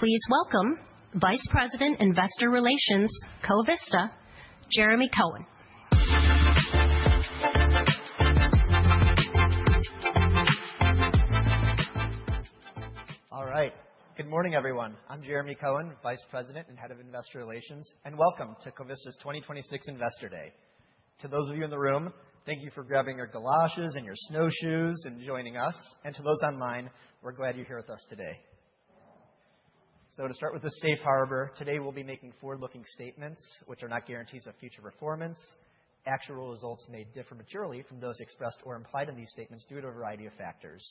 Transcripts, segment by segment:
Please welcome Vice President, Investor Relations, Covista, Jeremy Cohen. All right. Good morning, everyone. I'm Jeremy Cohen, Vice President and Head of Investor Relations, welcome to Covista's 2026 Investor Day. To those of you in the room, thank you for grabbing your galoshes and your snowshoes and joining us. To those online, we're glad you're here with us today. To start with the Safe Harbor, today, we'll be making forward-looking statements which are not guarantees of future performance. Actual results may differ materially from those expressed or implied in these statements due to a variety of factors,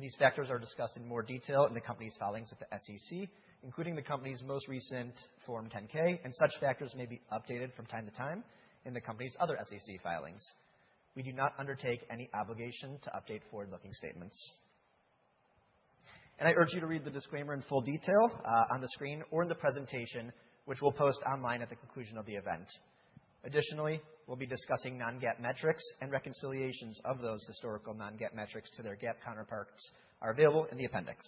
these factors are discussed in more detail in the company's filings with the SEC, including the company's most recent Form 10-K, such factors may be updated from time to time in the company's other SEC filings. We do not undertake any obligation to update forward-looking statements. I urge you to read the disclaimer in full detail on the screen or in the presentation, which we'll post online at the conclusion of the event. Additionally, we'll be discussing non-GAAP metrics and reconciliations of those historical non-GAAP metrics to their GAAP counterparts are available in the appendix.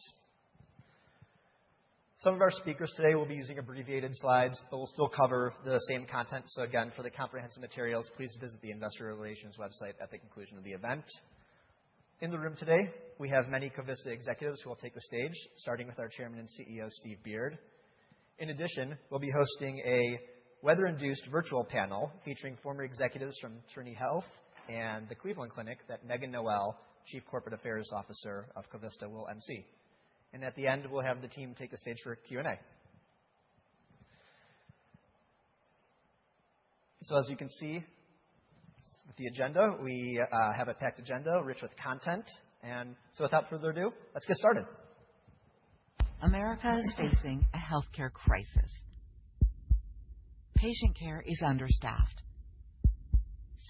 Some of our speakers today will be using abbreviated slides, but we'll still cover the same content. Again, for the comprehensive materials, please visit the Investor Relations website at the conclusion of the event. In the room today, we have many Covista executives who will take the stage, starting with our Chairman and CEO, Steve Beard. In addition, we'll be hosting a weather-induced virtual panel featuring former executives from Trinity Health and the Cleveland Clinic that Megan Noel, Chief Corporate Affairs Officer of Covista, will emcee. At the end, we'll have the team take the stage for a Q&A. As you can see, the agenda, we have a packed agenda rich with content, without further ado, let's get started. America is facing a healthcare crisis. Patient care is understaffed.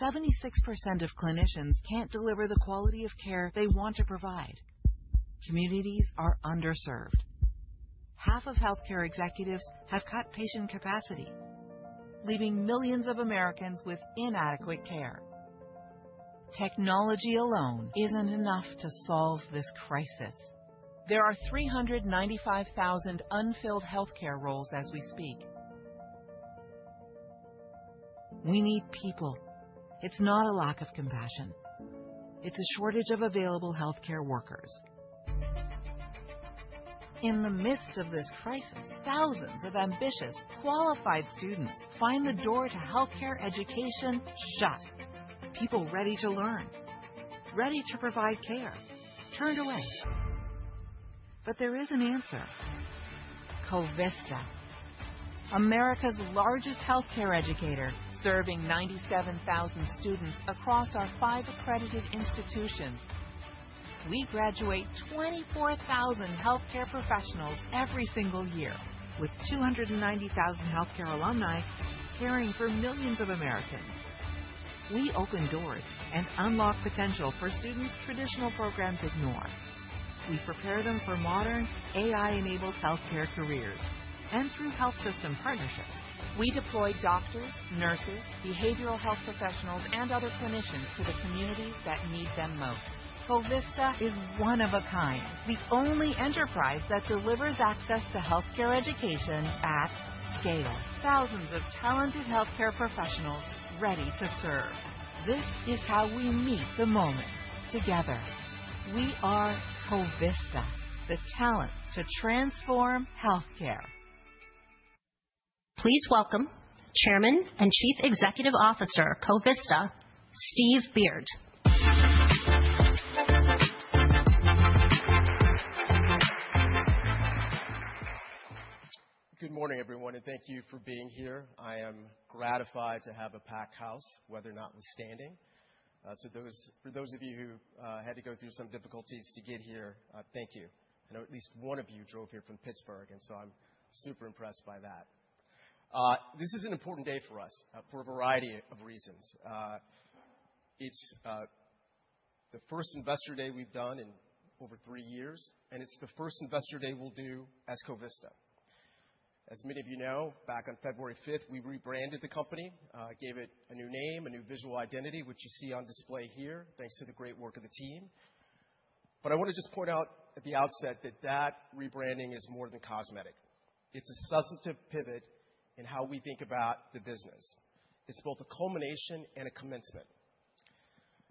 76% of clinicians can't deliver the quality of care they want to provide. Communities are underserved. Half of healthcare executives have cut patient capacity, leaving millions of Americans with inadequate care. Technology alone isn't enough to solve this crisis. There are 395,000 unfilled healthcare roles as we speak. We need people. It's not a lack of compassion. It's a shortage of available healthcare workers. In the midst of this crisis, thousands of ambitious, qualified students find the door to healthcare education shut. People ready to learn, ready to provide care, turned away. There is an answer. Covista, America's largest healthcare educator, serving 97,000 students across our five accredited institutions. We graduate 24,000 healthcare professionals every single year, with 290,000 healthcare alumni caring for millions of Americans. We open doors and unlock potential for students traditional programs ignore. We prepare them for modern, AI-enabled healthcare careers, and through health system partnerships, we deploy doctors, nurses, behavioral health professionals, and other clinicians to the communities that need them most. Covista is one of a kind, the only enterprise that delivers access to healthcare education at scale. Thousands of talented healthcare professionals ready to serve. This is how we meet the moment together. We are Covista, the talent to transform healthcare. Please welcome Chairman and Chief Executive Officer, Covista, Steve Beard. Good morning, everyone, thank you for being here. I am gratified to have a packed house, weather notwithstanding. For those of you who had to go through some difficulties to get here, thank you. I know at least 1 of you drove here from Pittsburgh, I'm super impressed by that. This is an important day for us for a variety of reasons. It's the 1st Investor Day we've done in over 3 years, it's the 1st Investor Day we'll do as Covista. As many of you know, back on February 5th, we rebranded the company, gave it a new name, a new visual identity, which you see on display here, thanks to the great work of the team. I want to just point out at the outset that that rebranding is more than cosmetic. It's a substantive pivot in how we think about the business. It's both a culmination and a commencement.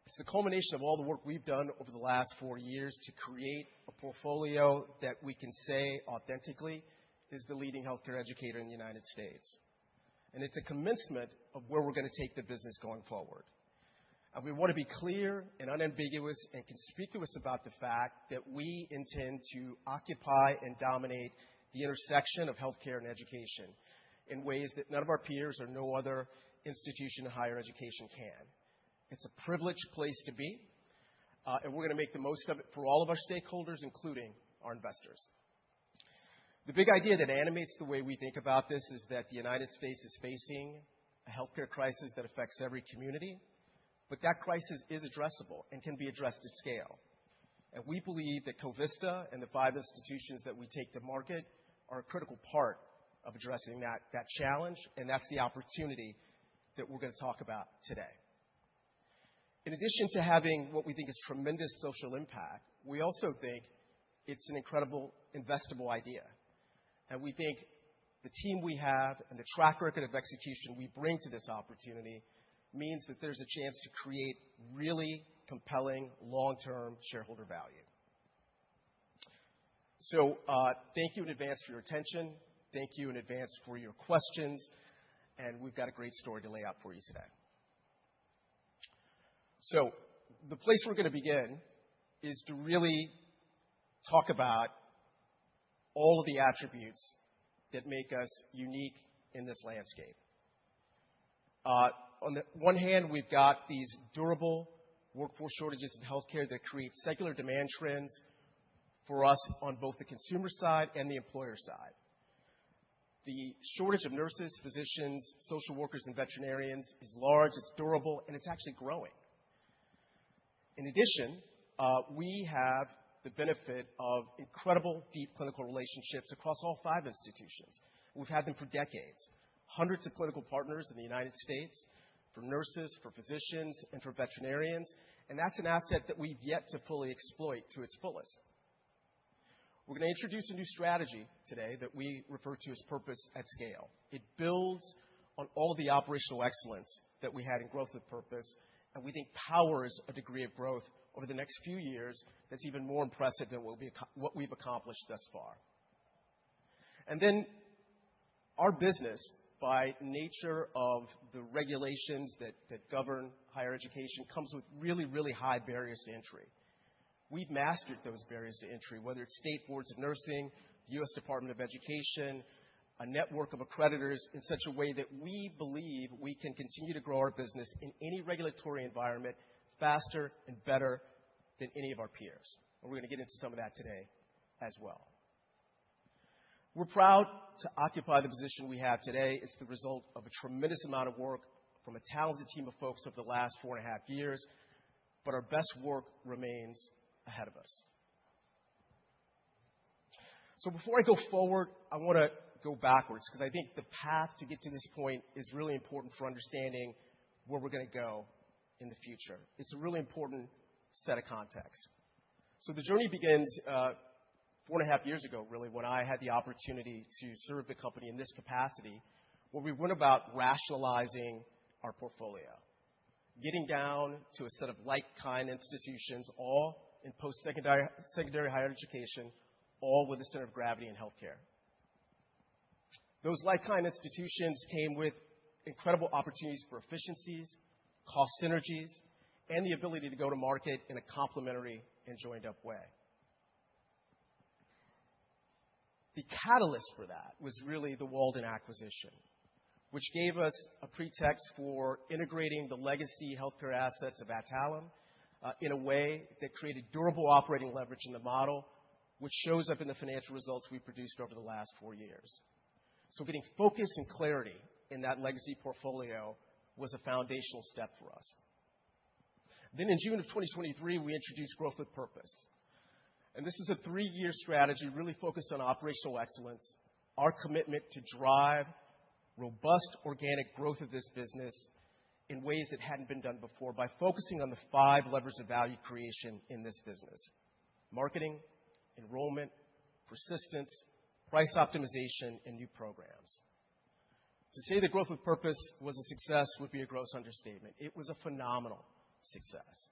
It's a culmination of all the work we've done over the last four years to create a portfolio that we can say authentically is the leading healthcare educator in the United States, and it's a commencement of where we're going to take the business going forward. We want to be clear and unambiguous and conspicuous about the fact that we intend to occupy and dominate the intersection of healthcare and education in ways that none of our peers or no other institution of higher education can. It's a privileged place to be, and we're going to make the most of it for all of our stakeholders, including our investors. The big idea that animates the way we think about this is that the United States is facing a healthcare crisis that affects every community, but that crisis is addressable and can be addressed to scale. We believe that Covista and the five institutions that we take to market are a critical part of addressing that challenge, and that's the opportunity that we're going to talk about today. In addition to having what we think is tremendous social impact, we also think it's an incredible investable idea. We think the team we have and the track record of execution we bring to this opportunity, means that there's a chance to create really compelling long-term shareholder value. Thank you in advance for your attention. Thank you in advance for your questions. We've got a great story to lay out for you today. The place we're gonna begin is to really talk about all of the attributes that make us unique in this landscape. On the one hand, we've got these durable workforce shortages in healthcare that create secular demand trends for us on both the consumer side and the employer side. The shortage of nurses, physicians, social workers, and veterinarians is large, it's durable, and it's actually growing. In addition, we have the benefit of incredible deep clinical relationships across all five institutions. We've had them for decades. Hundreds of clinical partners in the United States, for nurses, for physicians, and for veterinarians, and that's an asset that we've yet to fully exploit to its fullest. We're gonna introduce a new strategy today that we refer to as Purpose at Scale. It builds on all the operational excellence that we had in Growth with Purpose, and we think powers a degree of growth over the next few years that's even more impressive than what we've accomplished thus far. Our business, by nature of the regulations that govern higher education, comes with really, really high barriers to entry. We've mastered those barriers to entry, whether it's state boards of nursing, the U.S. Department of Education, a network of accreditors, in such a way that we believe we can continue to grow our business in any regulatory environment faster and better than any of our peers. We're gonna get into some of that today as well. We're proud to occupy the position we have today. It's the result of a tremendous amount of work from a talented team of folks over the last 4 and a half years, but our best work remains ahead of us. Before I go forward, I wanna go backwards, 'cause I think the path to get to this point is really important for understanding where we're gonna go in the future. It's a really important set of context. The journey begins, four and a half years ago, really, when I had the opportunity to serve the company in this capacity, where we went about rationalizing our portfolio. Getting down to a set of like-kind institutions, all in post-secondary, secondary higher education, all with a center of gravity in healthcare. Those like-kind institutions came with incredible opportunities for efficiencies, cost synergies, and the ability to go to market in a complementary and joined-up way. The catalyst for that was really the Walden acquisition, which gave us a pretext for integrating the legacy healthcare assets of Adtalem in a way that created durable operating leverage in the model, which shows up in the financial results we produced over the last four years. Getting focus and clarity in that legacy portfolio was a foundational step for us. In June of 2023, we introduced Growth with Purpose, and this is a three-year strategy really focused on operational excellence, our commitment to drive robust organic growth of this business in ways that hadn't been done before by focusing on the five levers of value creation in this business: marketing, enrollment, persistence, price optimization, and new programs. To say that Growth with Purpose was a success would be a gross understatement. It was a phenomenal success,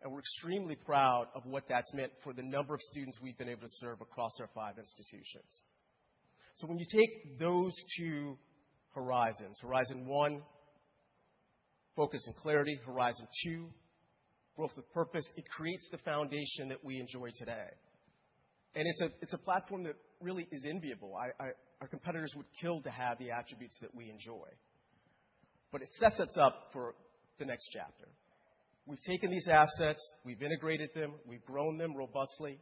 and we're extremely proud of what that's meant for the number of students we've been able to serve across our five institutions. When you take those two horizons, horizon one, focus and clarity, horizon two, Growth with Purpose, it creates the foundation that we enjoy today. It's a platform that really is enviable. Our competitors would kill to have the attributes that we enjoy. It sets us up for the next chapter. We've taken these assets, we've integrated them, we've grown them robustly,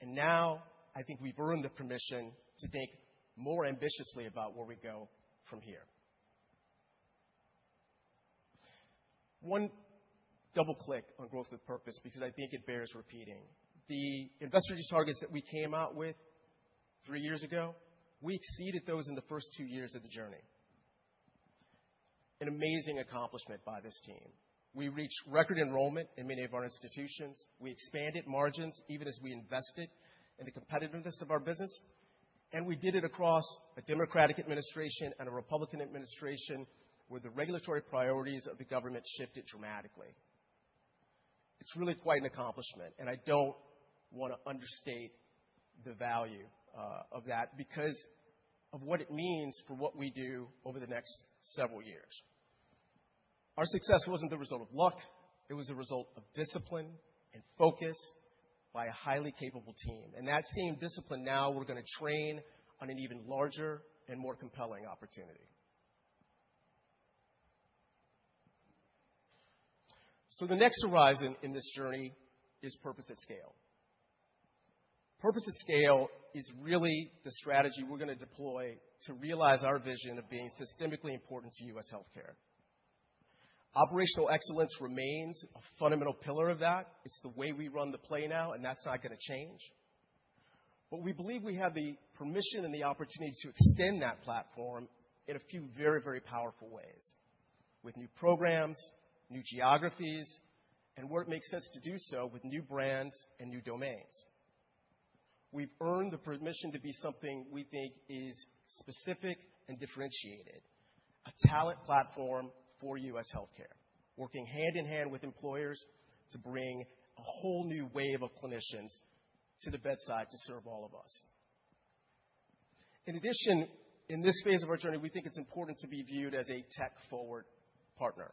and now I think we've earned the permission to think more ambitiously about where we go from here. One double click on Growth with Purpose, because I think it bears repeating. The investor targets that we came out with three years ago, we exceeded those in the first two years of the journey. An amazing accomplishment by this team. We reached record enrollment in many of our institutions. We expanded margins even as we invested in the competitiveness of our business, we did it across a Democratic administration and a Republican administration, where the regulatory priorities of the government shifted dramatically. It's really quite an accomplishment, I don't wanna understate the value of that, because of what it means for what we do over the next several years. Our success wasn't the result of luck, it was a result of discipline and focus by a highly capable team. That same discipline now we're gonna train on an even larger and more compelling opportunity. The next horizon in this journey is Purpose at Scale. Purpose at Scale is really the strategy we're gonna deploy to realize our vision of being systemically important to U.S. healthcare. Operational excellence remains a fundamental pillar of that. It's the way we run the play now, and that's not gonna change. We believe we have the permission and the opportunity to extend that platform in a few very, very powerful ways, with new programs, new geographies, and where it makes sense to do so, with new brands and new domains. We've earned the permission to be something we think is specific and differentiated, a talent platform for U.S. healthcare, working hand in hand with employers to bring a whole new wave of clinicians to the bedside to serve all of us. In addition, in this phase of our journey, we think it's important to be viewed as a tech-forward partner.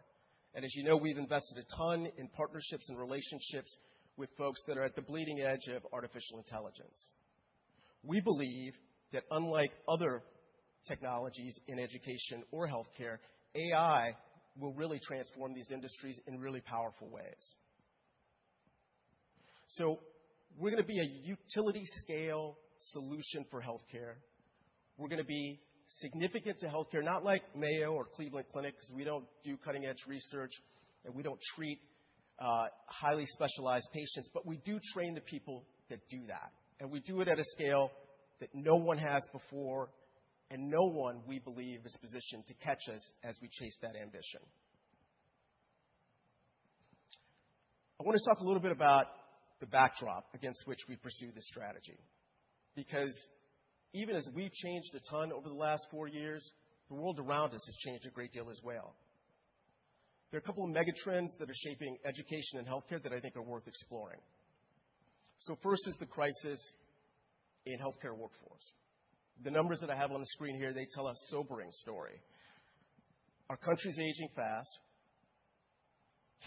As you know, we've invested a ton in partnerships and relationships with folks that are at the bleeding edge of artificial intelligence. We believe that unlike other technologies in education or healthcare, AI will really transform these industries in really powerful ways. We're gonna be a utility scale solution for healthcare. We're gonna be significant to healthcare, not like Mayo or Cleveland Clinic, because we don't do cutting-edge research, and we don't treat highly specialized patients, but we do train the people that do that, and we do it at a scale that no one has before, and no one, we believe, is positioned to catch us as we chase that ambition. I want to talk a little bit about the backdrop against which we pursue this strategy, because even as we've changed a ton over the last 4 years, the world around us has changed a great deal as well. There are a couple of mega trends that are shaping education and healthcare that I think are worth exploring. First is the crisis in healthcare workforce. The numbers that I have on the screen here, they tell a sobering story. Our country is aging fast,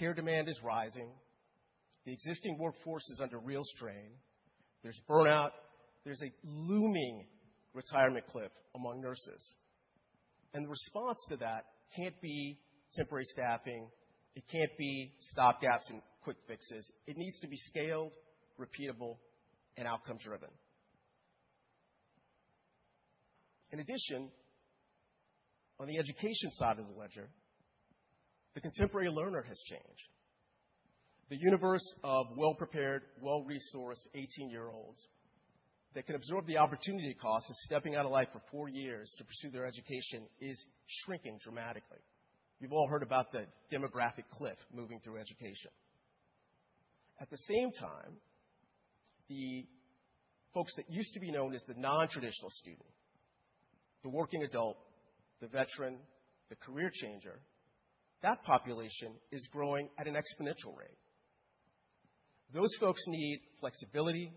care demand is rising, the existing workforce is under real strain, there's burnout, there's a looming retirement cliff among nurses. The response to that can't be temporary staffing, it can't be stopgaps and quick fixes. It needs to be scaled, repeatable and outcome-driven. In addition, on the education side of the ledger, the contemporary learner has changed. The universe of well-prepared, well-resourced 18-year-olds that can absorb the opportunity cost of stepping out of life for four years to pursue their education is shrinking dramatically. You've all heard about the demographic cliff moving through education. At the same time, the folks that used to be known as the nontraditional student, the working adult, the veteran, the career changer, that population is growing at an exponential rate. Those folks need flexibility,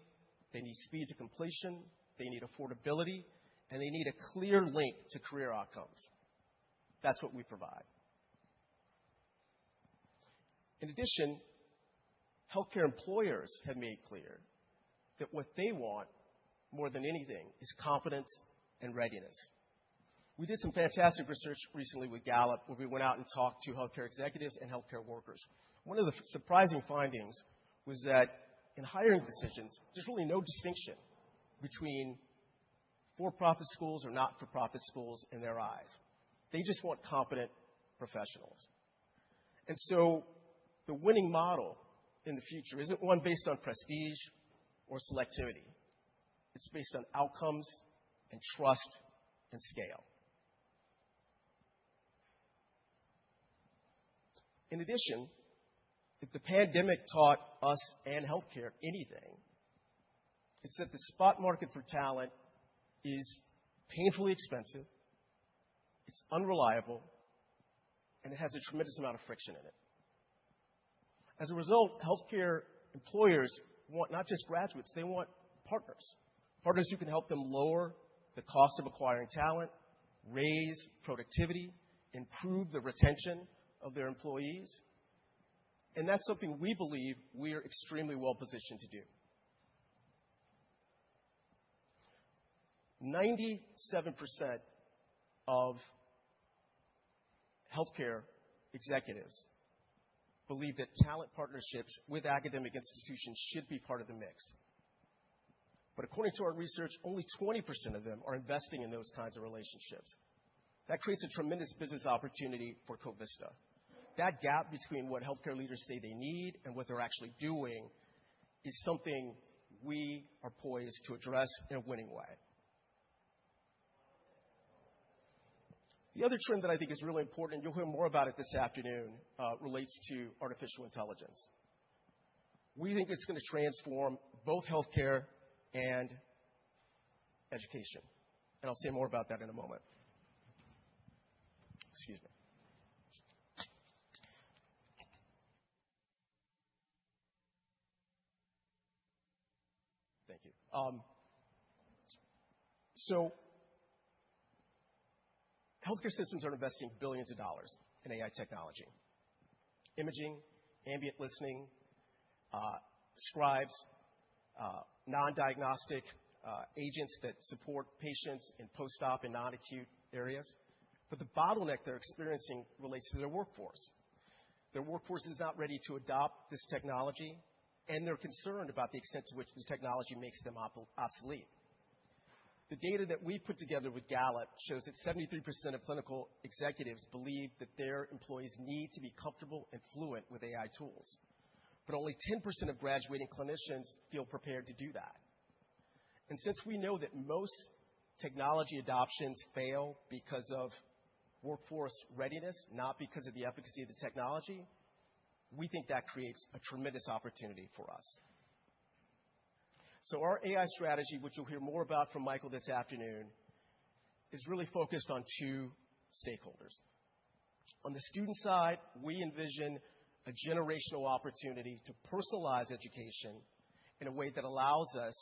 they need speed to completion, they need affordability, and they need a clear link to career outcomes. That's what we provide. In addition, healthcare employers have made clear that what they want more than anything is confidence and readiness. We did some fantastic research recently with Gallup, where we went out and talked to healthcare executives and healthcare workers. One of the surprising findings was that in hiring decisions, there's really no distinction between for-profit schools or not-for-profit schools in their eyes. They just want competent professionals. The winning model in the future isn't one based on prestige or selectivity, it's based on outcomes and trust and scale. In addition, if the pandemic taught us and healthcare anything, it's that the spot market for talent is painfully expensive, it's unreliable, and it has a tremendous amount of friction in it. As a result, healthcare employers want not just graduates, they want partners. Partners who can help them lower the cost of acquiring talent, raise productivity, improve the retention of their employees, and that's something we believe we are extremely well positioned to do. 97% of healthcare executives believe that talent partnerships with academic institutions should be part of the mix. According to our research, only 20% of them are investing in those kinds of relationships. That creates a tremendous business opportunity for Covista. That gap between what healthcare leaders say they need and what they're actually doing is something we are poised to address in a winning way. The other trend that I think is really important, and you'll hear more about it this afternoon, relates to artificial intelligence. We think it's going to transform both healthcare and education, and I'll say more about that in a moment. Excuse me. Thank you. Healthcare systems are investing billions of dollars in AI technology, imaging, ambient listening, scribes, non-diagnostic agents that support patients in post-op and non-acute areas. The bottleneck they're experiencing relates to their workforce. Their workforce is not ready to adopt this technology, and they're concerned about the extent to which this technology makes them obsolete. The data that we put together with Gallup shows that 73% of clinical executives believe that their employees need to be comfortable and fluent with AI tools, but only 10% of graduating clinicians feel prepared to do that. Since we know that most technology adoptions fail because of workforce readiness, not because of the efficacy of the technology, we think that creates a tremendous opportunity for us. Our AI strategy, which you'll hear more about from Michael this afternoon, is really focused on two stakeholders. On the student side, we envision a generational opportunity to personalize education in a way that allows us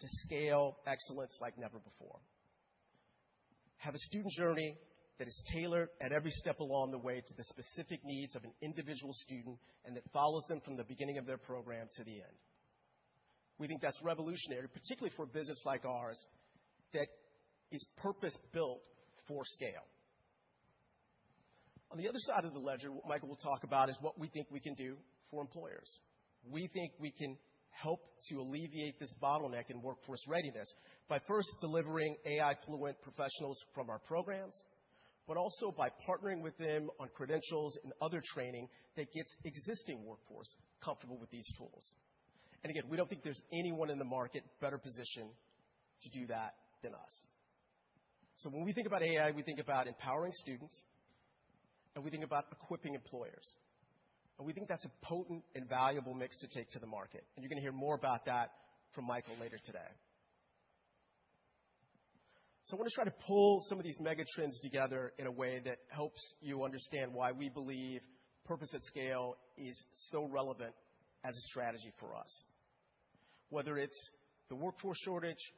to scale excellence like never before. Have a student journey that is tailored at every step along the way to the specific needs of an individual student, and that follows them from the beginning of their program to the end. We think that's revolutionary, particularly for a business like ours, that is purpose-built for scale. On the other side of the ledger, what Michael will talk about is what we think we can do for employers. We think we can help to alleviate this bottleneck in workforce readiness by first delivering AI fluent professionals from our programs, but also by partnering with them on credentials and other training that gets existing workforce comfortable with these tools. Again, we don't think there's anyone in the market better positioned to do that than us. When we think about AI, we think about empowering students, and we think about equipping employers. We think that's a potent and valuable mix to take to the market, and you're going to hear more about that from Michael later today. I want to try to pull some of these mega trends together in a way that helps you understand why we believe Purpose at Scale is so relevant as a strategy for us. Whether it's the workforce shortage,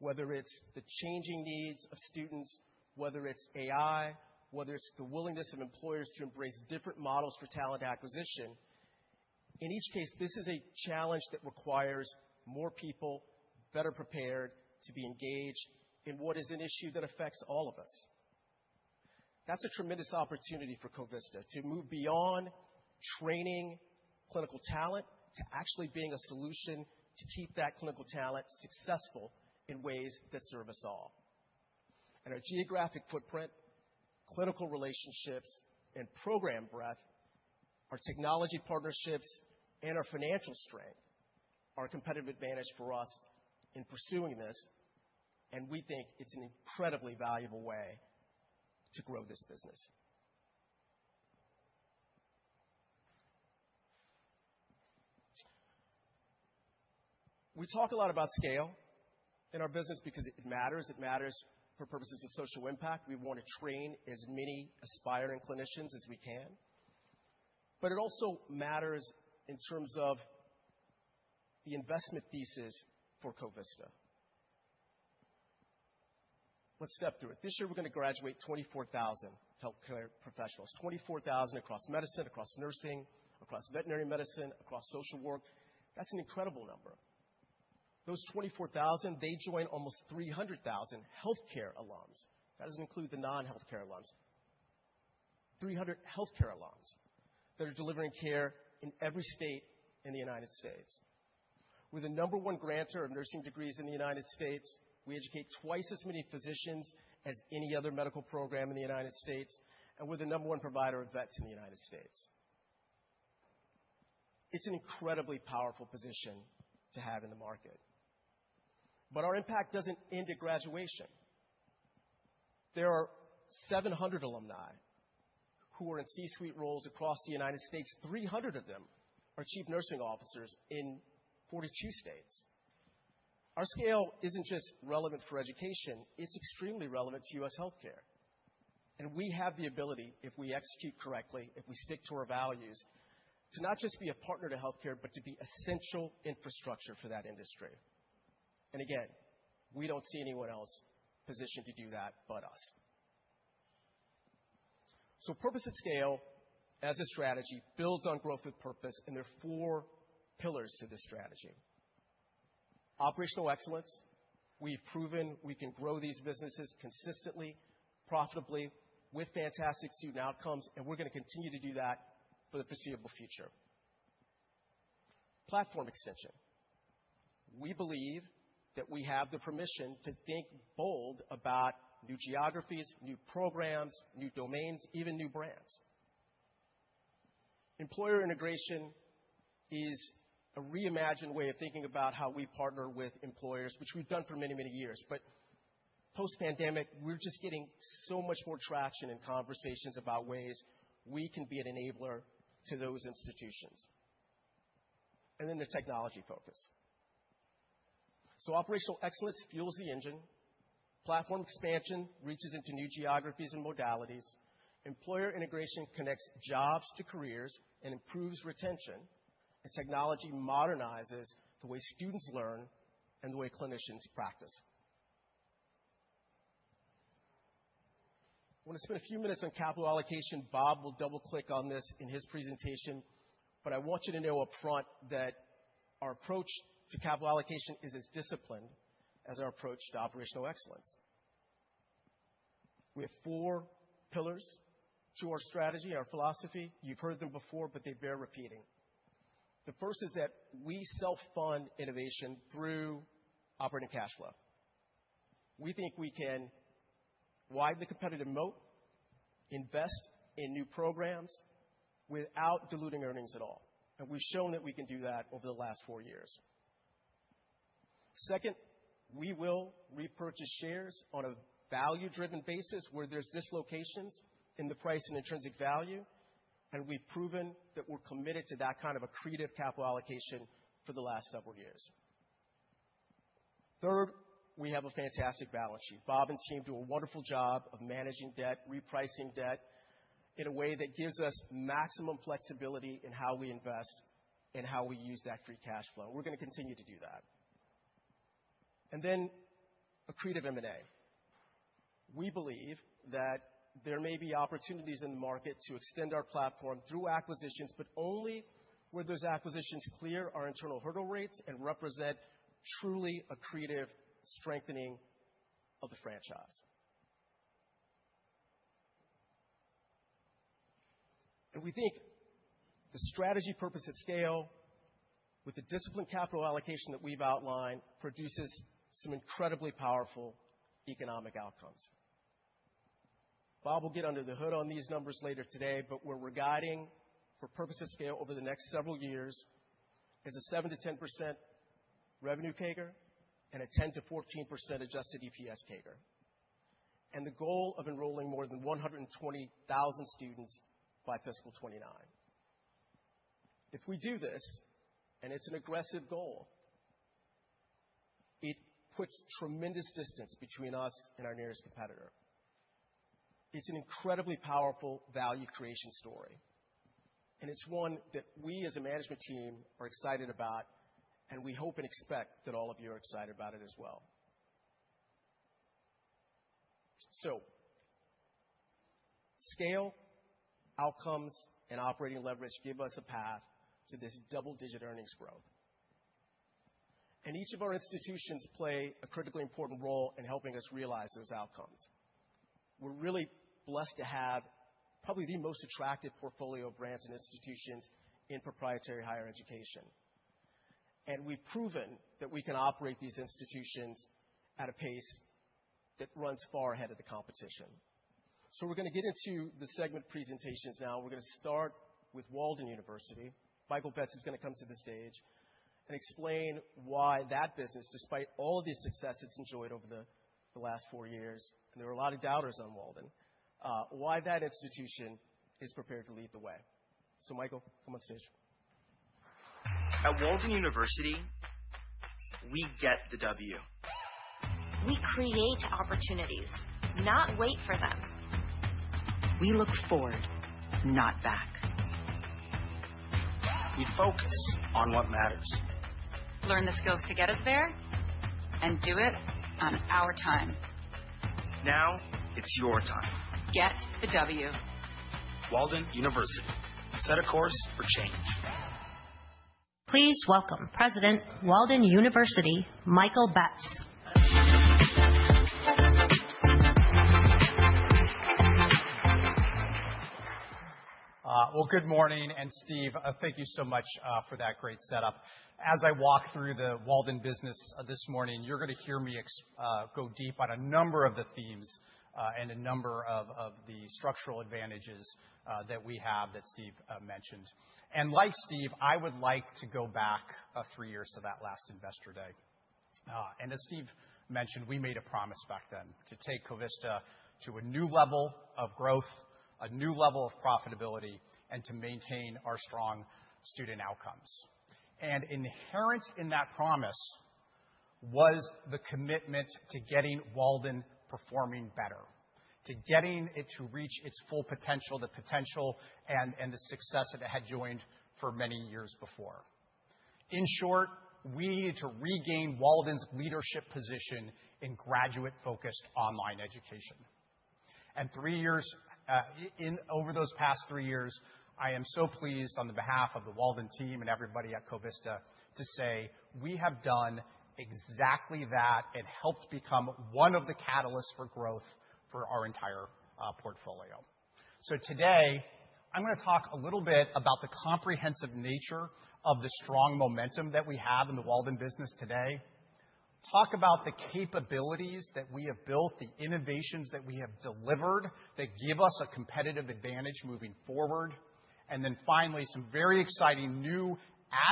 whether it's the changing needs of students, whether it's AI, whether it's the willingness of employers to embrace different models for talent acquisition. In each case, this is a challenge that requires more people, better prepared to be engaged in what is an issue that affects all of us. That's a tremendous opportunity for Covista to move beyond training clinical talent, to actually being a solution to keep that clinical talent successful in ways that serve us all. Our geographic footprint, clinical relationships and program breadth, our technology partnerships, and our financial strength, are a competitive advantage for us in pursuing this, and we think it's an incredibly valuable way to grow this business. We talk a lot about scale in our business because it matters. It matters for purposes of social impact. We want to train as many aspiring clinicians as we can, but it also matters in terms of the investment thesis for Covista. Let's step through it. This year, we're going to graduate 24,000 healthcare professionals. 24,000 across medicine, across nursing, across veterinary medicine, across social work. That's an incredible number. Those 24,000, they join almost 300,000 healthcare alums. That doesn't include the non-healthcare alums. 300 healthcare alums that are delivering care in every state in the United States. We're the number one granter of nursing degrees in the United States. We educate twice as many physicians as any other medical program in the United States, and we're the number one provider of vets in the United States. It's an incredibly powerful position to have in the market. Our impact doesn't end at graduation. There are 700 alumni who are in C-suite roles across the United States. 300 of them are chief nursing officers in 42 states. Our scale isn't just relevant for education, it's extremely relevant to U.S. healthcare. We have the ability, if we execute correctly, if we stick to our values, to not just be a partner to healthcare, but to be essential infrastructure for that industry. Again, we don't see anyone else positioned to do that but us. Purpose at Scale as a strategy builds on Growth with Purpose, and there are four pillars to this strategy. Operational excellence. We've proven we can grow these businesses consistently, profitably, with fantastic student outcomes, and we're going to continue to do that for the foreseeable future. Platform extension. We believe that we have the permission to think bold about new geographies, new programs, new domains, even new brands. Employer integration is a reimagined way of thinking about how we partner with employers, which we've done for many, many years. Post-pandemic, we're just getting so much more traction in conversations about ways we can be an enabler to those institutions. The technology focus. Operational excellence fuels the engine. Platform expansion reaches into new geographies and modalities. Employer integration connects jobs to careers and improves retention. Technology modernizes the way students learn and the way clinicians practice. I want to spend a few minutes on capital allocation. Bob will double-click on this in his presentation, but I want you to know upfront that our approach to capital allocation is as disciplined as our approach to operational excellence. We have four pillars to our strategy, our philosophy. They bear repeating. The first is that we self-fund innovation through operating cash flow. We think we can widen the competitive moat, invest in new programs without diluting earnings at all, and we've shown that we can do that over the last 4 years. Second, we will repurchase shares on a value-driven basis where there's dislocations in the price and intrinsic value, and we've proven that we're committed to that kind of accretive capital allocation for the last several years. Third, we have a fantastic balance sheet. Bob and team do a wonderful job of managing debt, repricing debt in a way that gives us maximum flexibility in how we invest and how we use that free cash flow. We're gonna continue to do that. Accretive M&A. We believe that there may be opportunities in the market to extend our platform through acquisitions, only where those acquisitions clear our internal hurdle rates and represent truly accretive strengthening of the franchise. We think the strategy Purpose at Scale with the disciplined capital allocation that we've outlined, produces some incredibly powerful economic outcomes. Bob will get under the hood on these numbers later today, where we're guiding for Purpose at Scale over the next several years is a 7%-10% revenue CAGR and a 10%-14% adjusted EPS CAGR, and the goal of enrolling more than 120,000 students by fiscal 2029. If we do this, it's an aggressive goal, it puts tremendous distance between us and our nearest competitor. It's an incredibly powerful value creation story. It's one that we, as a management team, are excited about, and we hope and expect that all of you are excited about it as well. Scale, outcomes, and operating leverage give us a path to this double-digit earnings growth. Each of our institutions play a critically important role in helping us realize those outcomes. We're really blessed to have probably the most attractive portfolio of brands and institutions in proprietary higher education. We've proven that we can operate these institutions at a pace that runs far ahead of the competition. We're gonna get into the segment presentations now. We're gonna start with Walden University. Michael Betz is gonna come to the stage and explain why that business, despite all the success it's enjoyed over the last four years, and there were a lot of doubters on Walden, why that institution is prepared to lead the way. Michael, come on stage. At Walden University, we Get the W. We create opportunities, not wait for them. We look forward, not back. We focus on what matters. Learn the skills to get us there and do it on our time. Now it's your time. Get the W. Walden University. Set a course for change. Please welcome President, Walden University, Michael Betz Well, good morning, Steve, thank you so much, for that great setup. As I walk through the Walden business, this morning, you're gonna hear me go deep on a number of the themes, and a number of the structural advantages, that we have that Steve, mentioned. Like Steve, I would like to go back, three years to that last investor day. As Steve mentioned, we made a promise back then to take Covista to a new level of growth, a new level of profitability, and to maintain our strong student outcomes. Inherent in that promise was the commitment to getting Walden performing better, to getting it to reach its full potential, the potential and the success that it had joined for many years before. In short, we needed to regain Walden's leadership position in graduate-focused online education. Over those past three years, I am so pleased on the behalf of the Walden team and everybody at Covista to say we have done exactly that and helped become one of the catalysts for growth for our entire portfolio. Today, I'm gonna talk a little bit about the comprehensive nature of the strong momentum that we have in the Walden business today, talk about the capabilities that we have built, the innovations that we have delivered that give us a competitive advantage moving forward, and then finally, some very exciting new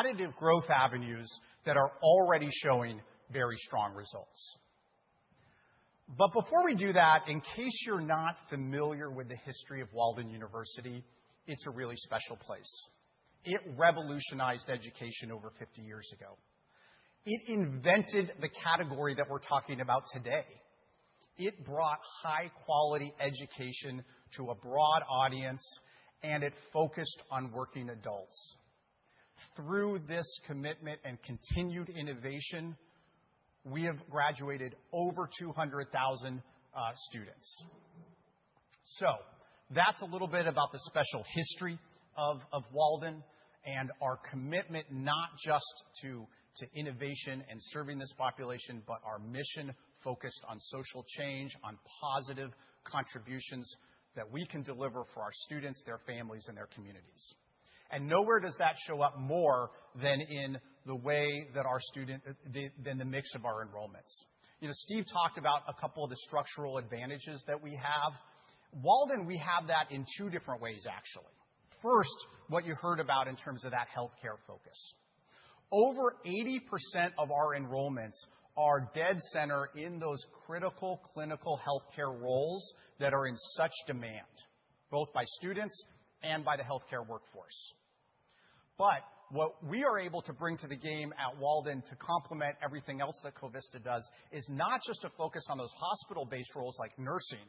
additive growth avenues that are already showing very strong results. Before we do that, in case you're not familiar with the history of Walden University, it's a really special place. It revolutionized education over 50 years ago. It invented the category that we're talking about today. It brought high-quality education to a broad audience, and it focused on working adults. Through this commitment and continued innovation, we have graduated over 200,000 students. That's a little bit about the special history of Walden and our commitment, not just to innovation and serving this population, but our mission focused on social change, on positive contributions that we can deliver for our students, their families, and their communities. Nowhere does that show up more than the mix of our enrollments. You know, Steve talked about a couple of the structural advantages that we have. Walden, we have that in two different ways, actually. First, what you heard about in terms of that healthcare focus. Over 80% of our enrollments are dead center in those critical clinical healthcare roles that are in such demand, both by students and by the healthcare workforce. What we are able to bring to the game at Walden to complement everything else that Covista does, is not just to focus on those hospital-based roles like nursing,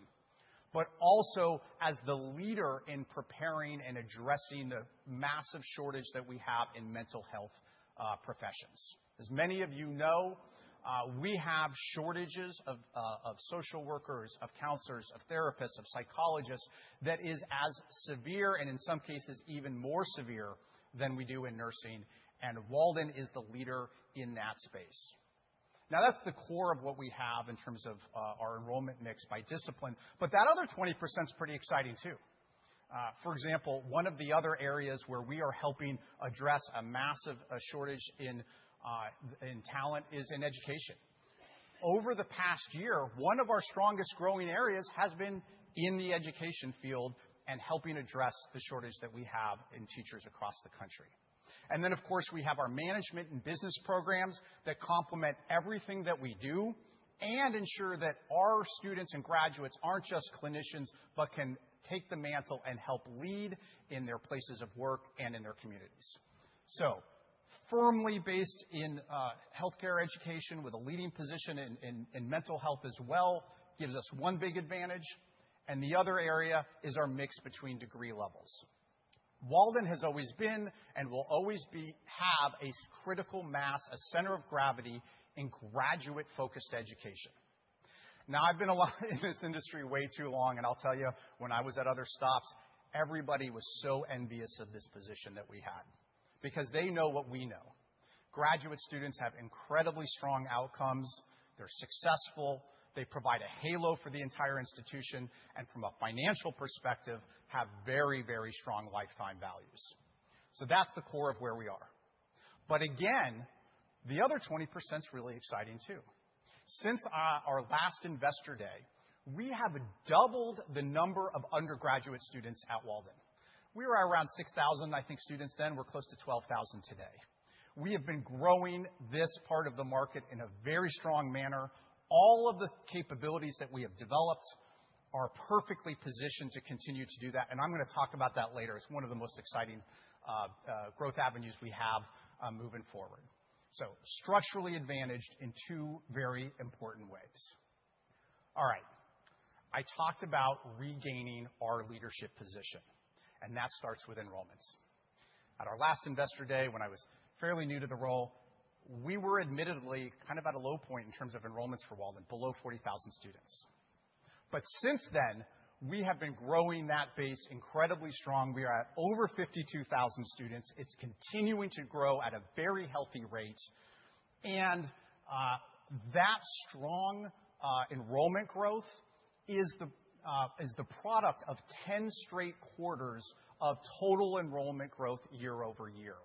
but also as the leader in preparing and addressing the massive shortage that we have in mental health professions. Many of you know, we have shortages of social workers, of counselors, of therapists, of psychologists, that is as severe, and in some cases even more severe, than we do in nursing, and Walden is the leader in that space. That's the core of what we have in terms of our enrollment mix by discipline, but that other 20% is pretty exciting, too. For example, one of the other areas where we are helping address a massive shortage in talent is in education. Over the past year, one of our strongest growing areas has been in the education field and helping address the shortage that we have in teachers across the country. Then, of course, we have our management and business programs that complement everything that we do and ensure that our students and graduates aren't just clinicians, but can take the mantle and help lead in their places of work and in their communities. Firmly based in healthcare education with a leading position in mental health as well, gives us one big advantage, and the other area is our mix between degree levels. Walden has always been and will always have a critical mass, a center of gravity in graduate-focused education. I've been alive in this industry way too long, and I'll tell you, when I was at other stops, everybody was so envious of this position that we had because they know what we know. Graduate students have incredibly strong outcomes, they're successful, they provide a halo for the entire institution, and from a financial perspective, have very, very strong lifetime values. That's the core of where we are. Again, the other 20% is really exciting, too. Since our last Investor Day, we have doubled the number of undergraduate students at Walden. We were around 6,000, I think, students then. We're close to 12,000 today. We have been growing this part of the market in a very strong manner. All of the capabilities that we have developed are perfectly positioned to continue to do that, and I'm going to talk about that later. It's one of the most exciting growth avenues we have moving forward. Structurally advantaged in two very important ways. I talked about regaining our leadership position, that starts with enrollments. At our last Investor Day, when I was fairly new to the role, we were admittedly kind of at a low point in terms of enrollments for Walden, below 40,000 students. Since then, we have been growing that base incredibly strong. We are at over 52,000 students. It's continuing to grow at a very healthy rate, that strong enrollment growth is the product of 10 straight quarters of total enrollment growth year-over-year.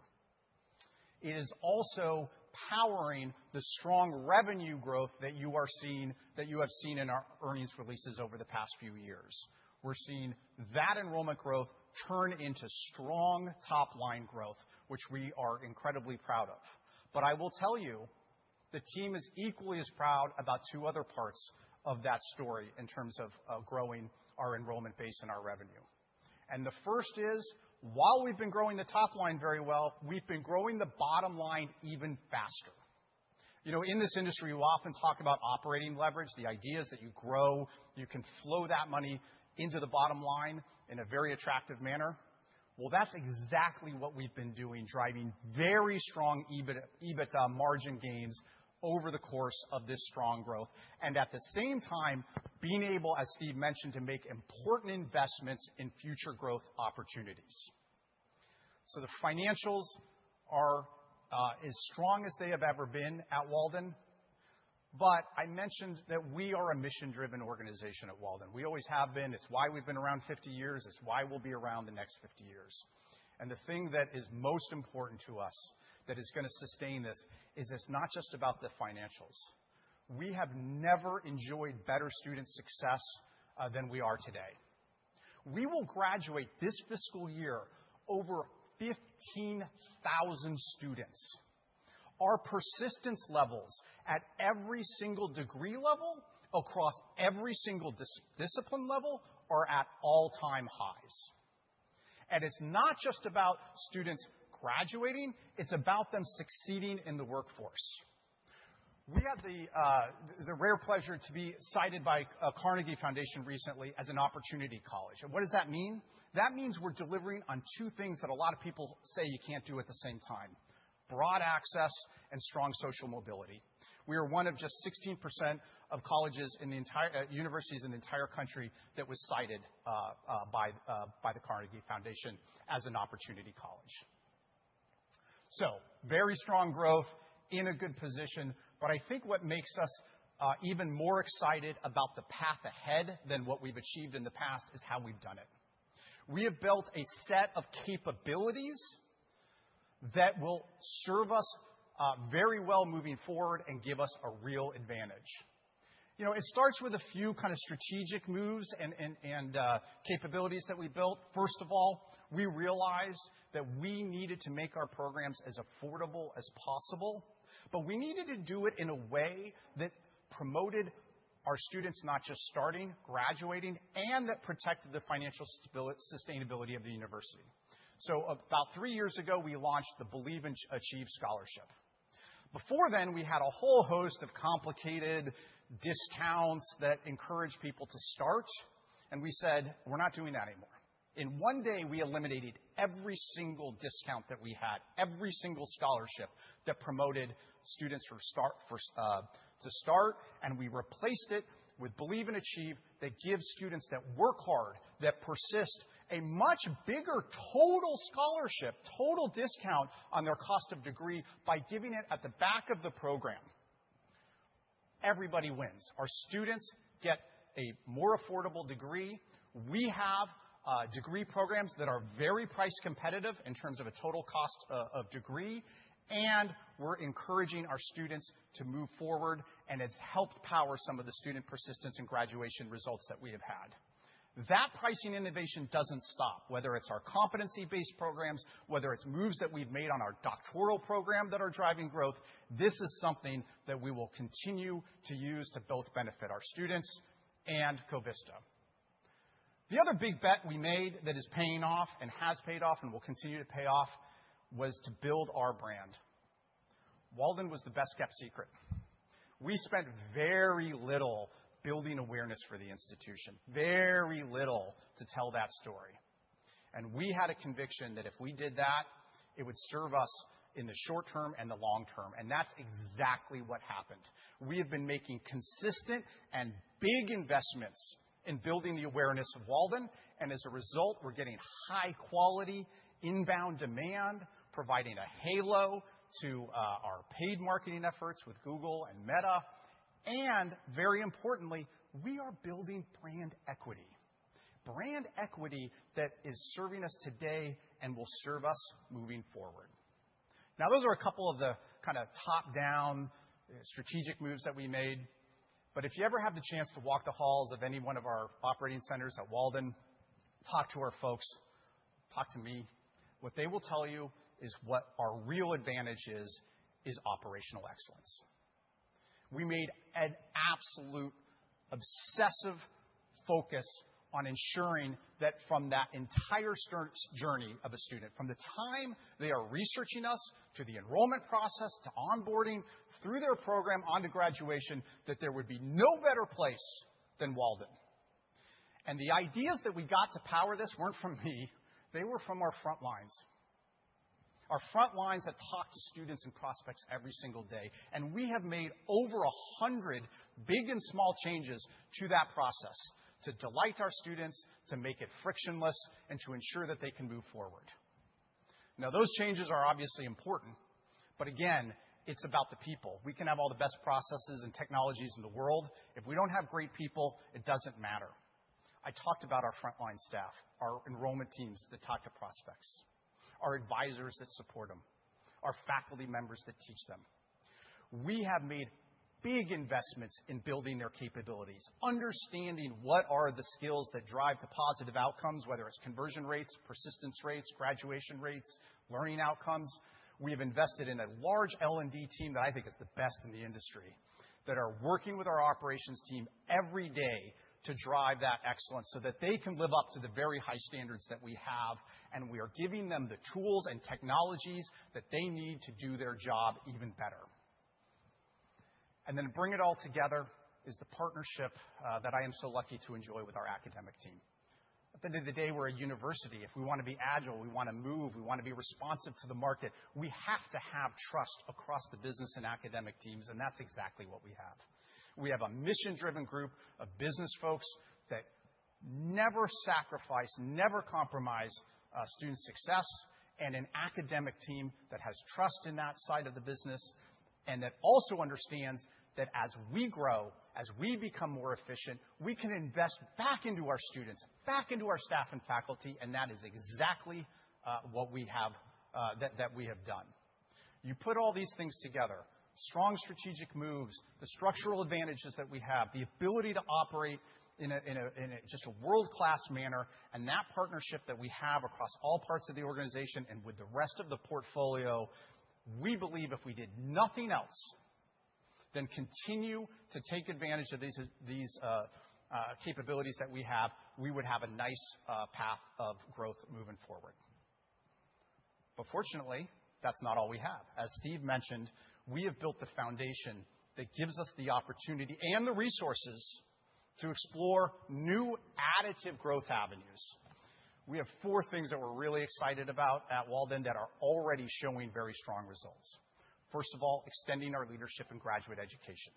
It is also powering the strong revenue growth that you have seen in our earnings releases over the past few years. We're seeing that enrollment growth turn into strong top-line growth, which we are incredibly proud of. I will tell you, the team is equally as proud about two other parts of that story in terms of growing our enrollment base and our revenue. The first is, while we've been growing the top line very well, we've been growing the bottom line even faster. You know, in this industry, we often talk about operating leverage, the ideas that you grow, you can flow that money into the bottom line in a very attractive manner. That's exactly what we've been doing, driving very strong EBITDA margin gains over the course of this strong growth, and at the same time, being able, as Steve mentioned, to make important investments in future growth opportunities. The financials are as strong as they have ever been at Walden University, but I mentioned that we are a mission-driven organization at Walden University. We always have been. It's why we've been around 50 years. It's why we'll be around the next 50 years. The thing that is most important to us, that is going to sustain this, is it's not just about the financials. We have never enjoyed better student success than we are today. We will graduate this fiscal year over 15,000 students. Our persistence levels at every single degree level, across every single discipline level are at all-time highs. It's not just about students graduating, it's about them succeeding in the workforce. We had the rare pleasure to be cited by Carnegie Foundation recently as an opportunity college. What does that mean? That means we're delivering on two things that a lot of people say you can't do at the same time, broad access and strong social mobility. We are one of just 16% of colleges in the entire universities in the entire country that was cited by the Carnegie Foundation as an opportunity college. Very strong growth, in a good position, but I think what makes us even more excited about the path ahead than what we've achieved in the past is how we've done it. We have built a set of capabilities that will serve us very well moving forward and give us a real advantage. You know, it starts with a few kind of strategic moves and capabilities that we built. We realized that we needed to make our programs as affordable as possible, but we needed to do it in a way that promoted our students, not just starting, graduating, and that protected the financial sustainability of the university. About 3 years ago, we launched the Believe and Achieve Scholarship. Before then, we had a whole host of complicated discounts that encouraged people to start. We said, "We're not doing that anymore." In 1 day, we eliminated every single discount that we had, every single scholarship that promoted students for start, for, to start, and we replaced it with Believe and Achieve, that gives students that work hard, that persist a much bigger total scholarship, total discount on their cost of degree by giving it at the back of the program. Everybody wins. Our students get a more affordable degree. We have degree programs that are very price competitive in terms of a total cost of degree, and we're encouraging our students to move forward, and it's helped power some of the student persistence and graduation results that we have had. That pricing innovation doesn't stop, whether it's our competency-based programs, whether it's moves that we've made on our doctoral program that are driving growth, this is something that we will continue to use to both benefit our students and Covista. The other big bet we made that is paying off and has paid off and will continue to pay off was to build our brand. Walden was the best-kept secret. We spent very little building awareness for the institution, very little to tell that story. We had a conviction that if we did that, it would serve us in the short term and the long term. That's exactly what happened. We have been making consistent and big investments in building the awareness of Walden. As a result, we're getting high quality, inbound demand, providing a halo to our paid marketing efforts with Google and Meta, and very importantly, we are building brand equity. Brand equity that is serving us today and will serve us moving forward. Those are a couple of the kind of top-down strategic moves that we made. If you ever have the chance to walk the halls of any one of our operating centers at Walden, talk to our folks, talk to me. What they will tell you is what our real advantage is operational excellence. We made an absolute obsessive focus on ensuring that from that entire journey of a student, from the time they are researching us, to the enrollment process, to onboarding through their program on to graduation, that there would be no better place than Walden. The ideas that we got to power this weren't from me, they were from our front lines. Our front lines that talk to students and prospects every single day, we have made over 100 big and small changes to that process to delight our students, to make it frictionless, and to ensure that they can move forward. Those changes are obviously important, again, it's about the people. We can have all the best processes and technologies in the world. If we don't have great people, it doesn't matter. I talked about our frontline staff, our enrollment teams that talk to prospects, our advisors that support them, our faculty members that teach them. We have made big investments in building their capabilities, understanding what are the skills that drive the positive outcomes, whether it's conversion rates, persistence rates, graduation rates, learning outcomes. We have invested in a large L&D team that I think is the best in the industry, that are working with our operations team every day to drive that excellence so that they can live up to the very high standards that we have, and we are giving them the tools and technologies that they need to do their job even better. Then bring it all together is the partnership that I am so lucky to enjoy with our academic team. At the end of the day, we're a university. If we want to be agile, we want to move, we want to be responsive to the market, we have to have trust across the business and academic teams, and that's exactly what we have. We have a mission-driven group of business folks that never sacrifice, never compromise, student success, and an academic team that has trust in that side of the business, and that also understands that as we grow, as we become more efficient, we can invest back into our students, back into our staff and faculty, and that is exactly what we have that we have done. You put all these things together, strong strategic moves, the structural advantages that we have, the ability to operate in a just a world-class manner, and that partnership that we have across all parts of the organization and with the rest of the portfolio, we believe if we did nothing else, then continue to take advantage of these capabilities that we have, we would have a nice path of growth moving forward. Fortunately, that's not all we have. As Steve mentioned, we have built the foundation that gives us the opportunity and the resources to explore new additive growth avenues. We have four things that we're really excited about at Walden that are already showing very strong results. First of all, extending our leadership in graduate education....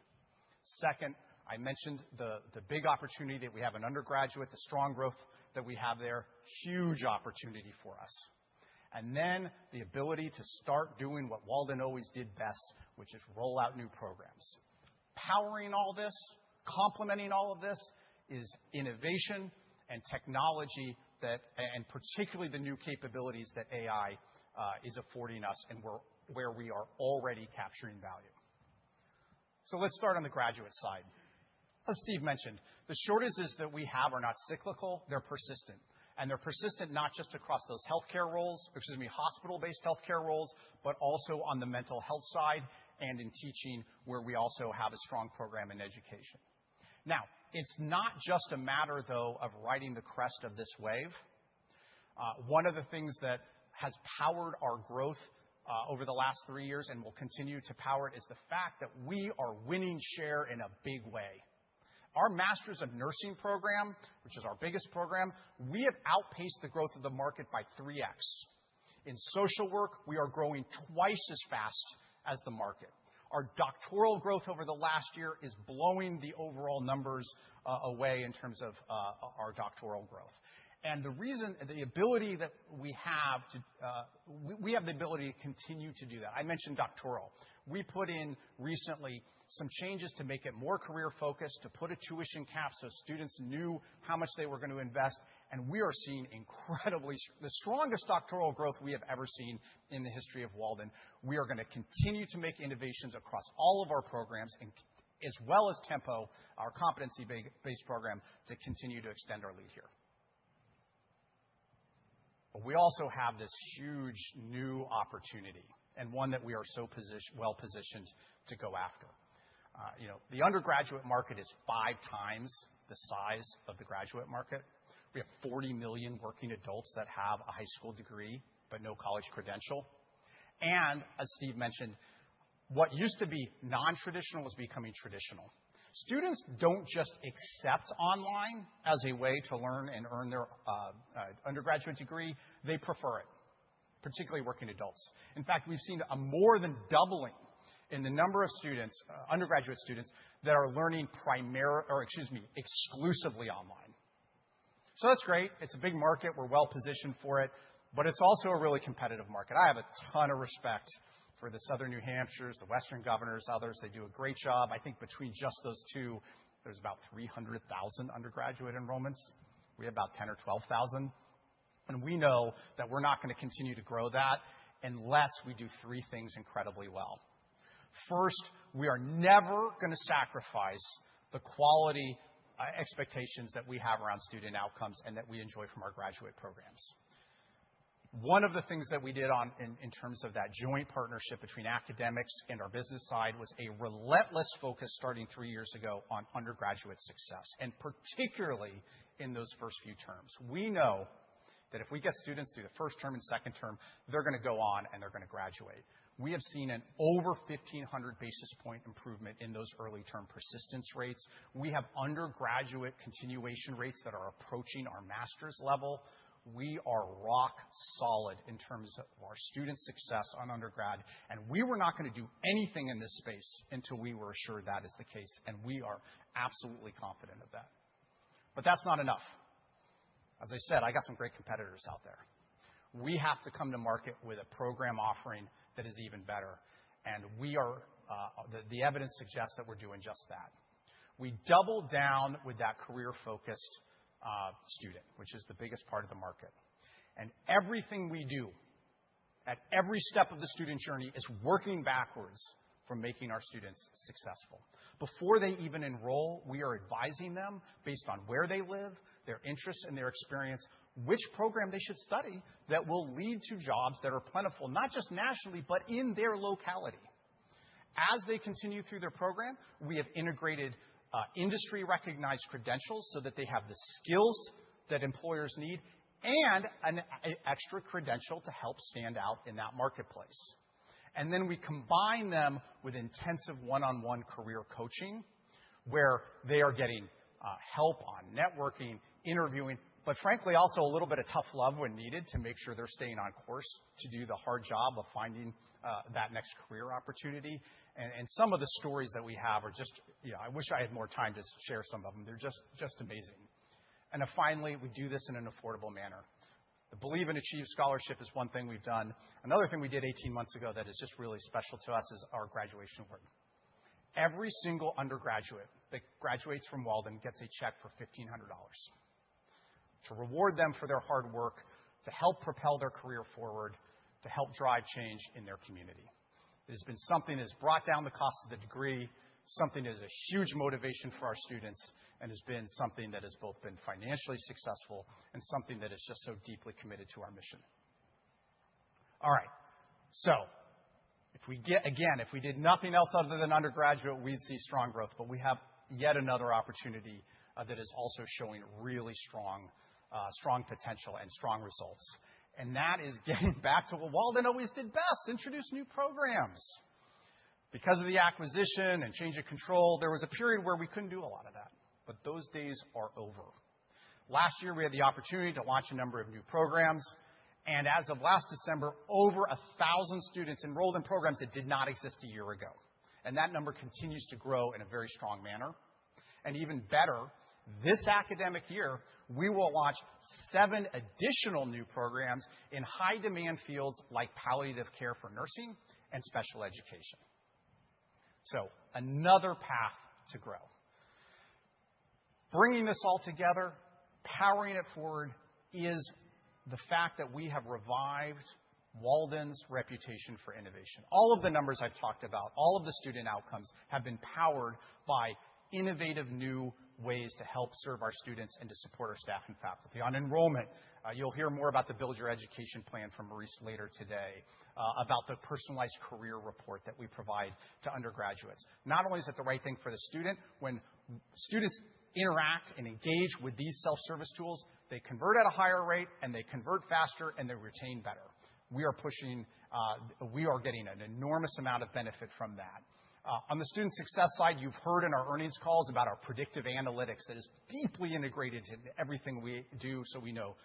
Second, I mentioned the big opportunity that we have in undergraduate, the strong growth that we have there, huge opportunity for us. The ability to start doing what Walden always did best, which is roll out new programs. Powering all this, complementing all of this, is innovation and technology that particularly the new capabilities that AI is affording us, where we are already capturing value. Let's start on the graduate side. As Steve mentioned, the shortages that we have are not cyclical, they're persistent, and they're persistent not just across those healthcare roles, excuse me, hospital-based healthcare roles, but also on the mental health side and in teaching, where we also have a strong program in education. It's not just a matter, though, of riding the crest of this wave. One of the things that has powered our growth over the last three years and will continue to power it, is the fact that we are winning share in a big way. Our Masters of Nursing program, which is our biggest program, we have outpaced the growth of the market by 3x. In social work, we are growing 2x as fast as the market. Our doctoral growth over the last year is blowing the overall numbers away in terms of our doctoral growth. The reason, the ability that we have to... We have the ability to continue to do that. I mentioned doctoral. We put in recently some changes to make it more career-focused, to put a tuition cap so students knew how much they were going to invest. We are seeing incredibly the strongest doctoral growth we have ever seen in the history of Walden. We are going to continue to make innovations across all of our programs, as well as Tempo, our competency-based program, to continue to extend our lead here. We also have this huge new opportunity and one that we are so well positioned to go after. You know, the undergraduate market is five times the size of the graduate market. We have 40 million working adults that have a high school degree, but no college credential. As Steve mentioned, what used to be nontraditional is becoming traditional. Students don't just accept online as a way to learn and earn their undergraduate degree, they prefer it, particularly working adults. In fact, we've seen a more than doubling in the number of students, undergraduate students, that are learning primarily or, excuse me, exclusively online. That's great. It's a big market, we're well positioned for it, but it's also a really competitive market. I have a ton of respect for the Southern New Hampshire, the Western Governors, others, they do a great job. I think between just those two, there's about 300,000 undergraduate enrollments. We have about 10,000 or 12,000, and we know that we're not going to continue to grow that unless we do three things incredibly well. First, we are never going to sacrifice the quality expectations that we have around student outcomes and that we enjoy from our graduate programs. One of the things that we did In terms of that joint partnership between academics and our business side, was a relentless focus, starting three years ago, on undergraduate success, and particularly in those first few terms. We know that if we get students through the first term and second term, they're going to go on, and they're going to graduate. We have seen an over 1,500 basis point improvement in those early term persistence rates. We have undergraduate continuation rates that are approaching our master's level. We are rock solid in terms of our student success on undergrad, and we were not going to do anything in this space until we were assured that is the case, and we are absolutely confident of that. That's not enough. As I said, I got some great competitors out there. We have to come to market with a program offering that is even better, and we are. The evidence suggests that we're doing just that. We doubled down with that career-focused student, which is the biggest part of the market, and everything we do at every step of the student journey is working backwards from making our students successful. Before they even enroll, we are advising them based on where they live, their interests, and their experience, which program they should study that will lead to jobs that are plentiful, not just nationally, but in their locality. As they continue through their program, we have integrated industry-recognized credentials so that they have the skills that employers need and an extra credential to help stand out in that marketplace. We combine them with intensive one-on-one career coaching, where they are getting help on networking, interviewing, but frankly, also a little bit of tough love when needed to make sure they're staying on course to do the hard job of finding that next career opportunity. Some of the stories that we have are just. You know, I wish I had more time to share some of them. They're just amazing. Finally, we do this in an affordable manner. The Believe and Achieve Scholarship is one thing we've done. Another thing we did 18 months ago that is just really special to us is our Graduation Award. Every single undergraduate that graduates from Walden gets a check for $1,500 to reward them for their hard work, to help propel their career forward, to help drive change in their community. It has been something that has brought down the cost of the degree, something that is a huge motivation for our students, and has been something that has both been financially successful and something that is just so deeply committed to our mission. All right, if we get. If we did nothing else other than undergraduate, we'd see strong growth, but we have yet another opportunity that is also showing really strong potential and strong results, and that is getting back to what Walden always did best, introduce new programs. Because of the acquisition and change of control, there was a period where we couldn't do a lot of that. Those days are over. Last year, we had the opportunity to launch a number of new programs, as of last December, over 1,000 students enrolled in programs that did not exist a year ago. That number continues to grow in a very strong manner. Even better, this academic year, we will launch seven additional new programs in high-demand fields like palliative care for nursing and special education. Another path to grow. Bringing this all together, powering it forward, is the fact that we have revived Walden's reputation for innovation. All of the numbers I've talked about, all of the student outcomes, have been powered by innovative new ways to help serve our students and to support our staff and faculty. On enrollment, you'll hear more about the Build Your Education Plan from Maurice later today, about the personalized career report that we provide to undergraduates. Not only is it the right thing for the student, when students interact and engage with these self-service tools, they convert at a higher rate, and they convert faster, and they retain better. We are getting an enormous amount of benefit from that. On the student success side, you've heard in our earnings calls about our predictive analytics that is deeply integrated into everything we do, so we know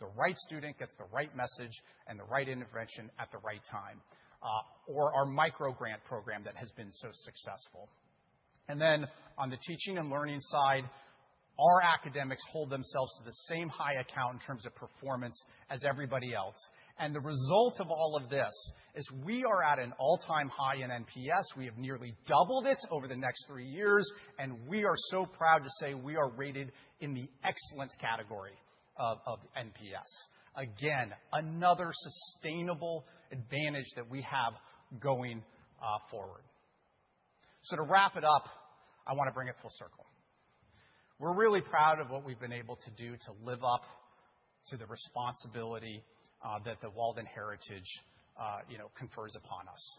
the right student gets the right message and the right intervention at the right time, or our micro-grant program that has been so successful. Then on the teaching and learning side, our academics hold themselves to the same high account in terms of performance as everybody else. The result of all of this is we are at an all-time high in NPS. We have nearly doubled it over the next three years, and we are so proud to say we are rated in the excellent category of NPS. Again, another sustainable advantage that we have going forward. To wrap it up, I want to bring it full circle. We're really proud of what we've been able to do to live up to the responsibility that the Walden heritage, you know, confers upon us.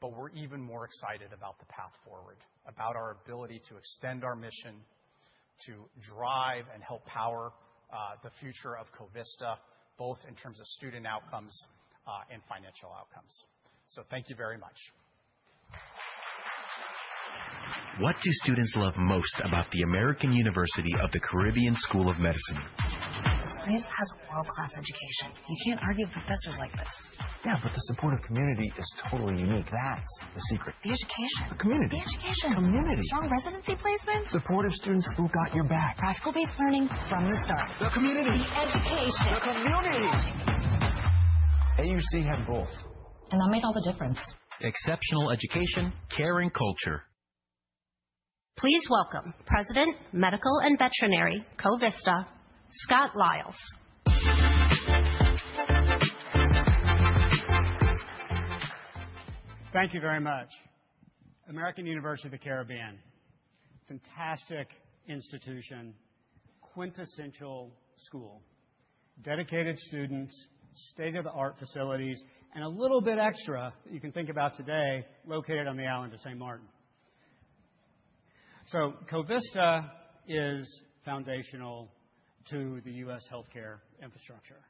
We're even more excited about the path forward, about our ability to extend our mission, to drive and help power the future of Covista, both in terms of student outcomes and financial outcomes. Thank you very much. What do students love most about the American University of the Caribbean School of Medicine? This place has a world-class education. You can't argue with professors like this. The supportive community is totally unique. That's the secret. The education. The community. The education. Community. Strong residency placement. Supportive students who got your back. Practical-based learning from the start. The community. The education. The community! AUC had both. That made all the difference. Exceptional education, care, and culture. Please welcome President, Medical and Veterinary, Covista, Scott Liles. Thank you very much. American University of the Caribbean, fantastic institution, quintessential school, dedicated students, state-of-the-art facilities, and a little bit extra that you can think about today, located on the island of Saint Martin. Covista is foundational to the U.S. healthcare infrastructure,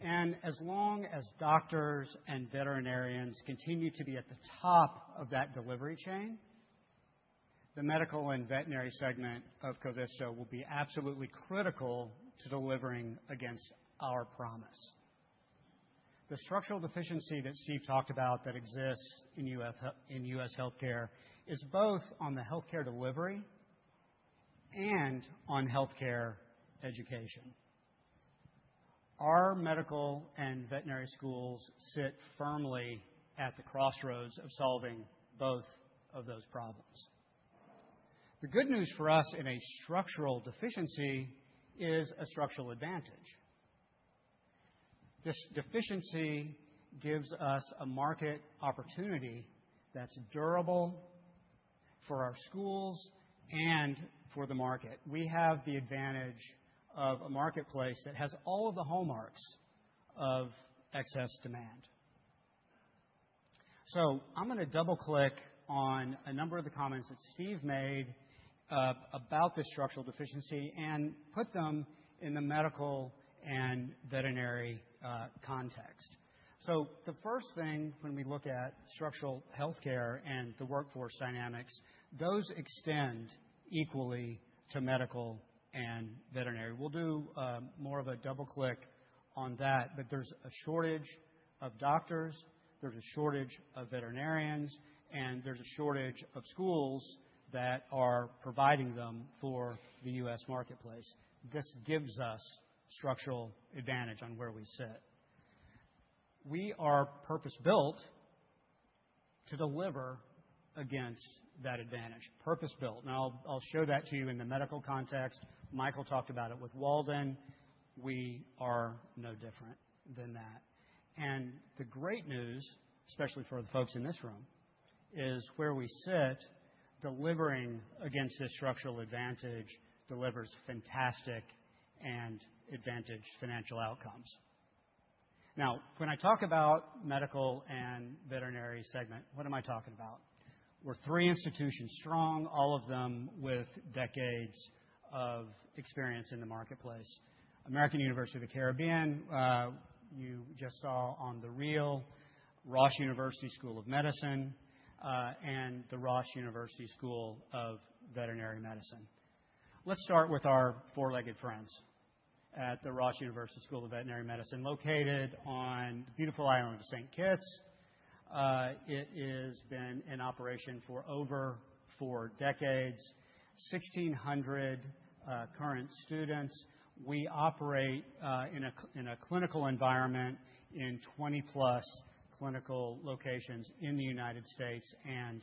and as long as doctors and veterinarians continue to be at the top of that delivery chain, the medical and veterinary segment of Covista will be absolutely critical to delivering against our promise. The structural deficiency that Steve talked about that exists in U.S. healthcare is both on the healthcare delivery and on healthcare education. Our medical and veterinary schools sit firmly at the crossroads of solving both of those problems. The good news for us in a structural deficiency is a structural advantage. This deficiency gives us a market opportunity that's durable for our schools and for the market. We have the advantage of a marketplace that has all of the hallmarks of excess demand. I'm going to double-click on a number of the comments that Steve made about this structural deficiency and put them in the medical and veterinary context. The first thing, when we look at structural healthcare and the workforce dynamics, those extend equally to medical and veterinary. We'll do more of a double-click on that, but there's a shortage of doctors, there's a shortage of veterinarians, and there's a shortage of schools that are providing them for the U.S. marketplace. This gives us structural advantage on where we sit. We are purpose-built to deliver against that advantage. Purpose-built, I'll show that to you in the medical context. Michael talked about it with Walden. We are no different than that. The great news, especially for the folks in this room, is where we sit, delivering against this structural advantage, delivers fantastic and advantage financial outcomes. When I talk about medical and veterinary segment, what am I talking about? We're three institutions strong, all of them with decades of experience in the marketplace. American University of the Caribbean, you just saw on the reel, Ross University School of Medicine, and the Ross University School of Veterinary Medicine. Let's start with our four-legged friends at the Ross University School of Veterinary Medicine, located on the beautiful island of St. Kitts. It is been in operation for over four decades, 1,600 current students. We operate in a clinical environment in 20-plus clinical locations in the United States and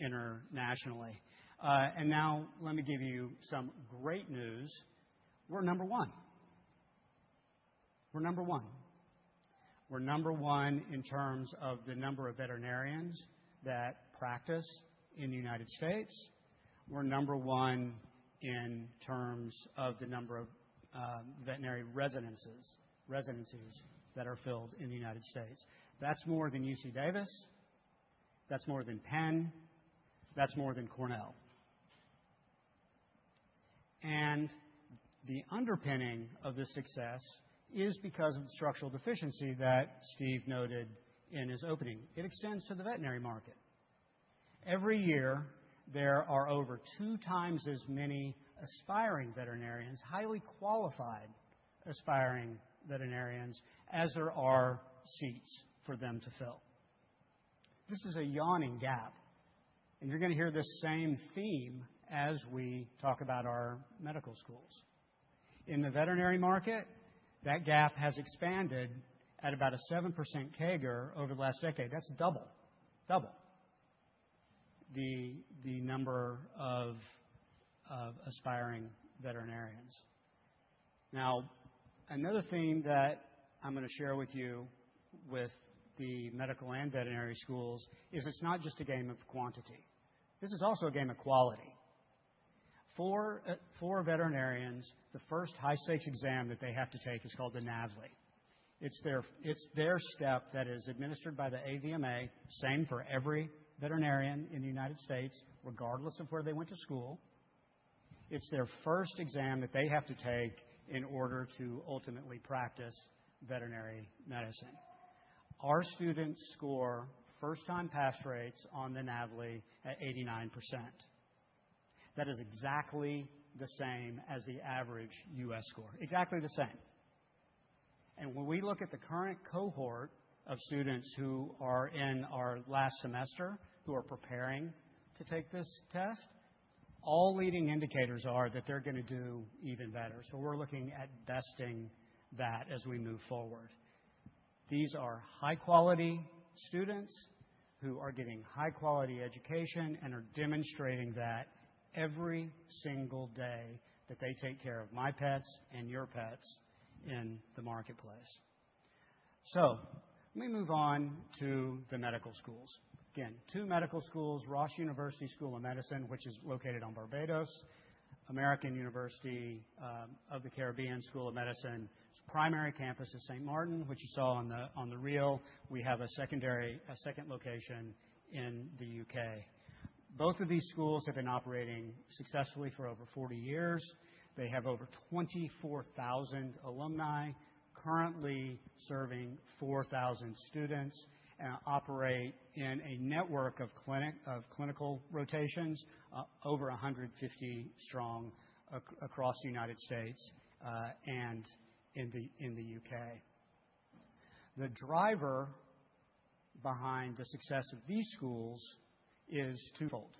internationally. Now let me give you some great news. We're number one. We're number one. We're number one in terms of the number of veterinarians that practice in the United States. We're number one in terms of the number of veterinary residencies that are filled in the United States. That's more than UC Davis, that's more than Penn, that's more than Cornell. The underpinning of this success is because of the structural deficiency that Steve noted in his opening. It extends to the veterinary market. Every year, there are over 2 times as many aspiring veterinarians, highly qualified aspiring veterinarians, as there are seats for them to fill. This is a yawning gap. You're gonna hear this same theme as we talk about our medical schools. In the veterinary market, that gap has expanded at about a 7% CAGR over the last decade. That's double the number of aspiring veterinarians. Another theme that I'm gonna share with you, with the medical and veterinary schools, is it's not just a game of quantity. This is also a game of quality. For veterinarians, the first high-stakes exam that they have to take is called the NAVLE. It's their step that is administered by the AVMA, same for every veterinarian in the United States, regardless of where they went to school. It's their first exam that they have to take in order to ultimately practice veterinary medicine. Our students score first-time pass rates on the NAVLE at 89%. That is exactly the same as the average U.S. score, exactly the same. When we look at the current cohort of students who are in our last semester, who are preparing to take this test, all leading indicators are that they're gonna do even better. We're looking at besting that as we move forward. These are high-quality students who are getting high-quality education and are demonstrating that every single day that they take care of my pets and your pets in the marketplace. Let me move on to the medical schools. Again, 2 medical schools, Ross University School of Medicine, which is located on Barbados, American University of the Caribbean School of Medicine. Its primary campus is St. Martin, which you saw on the reel. We have a second location in the U.K. Both of these schools have been operating successfully for over 40 years. They have over 24,000 alumni, currently serving 4,000 students and operate in a network of clinical rotations over 150 strong across the United States and in the U.K. The driver behind the success of these schools is twofold.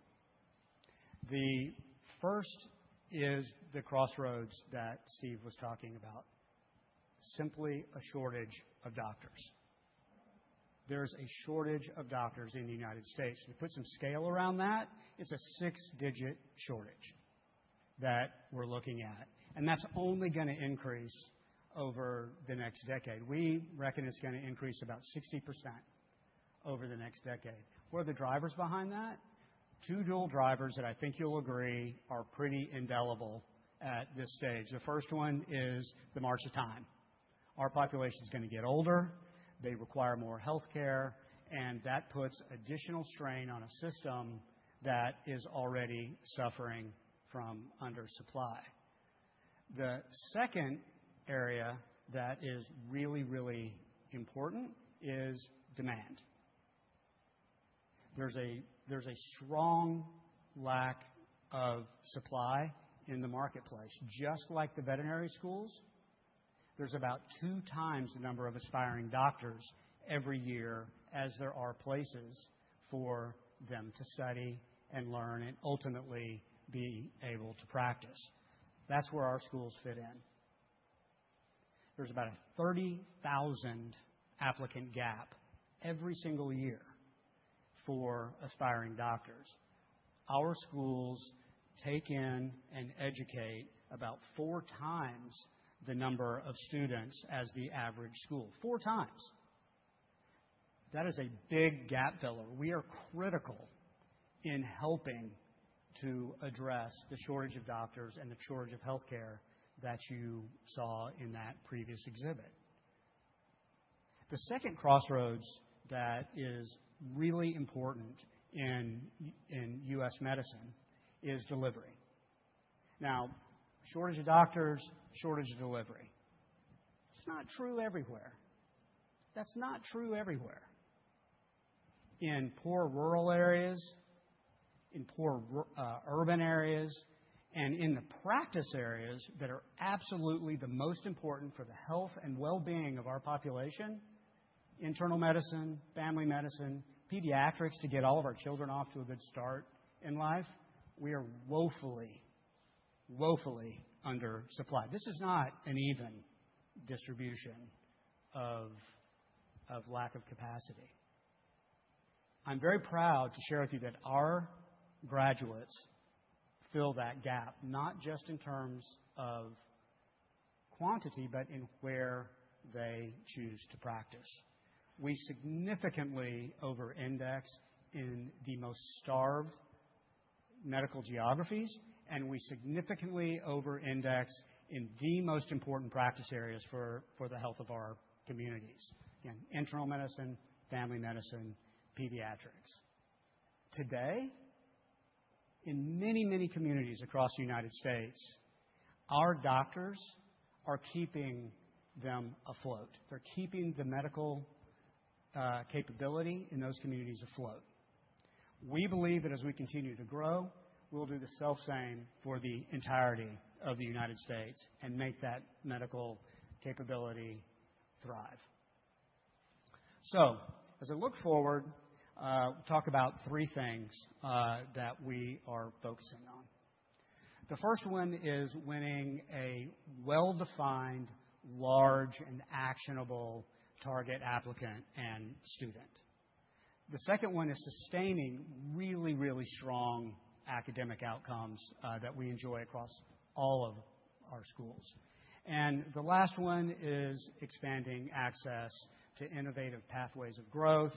The first is the crossroads that Steve was talking about, simply a shortage of doctors. There's a shortage of doctors in the United States. To put some scale around that, it's a six-digit shortage that we're looking at, and that's only gonna increase over the next decade. We reckon it's gonna increase about 60% over the next decade. What are the drivers behind that? Two dual drivers that I think you'll agree are pretty indelible at this stage. The first one is the march of time. Our population is gonna get older, they require more healthcare, and that puts additional strain on a system that is already suffering from under supply. The second area that is really, really important is demand. There's a strong lack of supply in the marketplace. Just like the veterinary schools, there's about 2 times the number of aspiring doctors every year as there are places for them to study and learn and ultimately be able to practice. That's where our schools fit in. There's about a 30,000 applicant gap every single year for aspiring doctors. Our schools take in and educate about 4 times the number of students as the average school. 4 times. That is a big gap filler. We are critical in helping to address the shortage of doctors and the shortage of healthcare that you saw in that previous exhibit. The second crossroads that is really important in U.S. medicine is delivery. Now, shortage of doctors, shortage of delivery. It's not true everywhere. That's not true everywhere.... in poor rural areas, in poor urban areas, and in the practice areas that are absolutely the most important for the health and well-being of our population, internal medicine, family medicine, pediatrics, to get all of our children off to a good start in life, we are woefully undersupplied. This is not an even distribution of lack of capacity. I'm very proud to share with you that our graduates fill that gap, not just in terms of quantity, but in where they choose to practice. We significantly over-index in the most starved medical geographies, and we significantly over-index in the most important practice areas for the health of our communities, in internal medicine, family medicine, pediatrics. Today, in many, many communities across the United States, our doctors are keeping them afloat. They're keeping the medical capability in those communities afloat. We believe that as we continue to grow, we'll do the self same for the entirety of the United States and make that medical capability thrive. As I look forward, talk about three things that we are focusing on. The first one is winning a well-defined, large, and actionable target applicant and student. The second one is sustaining really strong academic outcomes that we enjoy across all of our schools. The last one is expanding access to innovative pathways of growth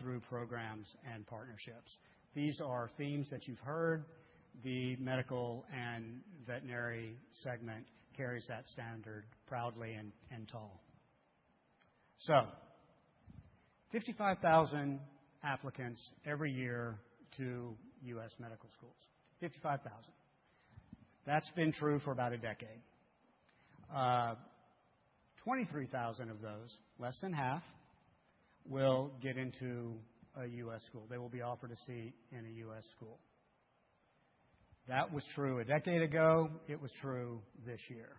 through programs and partnerships. These are themes that you've heard. The medical and veterinary segment carries that standard proudly and tall. 55,000 applicants every year to U.S. medical schools. 55,000. That's been true for about a decade. 23,000 of those, less than half, will get into a U.S. school. They will be offered a seat in a US school. That was true a decade ago. It was true this year.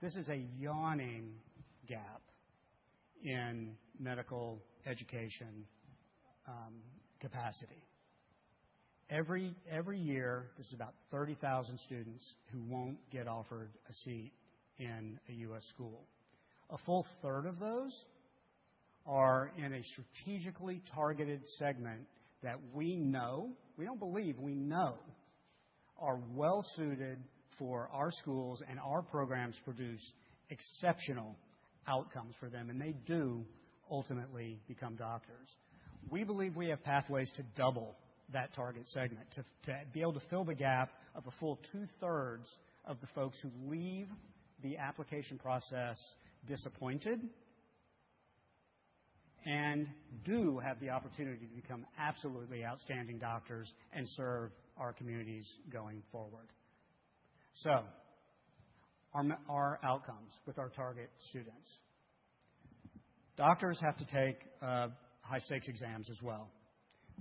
This is a yawning gap in medical education capacity. Every year, there's about 30,000 students who won't get offered a seat in a US school. A full third of those are in a strategically targeted segment that we know, we don't believe, we know are well suited for our schools, and our programs produce exceptional outcomes for them, and they do ultimately become doctors. We believe we have pathways to double that target segment, to be able to fill the gap of a full two-thirds of the folks who leave the application process disappointed, and do have the opportunity to become absolutely outstanding doctors and serve our communities going forward. Our outcomes with our target students. Doctors have to take high-stakes exams as well.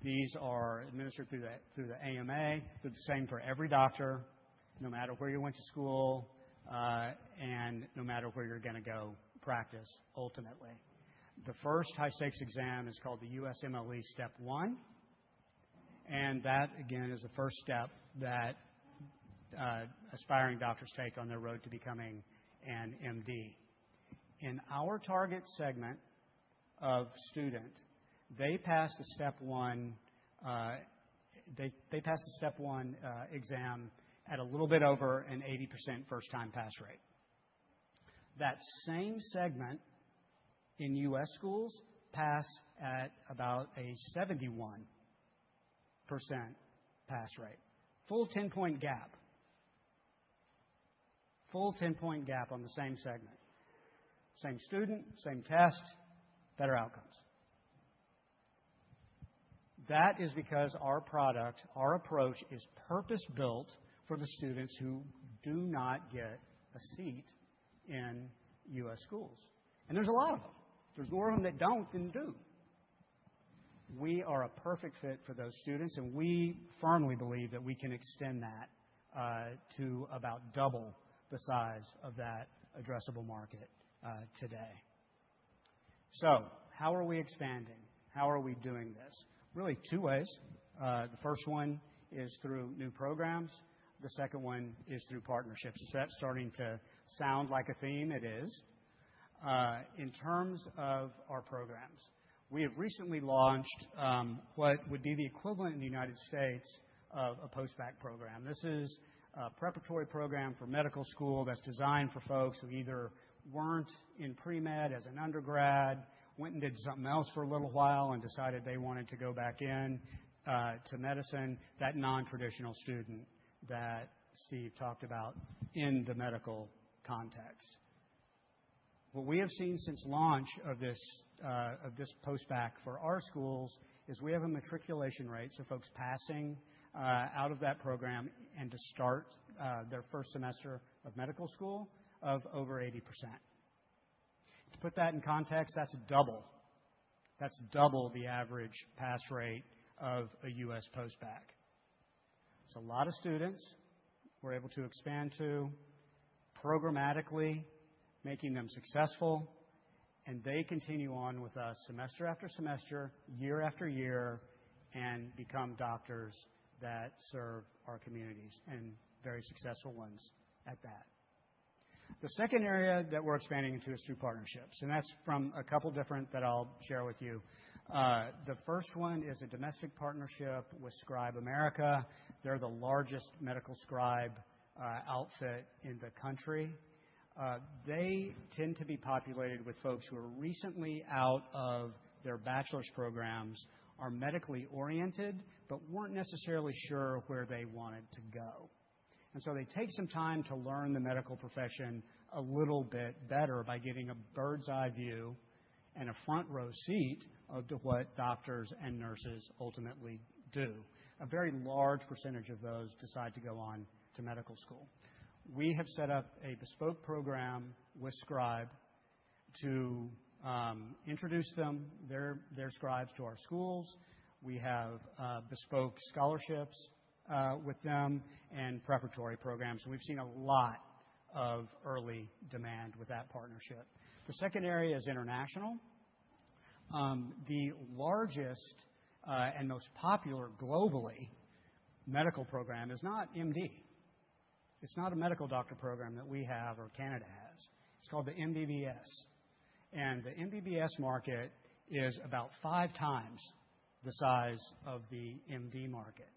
These are administered through the AMA. They're the same for every doctor, no matter where you went to school, and no matter where you're gonna go practice, ultimately. The first high-stakes exam is called the USMLE Step 1, and that, again, is the first step that aspiring doctors take on their road to becoming an MD. In our target segment of student, they pass the Step 1 exam at a little bit over an 80% first-time pass rate. That same segment in U.S. schools pass at about a 71% pass rate. Full 10-point gap. Full 10-point gap on the same segment, same student, same test, better outcomes. That is because our product, our approach, is purpose-built for the students who do not get a seat in U.S. schools, and there's a lot of them. There's more of them that don't than do. We are a perfect fit for those students, and we firmly believe that we can extend that to about double the size of that addressable market today. How are we expanding? How are we doing this? Really, two ways. The first one is through new programs. The second one is through partnerships. Is that starting to sound like a theme? It is. In terms of our programs, we have recently launched what would be the equivalent in the United States of a postbacc program. This is a preparatory program for medical school that's designed for folks who either weren't in pre-med as an undergrad, went and did something else for a little while and decided they wanted to go back in to medicine, that non-traditional student that Steve talked about in the medical context. What we have seen since launch of this of this postbacc for our schools, is we have a matriculation rate, so folks passing out of that program and to start their first semester of medical school, of over 80%. To put that in context, that's double. That's double the average pass rate of a U.S. post-bac. A lot of students we're able to expand to programmatically, making them successful, and they continue on with us semester after semester, year after year, and become doctors that serve our communities, and very successful ones at that. The second area that we're expanding into is through partnerships, and that's from a couple different that I'll share with you. The first one is a domestic partnership with ScribeAmerica. They're the largest medical scribe outfit in the country. They tend to be populated with folks who are recently out of their bachelor's programs, are medically oriented, but weren't necessarily sure where they wanted to go. They take some time to learn the medical profession a little bit better by getting a bird's-eye view and a front-row seat of to what doctors and nurses ultimately do. A very large percentage of those decide to go on to medical school. We have set up a bespoke program with Scribe to introduce them, their scribes to our schools. We have bespoke scholarships with them and preparatory programs. We've seen a lot of early demand with that partnership. The second area is international. The largest and most popular globally medical program is not MD. It's not a medical doctor program that we have or Canada has. It's called the MBBS. The MBBS market is about five times the size of the MD market,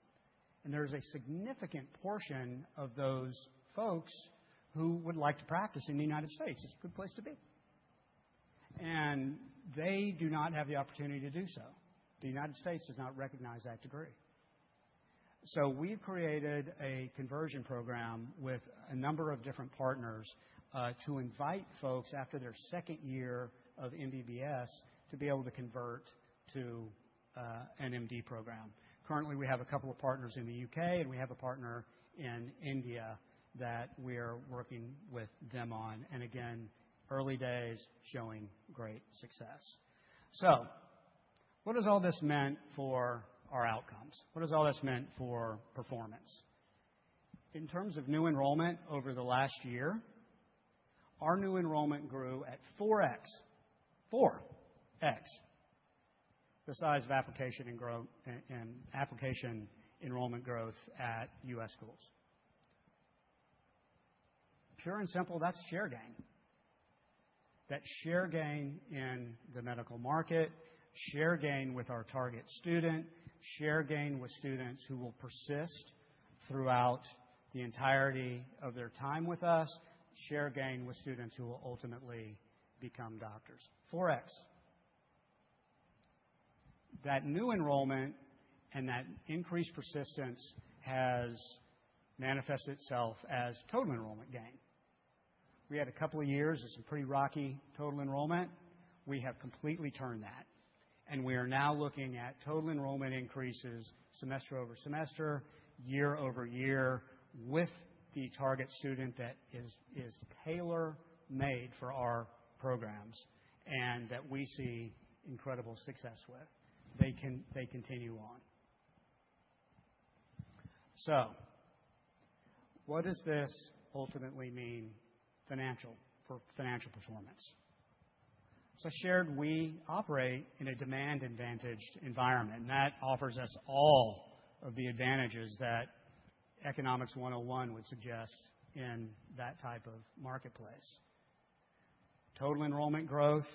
and there's a significant portion of those folks who would like to practice in the United States. It's a good place to be. They do not have the opportunity to do so. The United States does not recognize that degree. We've created a conversion program with a number of different partners to invite folks after their second year of MBBS to be able to convert to an MD program. Currently, we have a couple of partners in the UK, and we have a partner in India that we are working with them on. Again, early days showing great success. What has all this meant for our outcomes? What has all this meant for performance? In terms of new enrollment over the last year, our new enrollment grew at 4x. 4x the size of application and application enrollment growth at US schools. Pure and simple, that's share gain. That's share gain in the medical market, share gain with our target student, share gain with students who will persist throughout the entirety of their time with us, share gain with students who will ultimately become doctors, 4x. That new enrollment and that increased persistence has manifested itself as total enrollment gain. We had a couple of years of some pretty rocky total enrollment. We have completely turned that. We are now looking at total enrollment increases semester-over-semester, year-over-year, with the target student that is tailor-made for our programs, and that we see incredible success with. They continue on. What does this ultimately mean for financial performance? I shared we operate in a demand-advantaged environment, and that offers us all of the advantages that Economics 101 would suggest in that type of marketplace. Total enrollment growth,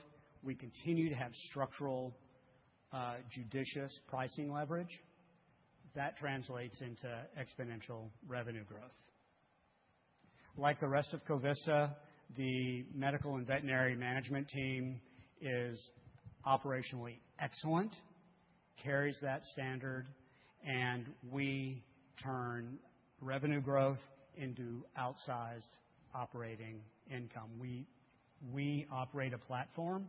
we continue to have structural, judicious pricing leverage. That translates into exponential revenue growth. Like the rest of Covista, the medical and veterinary management team is operationally excellent, carries that standard, and we turn revenue growth into outsized operating income. We operate a platform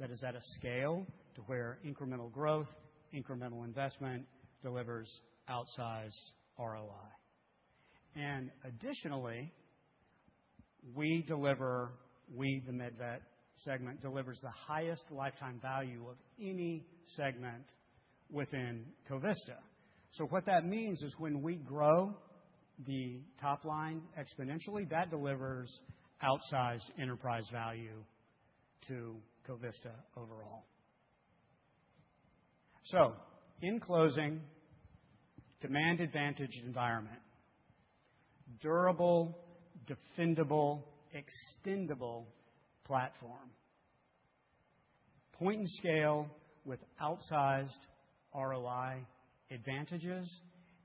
that is at a scale to where incremental growth, incremental investment, delivers outsized ROI. Additionally, we deliver, the MedVet segment, delivers the highest lifetime value of any segment within Covista. What that means is when we grow the top line exponentially, that delivers outsized enterprise value to Covista overall. In closing, demand advantage environment, durable, defendable, extendable platform, point in scale with outsized ROI advantages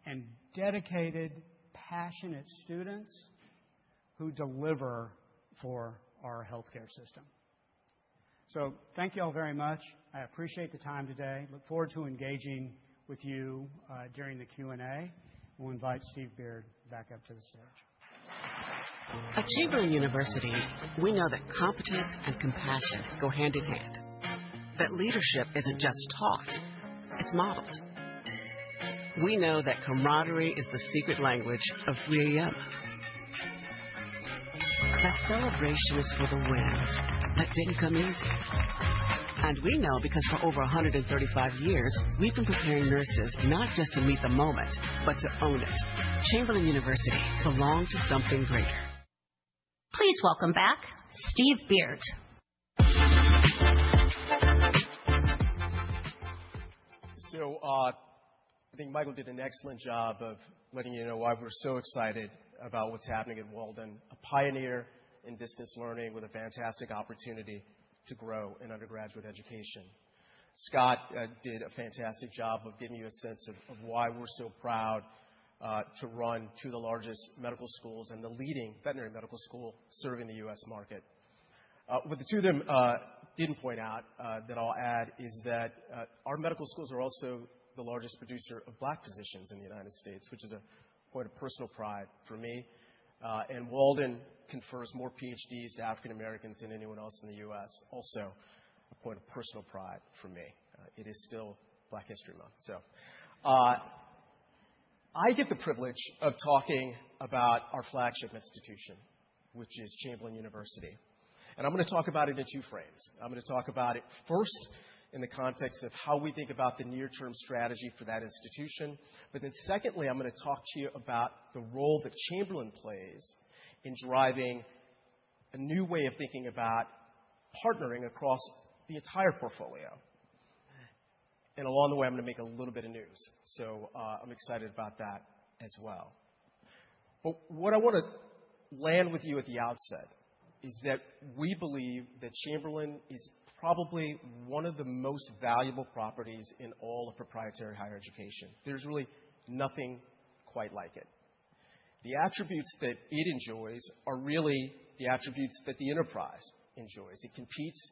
and dedicated, passionate students who deliver for our healthcare system. Thank you all very much. I appreciate the time today. Look forward to engaging with you during the Q&A. We'll invite Steve Beard back up to the stage. At Chamberlain University, we know that competence and compassion go hand in hand. That leadership isn't just taught, it's modeled. We know that camaraderie is the secret language of we up. That celebration is for the wins that didn't come easy. We know because for over 135 years, we've been preparing nurses, not just to meet the moment, but to own it. Chamberlain University, belong to something greater. Please welcome back Steve Beard. I think Michael did an excellent job of letting you know why we're so excited about what's happening at Walden, a pioneer in distance learning with a fantastic opportunity to grow in undergraduate education. Scott did a fantastic job of giving you a sense of why we're so proud to run two of the largest medical schools and the leading veterinary medical school serving the U.S. market. What the two of them didn't point out that I'll add is that our medical schools are also the largest producer of Black physicians in the United States, which is a point of personal pride for me. Walden confers more PhDs to African Americans than anyone else in the U.S. Also, a point of personal pride for me. It is still Black History Month. I get the privilege of talking about our flagship institution, which is Chamberlain University. I'm gonna talk about it in two frames. I'm gonna talk about it first in the context of how we think about the near-term strategy for that institution. Secondly, I'm gonna talk to you about the role that Chamberlain plays in driving a new way of thinking about partnering across the entire portfolio. Along the way, I'm gonna make a little bit of news. I'm excited about that as well. What I wanna land with you at the outset is that we believe that Chamberlain is probably one of the most valuable properties in all of proprietary higher education. There's really nothing quite like it. The attributes that it enjoys are really the attributes that the enterprise enjoys. It competes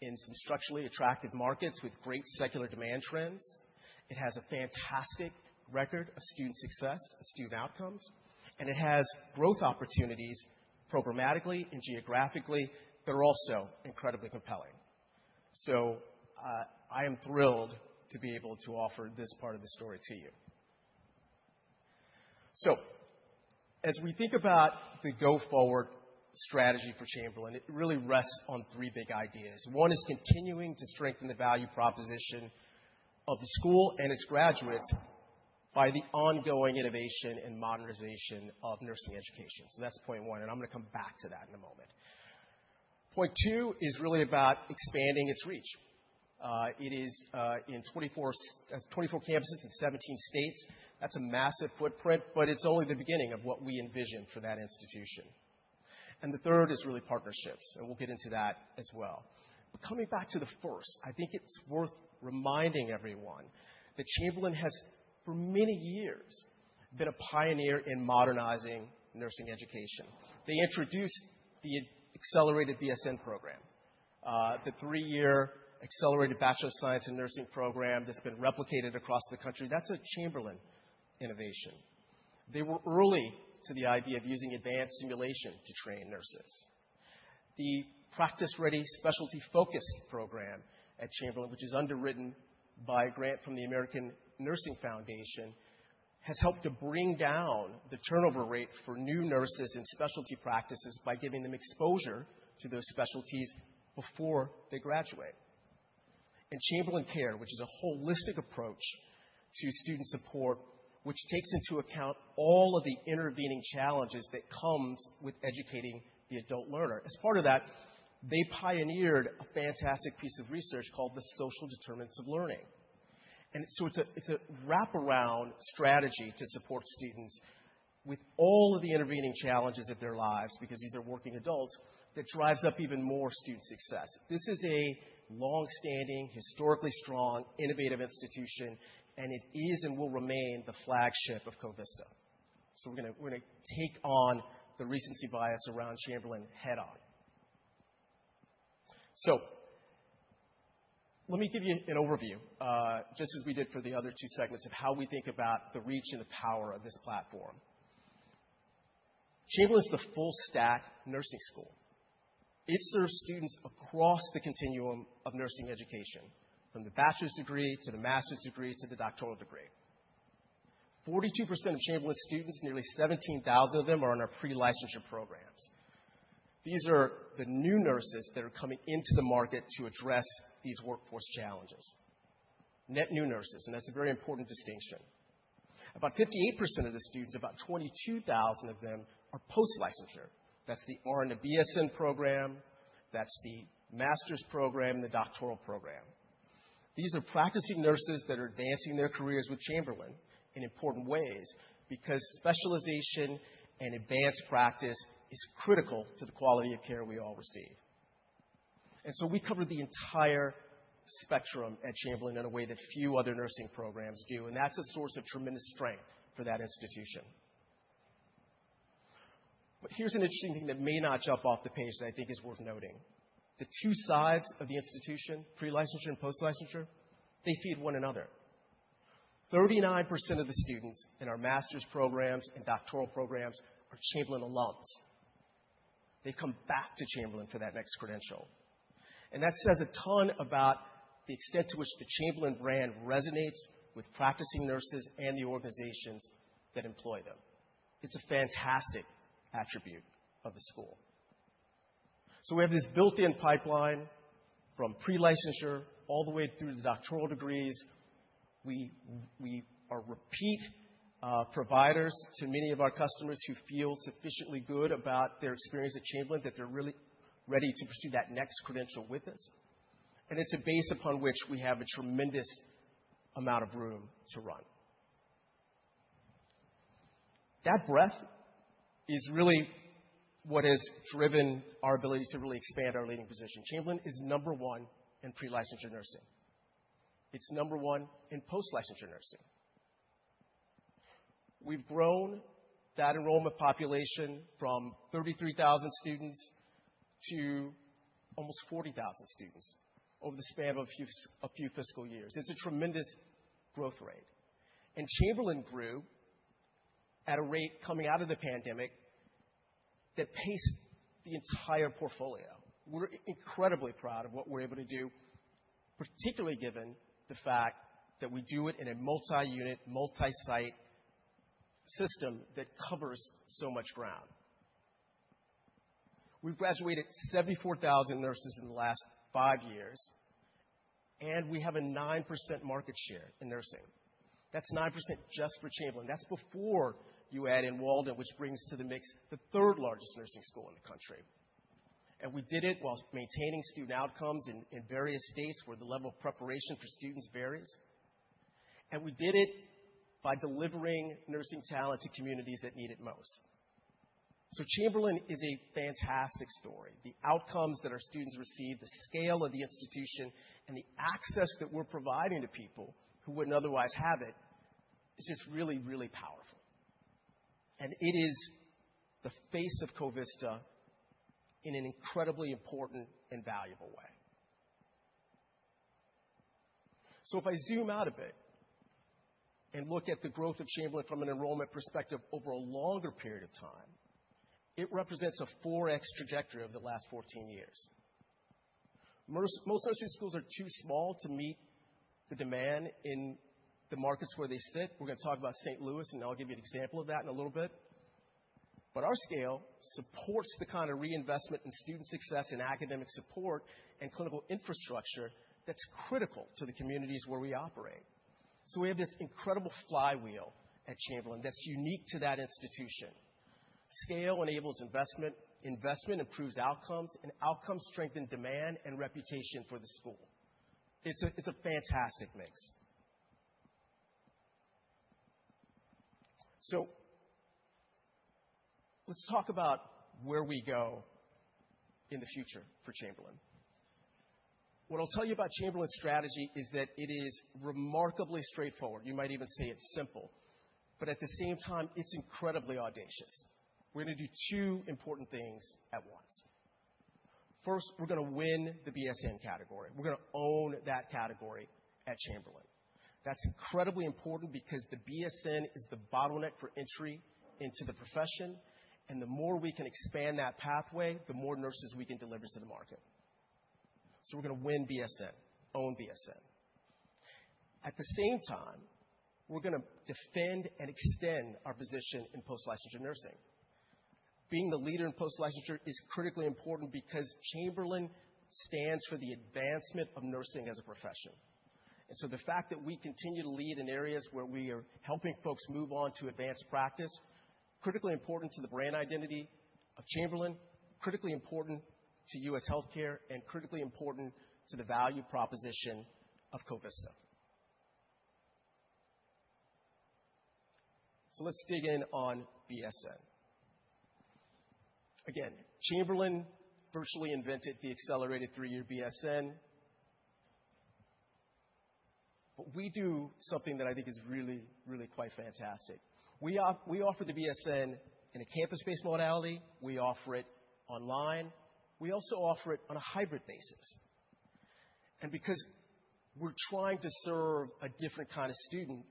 in some structurally attractive markets with great secular demand trends. It has a fantastic record of student success and student outcomes, it has growth opportunities, programmatically and geographically, that are also incredibly compelling. I am thrilled to be able to offer this part of the story to you. As we think about the go-forward strategy for Chamberlain, it really rests on three big ideas. One is continuing to strengthen the value proposition of the school and its graduates by the ongoing innovation and modernization of nursing education. That's point 1, and I'm gonna come back to that in a moment. Point 2 is really about expanding its reach. It is in 24 campuses in 17 states. That's a massive footprint, it's only the beginning of what we envision for that institution. The third is really partnerships, and we'll get into that as well. Coming back to the first, I think it's worth reminding everyone that Chamberlain has, for many years, been a pioneer in modernizing nursing education. They introduced the Accelerated BSN program, the three-year Accelerated Bachelor of Science in Nursing program that's been replicated across the country. That's a Chamberlain innovation. They were early to the idea of using advanced simulation to train nurses. The Practice Ready Specialty Focus program at Chamberlain, which is underwritten by a grant from the American Nurses Foundation, has helped to bring down the turnover rate for new nurses in specialty practices by giving them exposure to those specialties before they graduate. Chamberlain Care, which is a holistic approach to student support, which takes into account all of the intervening challenges that comes with educating the adult learner. As part of that, they pioneered a fantastic piece of research called the Social Determinants of Learning. It's a wraparound strategy to support students with all of the intervening challenges of their lives, because these are working adults, that drives up even more student success. This is a long-standing, historically strong, innovative institution, and it is and will remain the flagship of Covista. We're gonna take on the recency bias around Chamberlain head-on. Let me give you an overview, just as we did for the other two segments, of how we think about the reach and the power of this platform. Chamberlain is the full-stack nursing school. It serves students across the continuum of nursing education, from the bachelor's degree to the master's degree to the doctoral degree. 42% of Chamberlain students, nearly 17,000 of them, are in our pre-licensure programs. These are the new nurses that are coming into the market to address these workforce challenges. Net new nurses, and that's a very important distinction. About 58% of the students, about 22,000 of them, are post-licensure. That's the RN to BSN program, that's the master's program, the doctoral program. These are practicing nurses that are advancing their careers with Chamberlain in important ways because specialization and advanced practice is critical to the quality of care we all receive. We cover the entire spectrum at Chamberlain in a way that few other nursing programs do, and that's a source of tremendous strength for that institution. Here's an interesting thing that may not jump off the page that I think is worth noting. The two sides of the institution, pre-licensure and post-licensure, they feed one another. 39% of the students in our master's programs and doctoral programs are Chamberlain alums. They come back to Chamberlain for that next credential. That says a ton about the extent to which the Chamberlain brand resonates with practicing nurses and the organizations that employ them. It's a fantastic attribute of the school. We have this built-in pipeline from pre-licensure all the way through the doctoral degrees. We are repeat providers to many of our customers who feel sufficiently good about their experience at Chamberlain, that they're really ready to pursue that next credential with us, and it's a base upon which we have a tremendous amount of room to run. That breadth is really what has driven our ability to really expand our leading position. Chamberlain is number one in pre-licensure nursing. It's number one in post-licensure nursing. We've grown that enrollment population from 33,000 students to almost 40,000 students over the span of a few fiscal years. It's a tremendous growth rate. Chamberlain grew at a rate coming out of the pandemic that paced the entire portfolio. We're incredibly proud of what we're able to do, particularly given the fact that we do it in a multi-unit, multi-site system that covers so much ground. We've graduated 74,000 nurses in the last five years. We have a 9% market share in nursing. That's 9% just for Chamberlain. That's before you add in Walden, which brings to the mix the third-largest nursing school in the country. We did it whilst maintaining student outcomes in various states where the level of preparation for students varies. We did it by delivering nursing talent to communities that need it most. Chamberlain is a fantastic story. The outcomes that our students receive, the scale of the institution, and the access that we're providing to people who wouldn't otherwise have it, is just really, really powerful. It is the face of Covista in an incredibly important and valuable way. If I zoom out a bit and look at the growth of Chamberlain from an enrollment perspective over a longer period of time, it represents a 4x trajectory over the last 14 years. Most nursing schools are too small to meet the demand in the markets where they sit. We're going to talk about St. Louis, and I'll give you an example of that in a little bit. Our scale supports the kind of reinvestment in student success and academic support and clinical infrastructure that's critical to the communities where we operate. We have this incredible flywheel at Chamberlain that's unique to that institution. Scale enables investment improves outcomes, and outcomes strengthen demand and reputation for the school. It's a fantastic mix. Let's talk about where we go in the future for Chamberlain. What I'll tell you about Chamberlain's strategy is that it is remarkably straightforward. You might even say it's simple, but at the same time, it's incredibly audacious. We're going to do 2 important things at once. First, we're going to win the BSN category. We're going to own that category at Chamberlain. That's incredibly important because the BSN is the bottleneck for entry into the profession, and the more we can expand that pathway, the more nurses we can deliver to the market. We're going to win BSN, own BSN. At the same time, we're going to defend and extend our position in post-licensure nursing. Being the leader in post-licensure is critically important because Chamberlain stands for the advancement of nursing as a profession. The fact that we continue to lead in areas where we are helping folks move on to advanced practice, critically important to the brand identity of Chamberlain, critically important to U.S. healthcare, and critically important to the value proposition of Covista. Let's dig in on BSN. Again, Chamberlain virtually invented the accelerated three-year BSN. We do something that I think is really quite fantastic. We offer the BSN in a campus-based modality. We offer it online. We also offer it on a hybrid basis. Because we're trying to serve a different kind of student,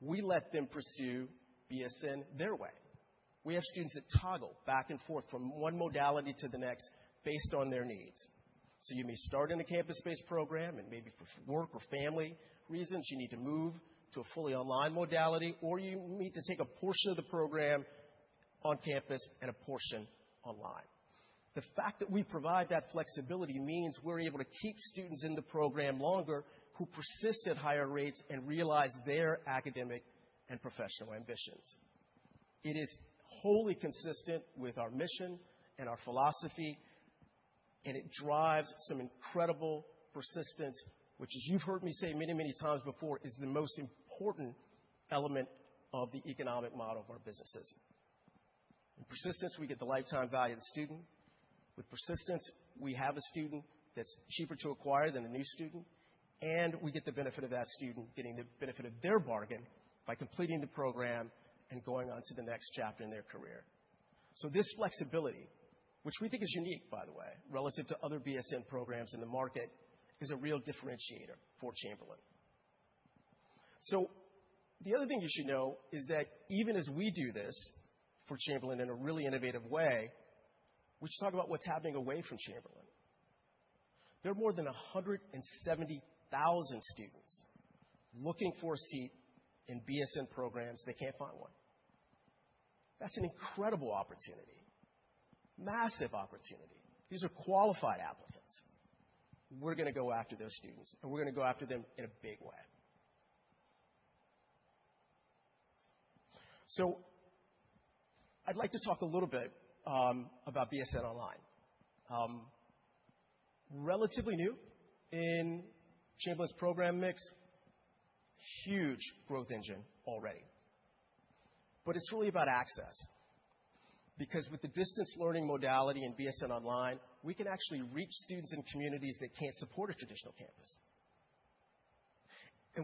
we let them pursue BSN their way. We have students that toggle back and forth from one modality to the next based on their needs. You may start in a campus-based program, and maybe for work or family reasons, you need to move to a fully online modality, or you need to take a portion of the program on campus and a portion online. The fact that we provide that flexibility means we're able to keep students in the program longer, who persist at higher rates and realize their academic and professional ambitions. It is wholly consistent with our mission and our philosophy, and it drives some incredible persistence, which, as you've heard me say many, many times before, is the most important element of the economic model of our businesses. In persistence, we get the lifetime value of the student. With persistence, we have a student that's cheaper to acquire than a new student, and we get the benefit of that student getting the benefit of their bargain by completing the program and going on to the next chapter in their career. This flexibility, which we think is unique, by the way, relative to other BSN programs in the market, is a real differentiator for Chamberlain. The other thing you should know is that even as we do this for Chamberlain in a really innovative way, we should talk about what's happening away from Chamberlain. There are more than 170,000 students looking for a seat in BSN programs. They can't find one. That's an incredible opportunity, massive opportunity. These are qualified applicants. We're going to go after those students, and we're going to go after them in a big way. I'd like to talk a little bit about BSN Online. Relatively new in Chamberlain's program mix. Huge growth engine already. It's really about access, because with the distance learning modality in BSN Online, we can actually reach students in communities that can't support a traditional campus.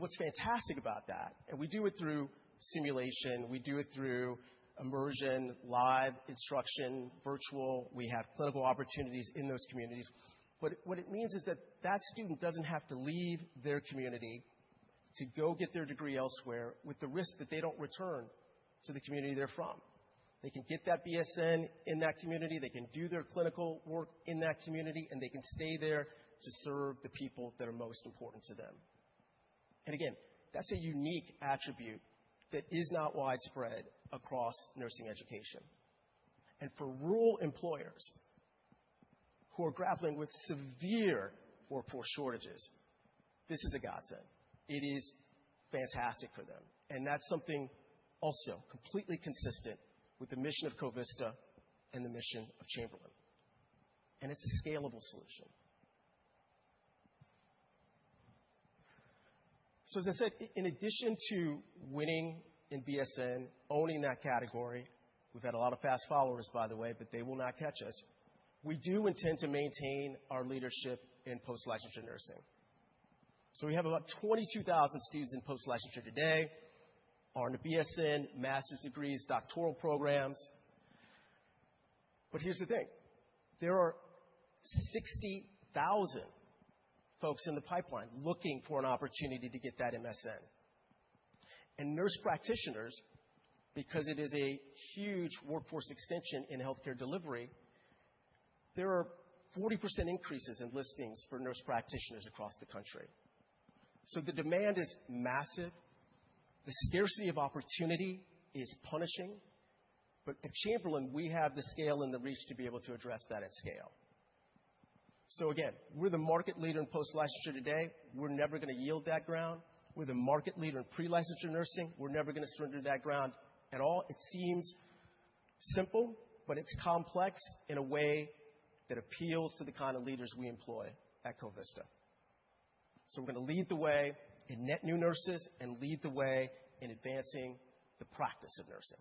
What's fantastic about that, and we do it through simulation, we do it through immersion, live instruction, virtual. We have clinical opportunities in those communities, what it means is that that student doesn't have to leave their community to go get their degree elsewhere with the risk that they don't return to the community they're from. They can get that BSN in that community, they can do their clinical work in that community, and they can stay there to serve the people that are most important to them. Again, that's a unique attribute that is not widespread across nursing education. For rural employers who are grappling with severe workforce shortages, this is a godsend. It is fantastic for them, and that's something also completely consistent with the mission of Covista and the mission of Chamberlain, it's a scalable solution. As I said, in addition to winning in BSN, owning that category, we've had a lot of fast followers, by the way, but they will not catch us. We do intend to maintain our leadership in post-licensure nursing. We have about 22,000 students in post-licensure today, RN to BSN, master's degrees, doctoral programs. Here's the thing, there are 60,000 folks in the pipeline looking for an opportunity to get that MSN. Nurse practitioners, because it is a huge workforce extension in healthcare delivery, there are 40% increases in listings for nurse practitioners across the country. The demand is massive. The scarcity of opportunity is punishing. At Chamberlain, we have the scale and the reach to be able to address that at scale. Again, we're the market leader in post-licensure today. We're never going to yield that ground. We're the market leader in pre-licensure nursing. We're never going to surrender that ground at all. It seems simple, but it's complex in a way that appeals to the kind of leaders we employ at Covista. We're going to lead the way in net new nurses and lead the way in advancing the practice of nursing.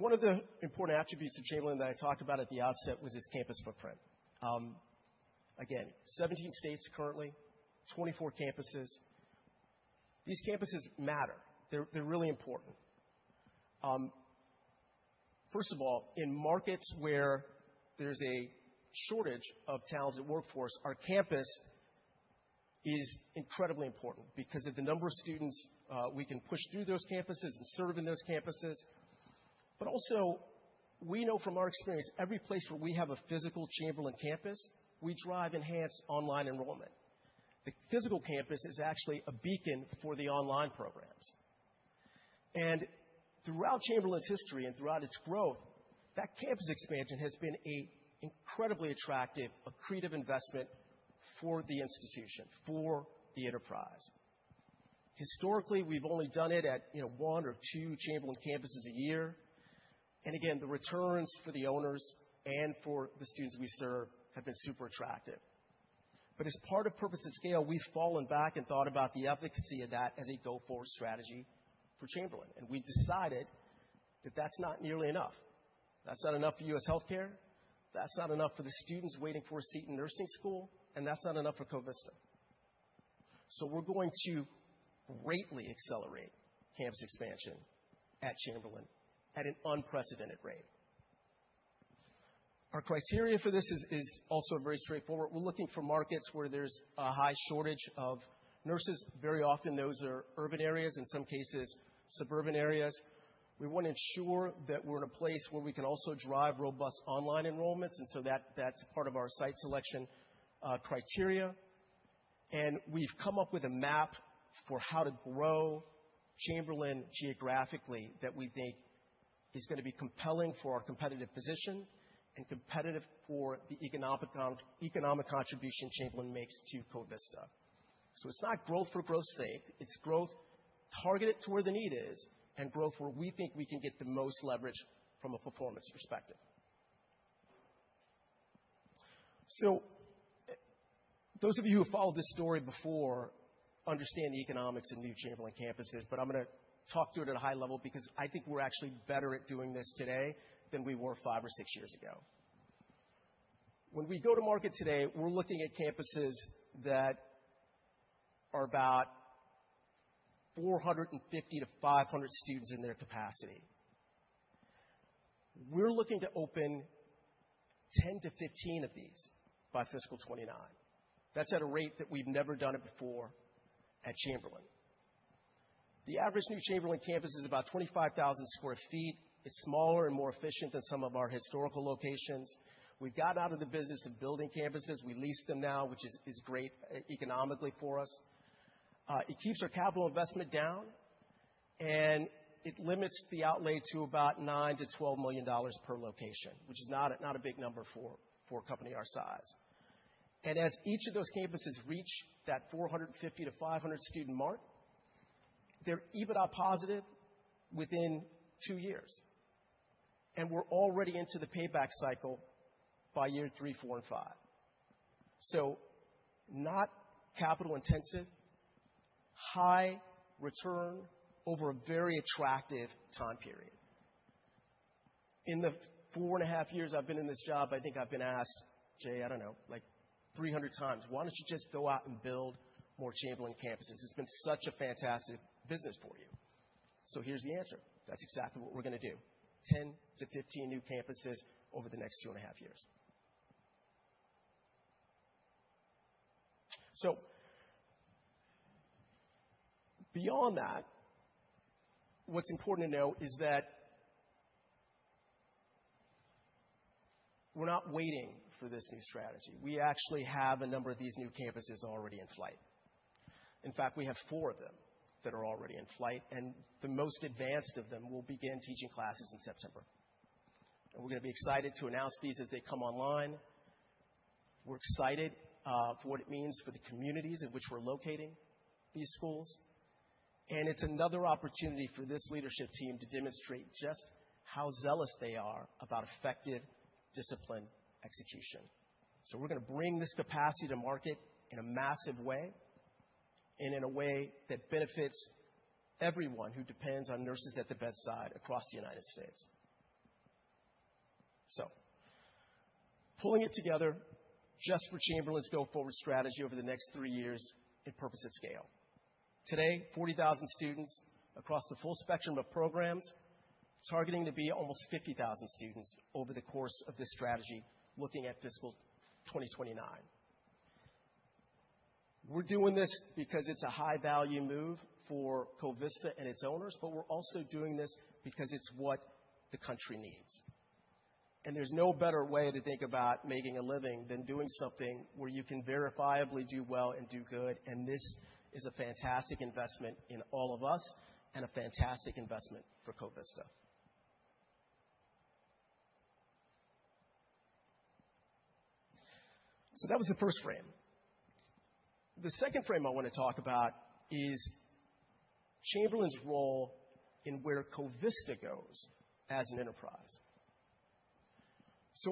One of the important attributes of Chamberlain that I talked about at the outset was this campus footprint. Again, 17 states, currently 24 campuses. These campuses matter. They're really important. First of all, in markets where there's a shortage of talented workforce, our campus is incredibly important because of the number of students we can push through those campuses and serve in those campuses. Also, we know from our experience, every place where we have a physical Chamberlain campus, we drive enhanced online enrollment. The physical campus is actually a beacon for the online programs. Throughout Chamberlain's history and throughout its growth, that campus expansion has been a incredibly attractive, accretive investment for the institution, for the enterprise. Historically, we've only done it at, you know, 1 or 2 Chamberlain campuses a year. Again, the returns for the owners and for the students we serve have been super attractive. As part of Purpose at Scale, we've fallen back and thought about the efficacy of that as a go-forward strategy for Chamberlain, and we decided that that's not nearly enough. That's not enough for U.S. healthcare, that's not enough for the students waiting for a seat in nursing school, and that's not enough for Covista. We're going to greatly accelerate campus expansion at Chamberlain at an unprecedented rate. Our criteria for this is also very straightforward. We're looking for markets where there's a high shortage of nurses. Very often, those are urban areas, in some cases, suburban areas. We want to ensure that we're in a place where we can also drive robust online enrollments, that's part of our site selection criteria. We've come up with a map for how to grow Chamberlain geographically, that we think is going to be compelling for our competitive position and competitive for the economic contribution Chamberlain makes to Covista. It's not growth for growth's sake. It's growth targeted to where the need is and growth where we think we can get the most leverage from a performance perspective. Those of you who have followed this story before understand the economics in new Chamberlain campuses. I'm going to talk to it at a high level because I think we're actually better at doing this today than we were five or six years ago. When we go to market today, we're looking at campuses that are about 450-500 students in their capacity. We're looking to open 10-15 of these by fiscal 2029. That's at a rate that we've never done it before at Chamberlain. The average new Chamberlain campus is about 25,000 sq ft. It's smaller and more efficient than some of our historical locations. We've gotten out of the business of building campuses. We lease them now, which is great e-economically for us. it keeps our capital investment down, it limits the outlay to about $9 million-$12 million per location, which is not a big number for a company our size. As each of those campuses reach that 450-500 student mark, they're EBITDA positive within two years, and we're already into the payback cycle by year 3, 4, and 5. Not capital intensive, high return over a very attractive time period. In the four and a half years I've been in this job, I think I've been asked, Jay, I don't know, like 300 times: "Why don't you just go out and build more Chamberlain campuses? It's been such a fantastic business for you." Here's the answer. That's exactly what we're gonna do. 10-15 new campuses over the next two and a half years. Beyond that, what's important to note is that we're not waiting for this new strategy. We actually have a number of these new campuses already in flight. In fact, we have four of them that are already in flight, and the most advanced of them will begin teaching classes in September. We're gonna be excited to announce these as they come online. We're excited for what it means for the communities in which we're locating these schools. It's another opportunity for this leadership team to demonstrate just how zealous they are about effective discipline execution. We're gonna bring this capacity to market in a massive way and in a way that benefits everyone who depends on nurses at the bedside across the United States. Pulling it together just for Chamberlain's go-forward strategy over the next three years in Purpose at Scale. Today, 40,000 students across the full spectrum of programs, targeting to be almost 50,000 students over the course of this strategy, looking at fiscal 2029. We're doing this because it's a high-value move for Covista and its owners, but we're also doing this because it's what the country needs. There's no better way to think about making a living than doing something where you can verifiably do well and do good, and this is a fantastic investment in all of us and a fantastic investment for Covista. That was the first frame. The second frame I want to talk about is Chamberlain's role in where Covista goes as an enterprise.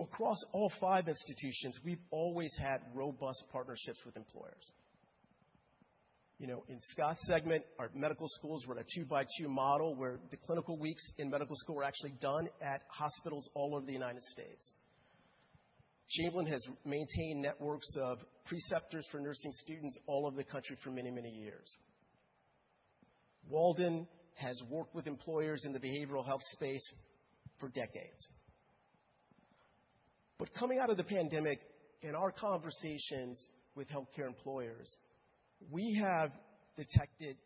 Across all five institutions, we've always had robust partnerships with employers. You know, in Scott's segment, our medical schools run a 2-by-2 model, where the clinical weeks in medical school are actually done at hospitals all over the United States. Chamberlain has maintained networks of preceptors for nursing students all over the country for many, many years. Walden has worked with employers in the behavioral health space for decades. Coming out of the pandemic, in our conversations with healthcare employers, we have detected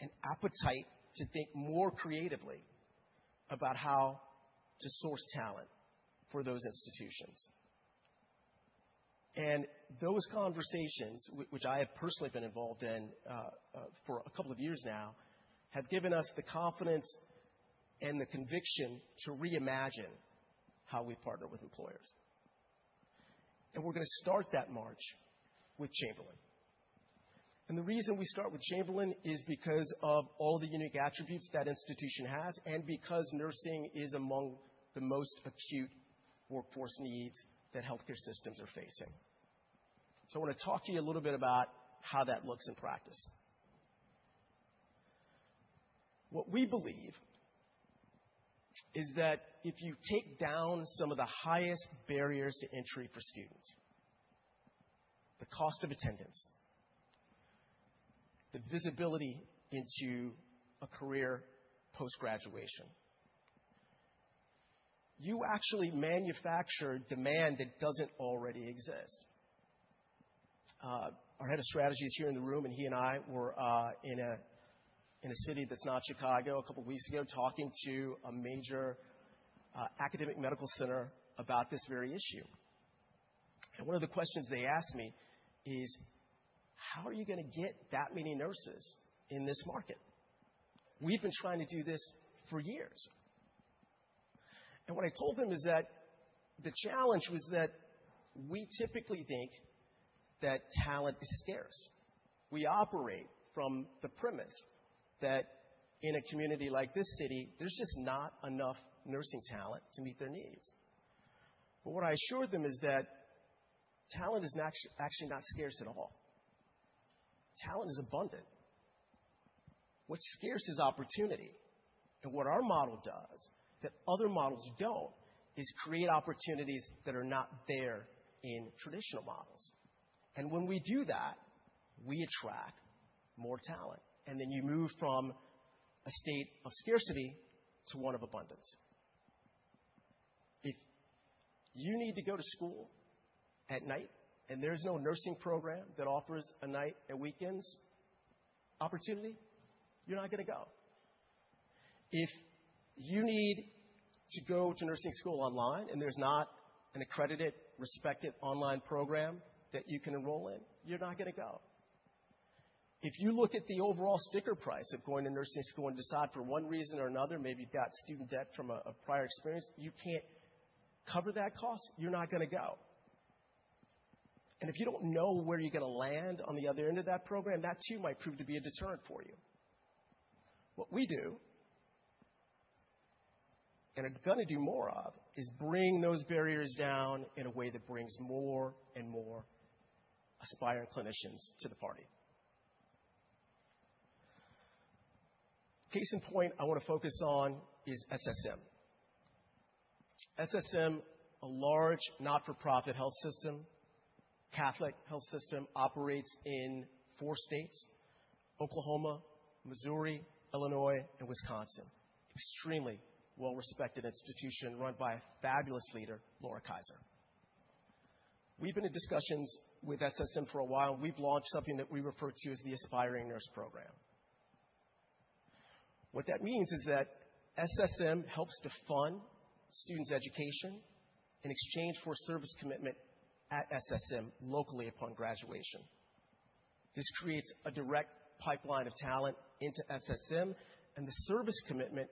an appetite to think more creatively about how to source talent for those institutions. Those conversations, which I have personally been involved in, for 2 years now, have given us the confidence and the conviction to reimagine how we partner with employers. We're gonna start that march with Chamberlain. The reason we start with Chamberlain is because of all the unique attributes that institution has and because nursing is among the most acute workforce needs that healthcare systems are facing. I want to talk to you a little bit about how that looks in practice. What we believe is that if you take down some of the highest barriers to entry for students, the cost of attendance, the visibility into a career post-graduation, you actually manufacture demand that doesn't already exist. Our head of strategy is here in the room, and he and I were in a city that's not Chicago a couple weeks ago, talking to a major academic medical center about this very issue. One of the questions they asked me is: "How are you gonna get that many nurses in this market? We've been trying to do this for years. What I told him is that the challenge was that we typically think that talent is scarce. We operate from the premise that in a community like this city, there's just not enough nursing talent to meet their needs. What I assured them is that talent is actually not scarce at all. Talent is abundant. What's scarce is opportunity. What our model does that other models don't, is create opportunities that are not there in traditional models. We attract more talent, and then you move from a state of scarcity to one of abundance. If you need to go to school at night, and there's no nursing program that offers a night and weekends opportunity, you're not gonna go. If you need to go to nursing school online, and there's not an accredited, respected online program that you can enroll in, you're not gonna go. If you look at the overall sticker price of going to nursing school and decide for one reason or another, maybe you've got student debt from a prior experience, you can't cover that cost, you're not gonna go. If you don't know where you're gonna land on the other end of that program, that too might prove to be a deterrent for you. What we do, and are gonna do more of, is bring those barriers down in a way that brings more and more aspiring clinicians to the party. Case in point I wanna focus on is SSM. SSM, a large, not-for-profit health system, Catholic health system, operates in four states: Oklahoma, Missouri, Illinois, and Wisconsin. Extremely well-respected institution, run by a fabulous leader, Laura Kaiser. We've been in discussions with SSM for a while. We've launched something that we refer to as the Aspiring Nurse Program. What that means is that SSM helps to fund students' education in exchange for service commitment at SSM locally upon graduation. This creates a direct pipeline of talent into SSM, and the service commitment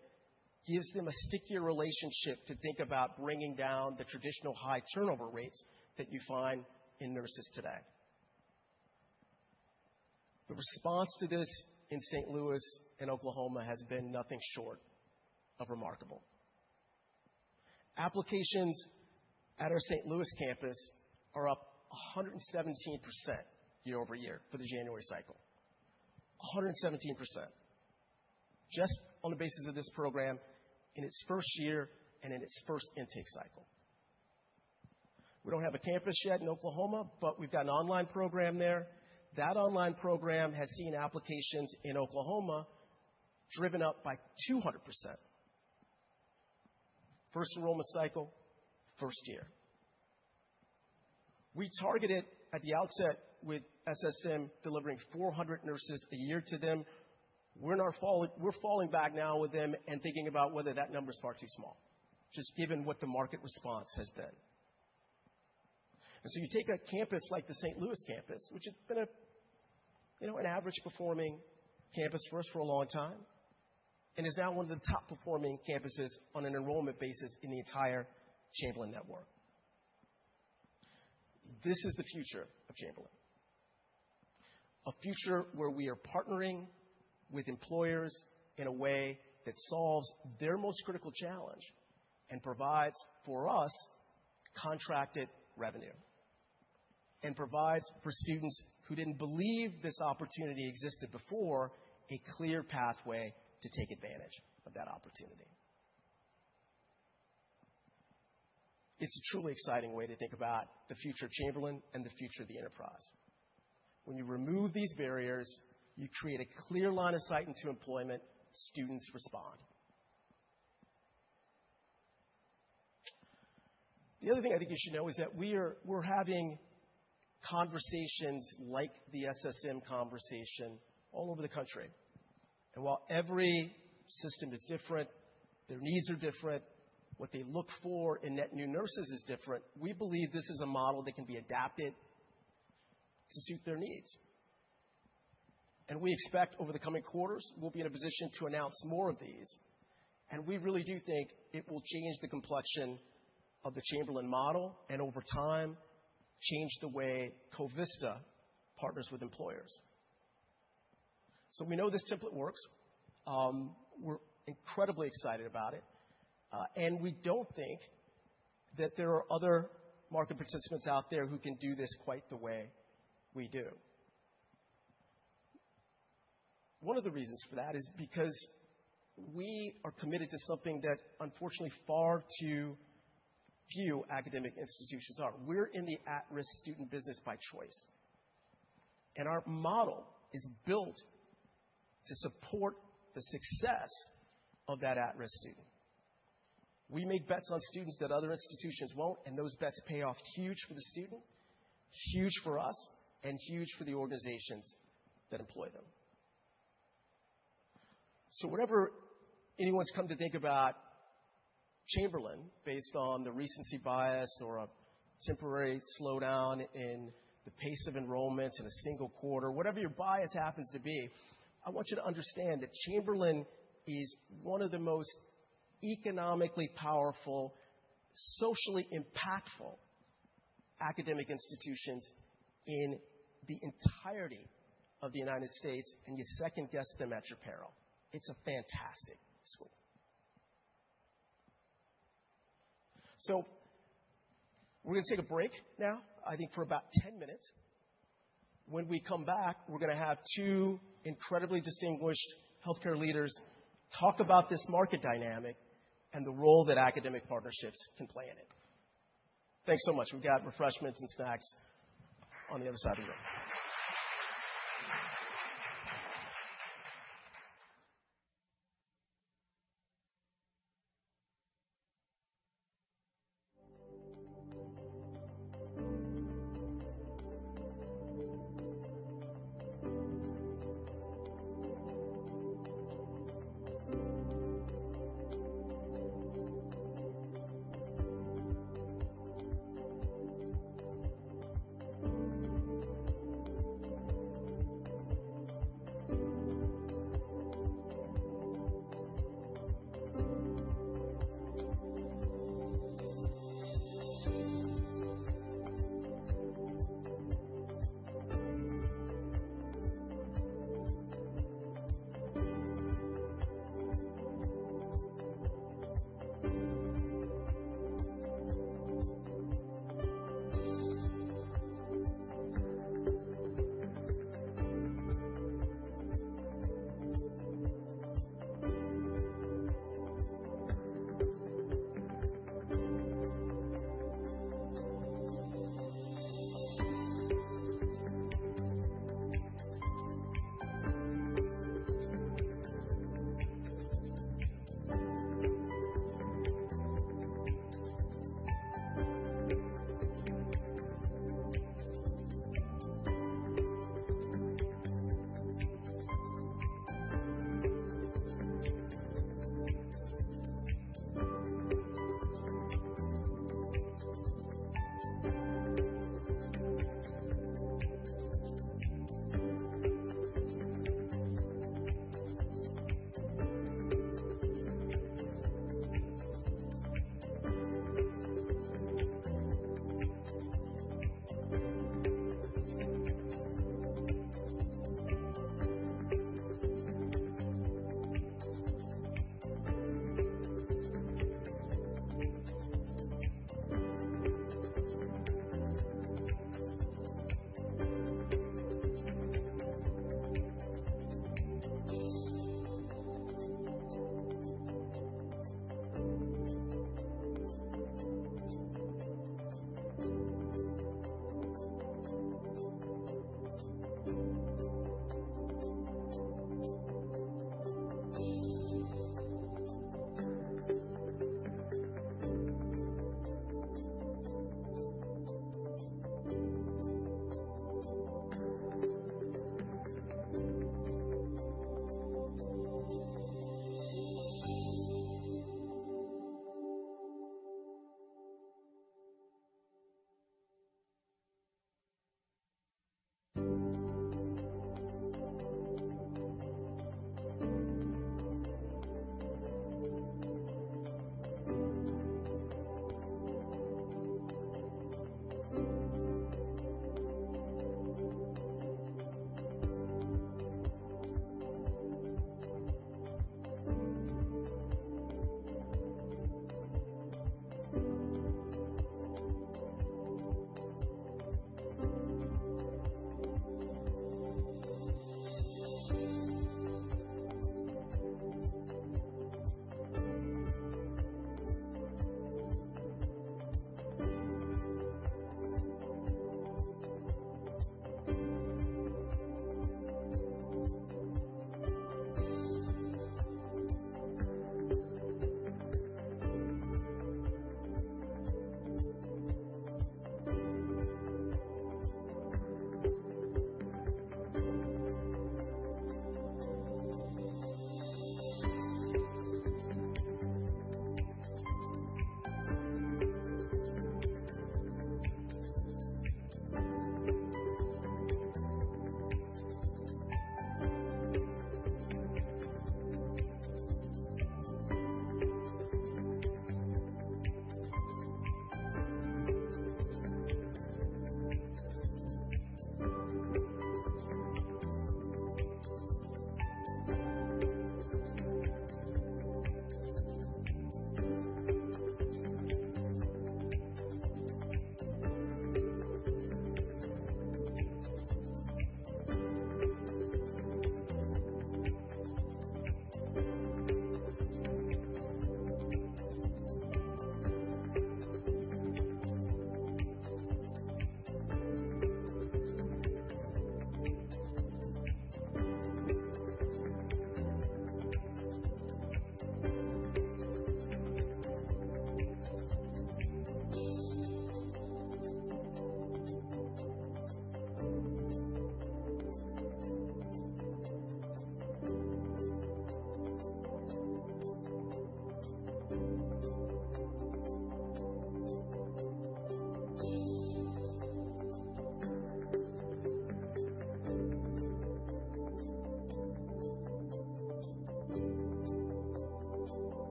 gives them a stickier relationship to think about bringing down the traditional high turnover rates that you find in nurses today. The response to this in St. Louis and Oklahoma has been nothing short of remarkable. Applications at our St. Louis campus are up 117% year-over-year for the January cycle. 117%, just on the basis of this program in its first year and in its first intake cycle. We don't have a campus yet in Oklahoma, but we've got an online program there. That online program has seen applications in Oklahoma driven up by 200%. First enrollment cycle, first year. We targeted at the outset with SSM, delivering 400 nurses a year to them. We're falling back now with them and thinking about whether that number is far too small, just given what the market response has been. You take a campus like the St. Louis campus, which has been a, you know, an average-performing campus for us for a long time, and is now one of the top-performing campuses on an enrollment basis in the entire Chamberlain network. This is the future of Chamberlain. A future where we are partnering with employers in a way that solves their most critical challenge and provides for us contracted revenue, and provides for students who didn't believe this opportunity existed before, a clear pathway to take advantage of that opportunity. It's a truly exciting way to think about the future of Chamberlain and the future of the enterprise. When you remove these barriers, you create a clear line of sight into employment, students respond. The other thing I think you should know is that we're having conversations like the SSM conversation all over the country. While every system is different, their needs are different, what they look for in net new nurses is different, we believe this is a model that can be adapted to suit their needs. We expect over the coming quarters, we'll be in a position to announce more of these. We really do think it will change the complexion of the Chamberlain model, and over time, change the way Covista partners with employers. We know this template works. We're incredibly excited about it, and we don't think that there are other market participants out there who can do this quite the way we do. One of the reasons for that is because we are committed to something that unfortunately, far too few academic institutions are. We're in the at-risk student business by choice, and our model is built to support the success of that at-risk student. We make bets on students that other institutions won't, and those bets pay off huge for the student, huge for us, and huge for the organizations that employ them. Whatever anyone's come to think about Chamberlain, based on the recency bias or a temporary slowdown in the pace of enrollments in a single quarter, whatever your bias happens to be, I want you to understand that Chamberlain is one of the most economically powerful, socially impactful academic institutions in the entirety of the United States, and you second-guess them at your peril. It's a fantastic school. We're gonna take a break now, I think for about 10 minutes. When we come back, we're gonna have two incredibly distinguished healthcare leaders talk about this market dynamic and the role that academic partnerships can play in it. Thanks so much. We've got refreshments and snacks on the other side of the room.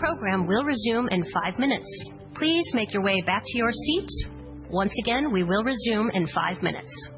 The program will resume in 5 minutes. Please make your way back to your seats. Once again, we will resume in 5 minutes.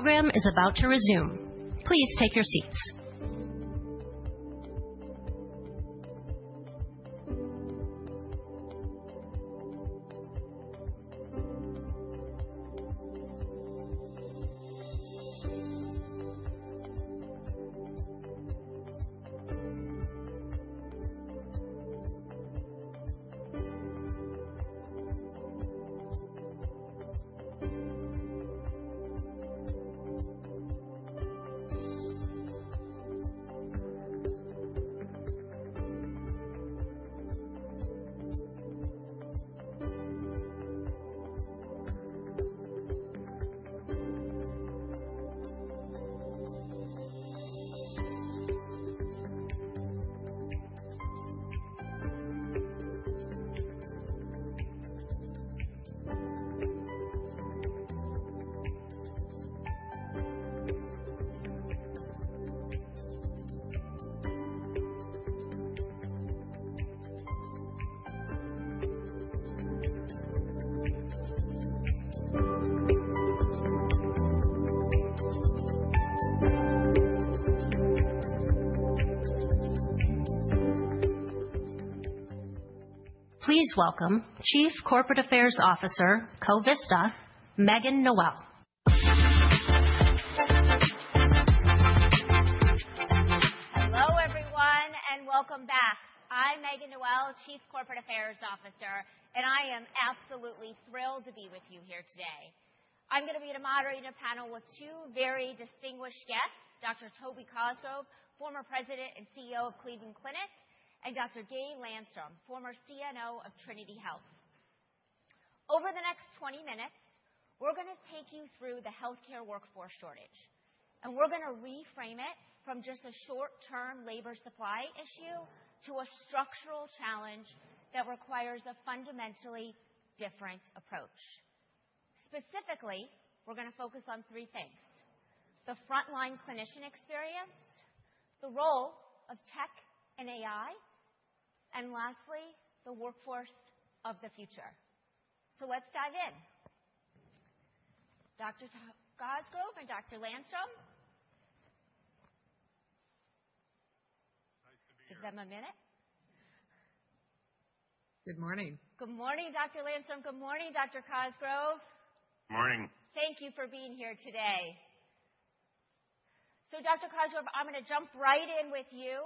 The program is about to resume. Please take your seats. Please welcome Chief Corporate Affairs Officer, Covista, Megan Noel. Hello, everyone, welcome back. I'm Megan Noel, Chief Corporate Affairs Officer, I am absolutely thrilled to be with you here today. I'm gonna be the moderator panel with two very distinguished guests, Dr. Toby Cosgrove, former President and CEO of Cleveland Clinic, and Dr. Gay Landstrom, former CNO of Trinity Health. Over the next 20 minutes, we're gonna take you through the healthcare workforce shortage, and we're gonna reframe it from just a short-term labor supply issue to a structural challenge that requires a fundamentally different approach. Specifically, we're gonna focus on 3 things: the frontline clinician experience, the role of tech and AI, and lastly, the workforce of the future. Let's dive in. Dr. Cosgrove and Dr. Landstrom? Nice to be here. Give them a minute. Good morning. Good morning, Dr. Landstrom. Good morning, Dr. Cosgrove. Morning. Thank you for being here today. Dr. Cosgrove, I'm gonna jump right in with you.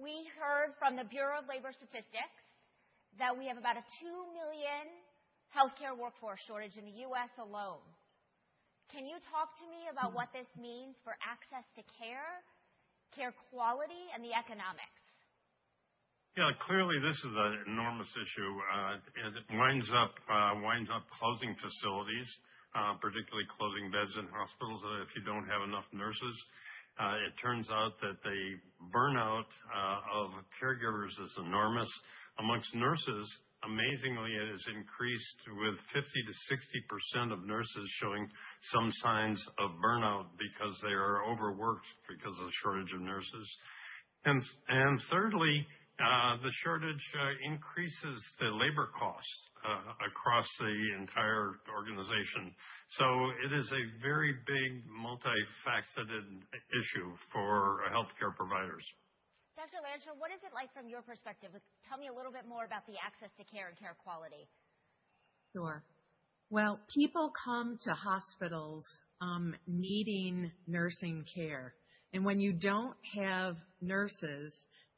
We heard from the Bureau of Labor Statistics that we have about a 2 million healthcare workforce shortage in the U.S. alone. Can you talk to me about what this means for access to care quality, and the economics? Yeah, clearly, this is an enormous issue, and it winds up closing facilities, particularly closing beds in hospitals if you don't have enough nurses. It turns out that the burnout of caregivers is enormous. Amongst nurses, amazingly, it has increased with 50%-60% of nurses showing some signs of burnout because they are overworked because of the shortage of nurses. Thirdly, the shortage increases the labor cost across the entire organization. It is a very big, multifaceted issue for healthcare providers. Dr. Landstrom, what is it like from your perspective? Tell me a little bit more about the access to care and care quality. Sure. Well, people come to hospitals, needing nursing care, and when you don't have nurses,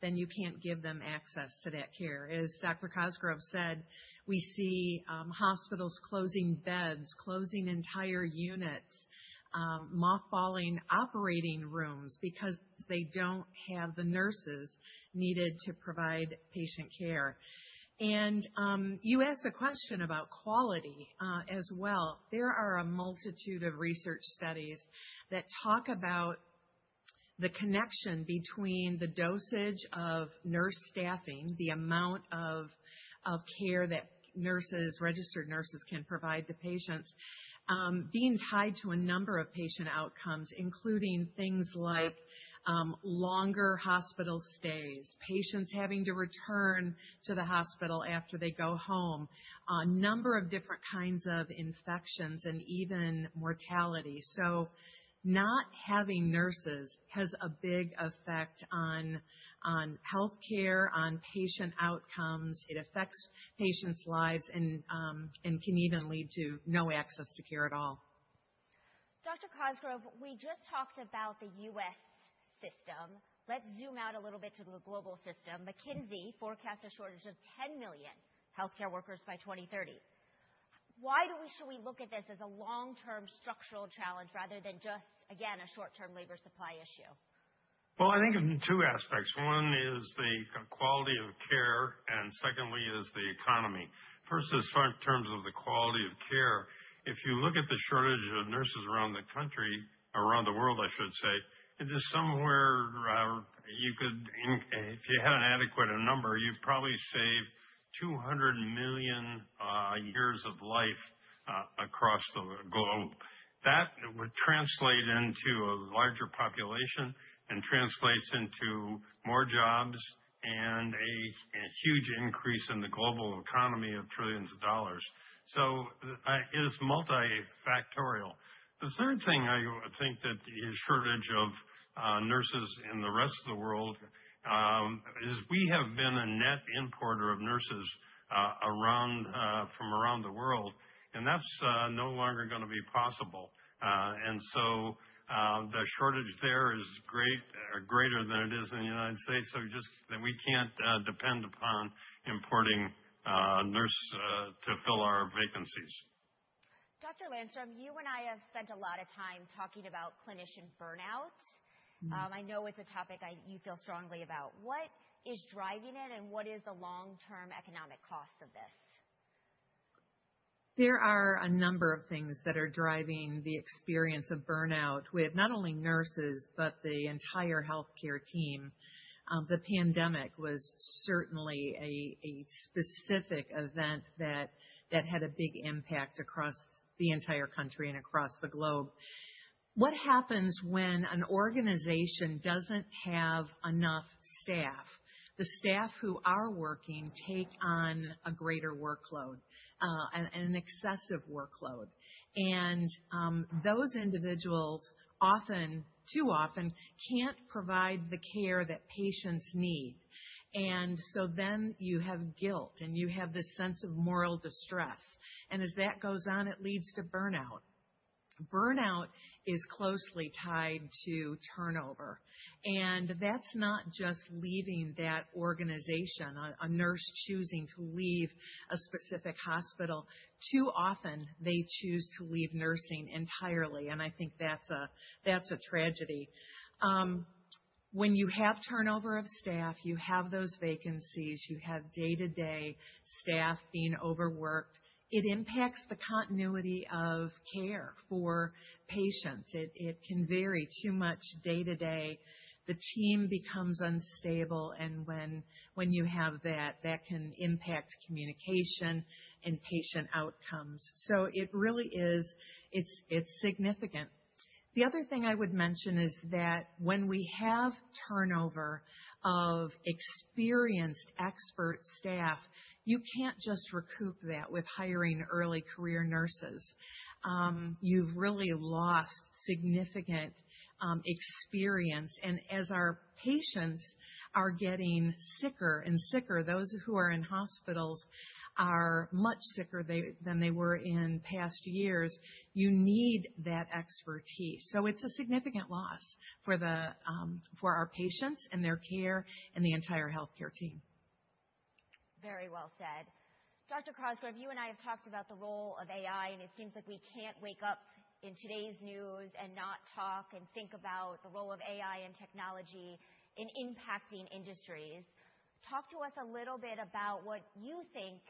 then you can't give them access to that care. As Dr. Cosgrove said, we see hospitals closing beds, closing entire units, mothballing operating rooms because they don't have the nurses needed to provide patient care. You asked a question about quality as well. There are a multitude of research studies that talk about the connection between the dosage of nurse staffing, the amount of care that nurses, registered nurses can provide the patients, being tied to a number of patient outcomes, including things like longer hospital stays, patients having to return to the hospital after they go home, a number of different kinds of infections and even mortality. Not having nurses has a big effect on healthcare, on patient outcomes. It affects patients' lives and can even lead to no access to care at all. Dr. Cosgrove, we just talked about the U.S. system. Let's zoom out a little bit to the global system. McKinsey forecast a shortage of 10 million healthcare workers by 2030. Should we look at this as a long-term structural challenge rather than just, again, a short-term labor supply issue? I think in two aspects. One is the quality of care, and secondly is the economy. First, in terms of the quality of care, if you look at the shortage of nurses around the country, around the world, I should say, it is somewhere. If you had an adequate number, you'd probably save 200 million years of life across the globe. That would translate into a larger population and translates into more jobs and a, and huge increase in the global economy of trillions of dollars. It is multifactorial. The third thing I think that is shortage of, nurses in the rest of the world, is we have been a net importer of nurses, around, from around the world, and that's no longer gonna be possible. The shortage there is great or greater than it is in the United States. Just that we can't depend upon importing nurse to fill our vacancies. Dr. Landstrom, you and I have spent a lot of time talking about clinician burnout. Mm-hmm. I know it's a topic you feel strongly about. What is driving it, and what is the long-term economic cost of this? There are a number of things that are driving the experience of burnout with not only nurses, but the entire healthcare team. The pandemic was certainly a specific event that had a big impact across the entire country and across the globe. What happens when an organization doesn't have enough staff? The staff who are working take on a greater workload, an excessive workload. Those individuals, often, too often, can't provide the care that patients need. You have guilt, and you have this sense of moral distress, and as that goes on, it leads to burnout. Burnout is closely tied to turnover, that's not just leaving that organization, a nurse choosing to leave a specific hospital. Too often, they choose to leave nursing entirely, and I think that's a tragedy. When you have turnover of staff, you have those vacancies, you have day-to-day staff being overworked. It impacts the continuity of care for patients. It can vary too much day to day. The team becomes unstable, and when you have that can impact communication and patient outcomes. It really is significant. The other thing I would mention is that when we have turnover of experienced expert staff, you can't just recoup that with hiring early career nurses. You've really lost significant experience. As our patients are getting sicker and sicker, those who are in hospitals are much sicker than they were in past years, you need that expertise. It's a significant loss for the, for our patients and their care and the entire healthcare team. Very well said. Dr. Cosgrove, you and I have talked about the role of AI, and it seems like we can't wake up in today's news and not talk and think about the role of AI and technology in impacting industries. Talk to us a little bit about what you think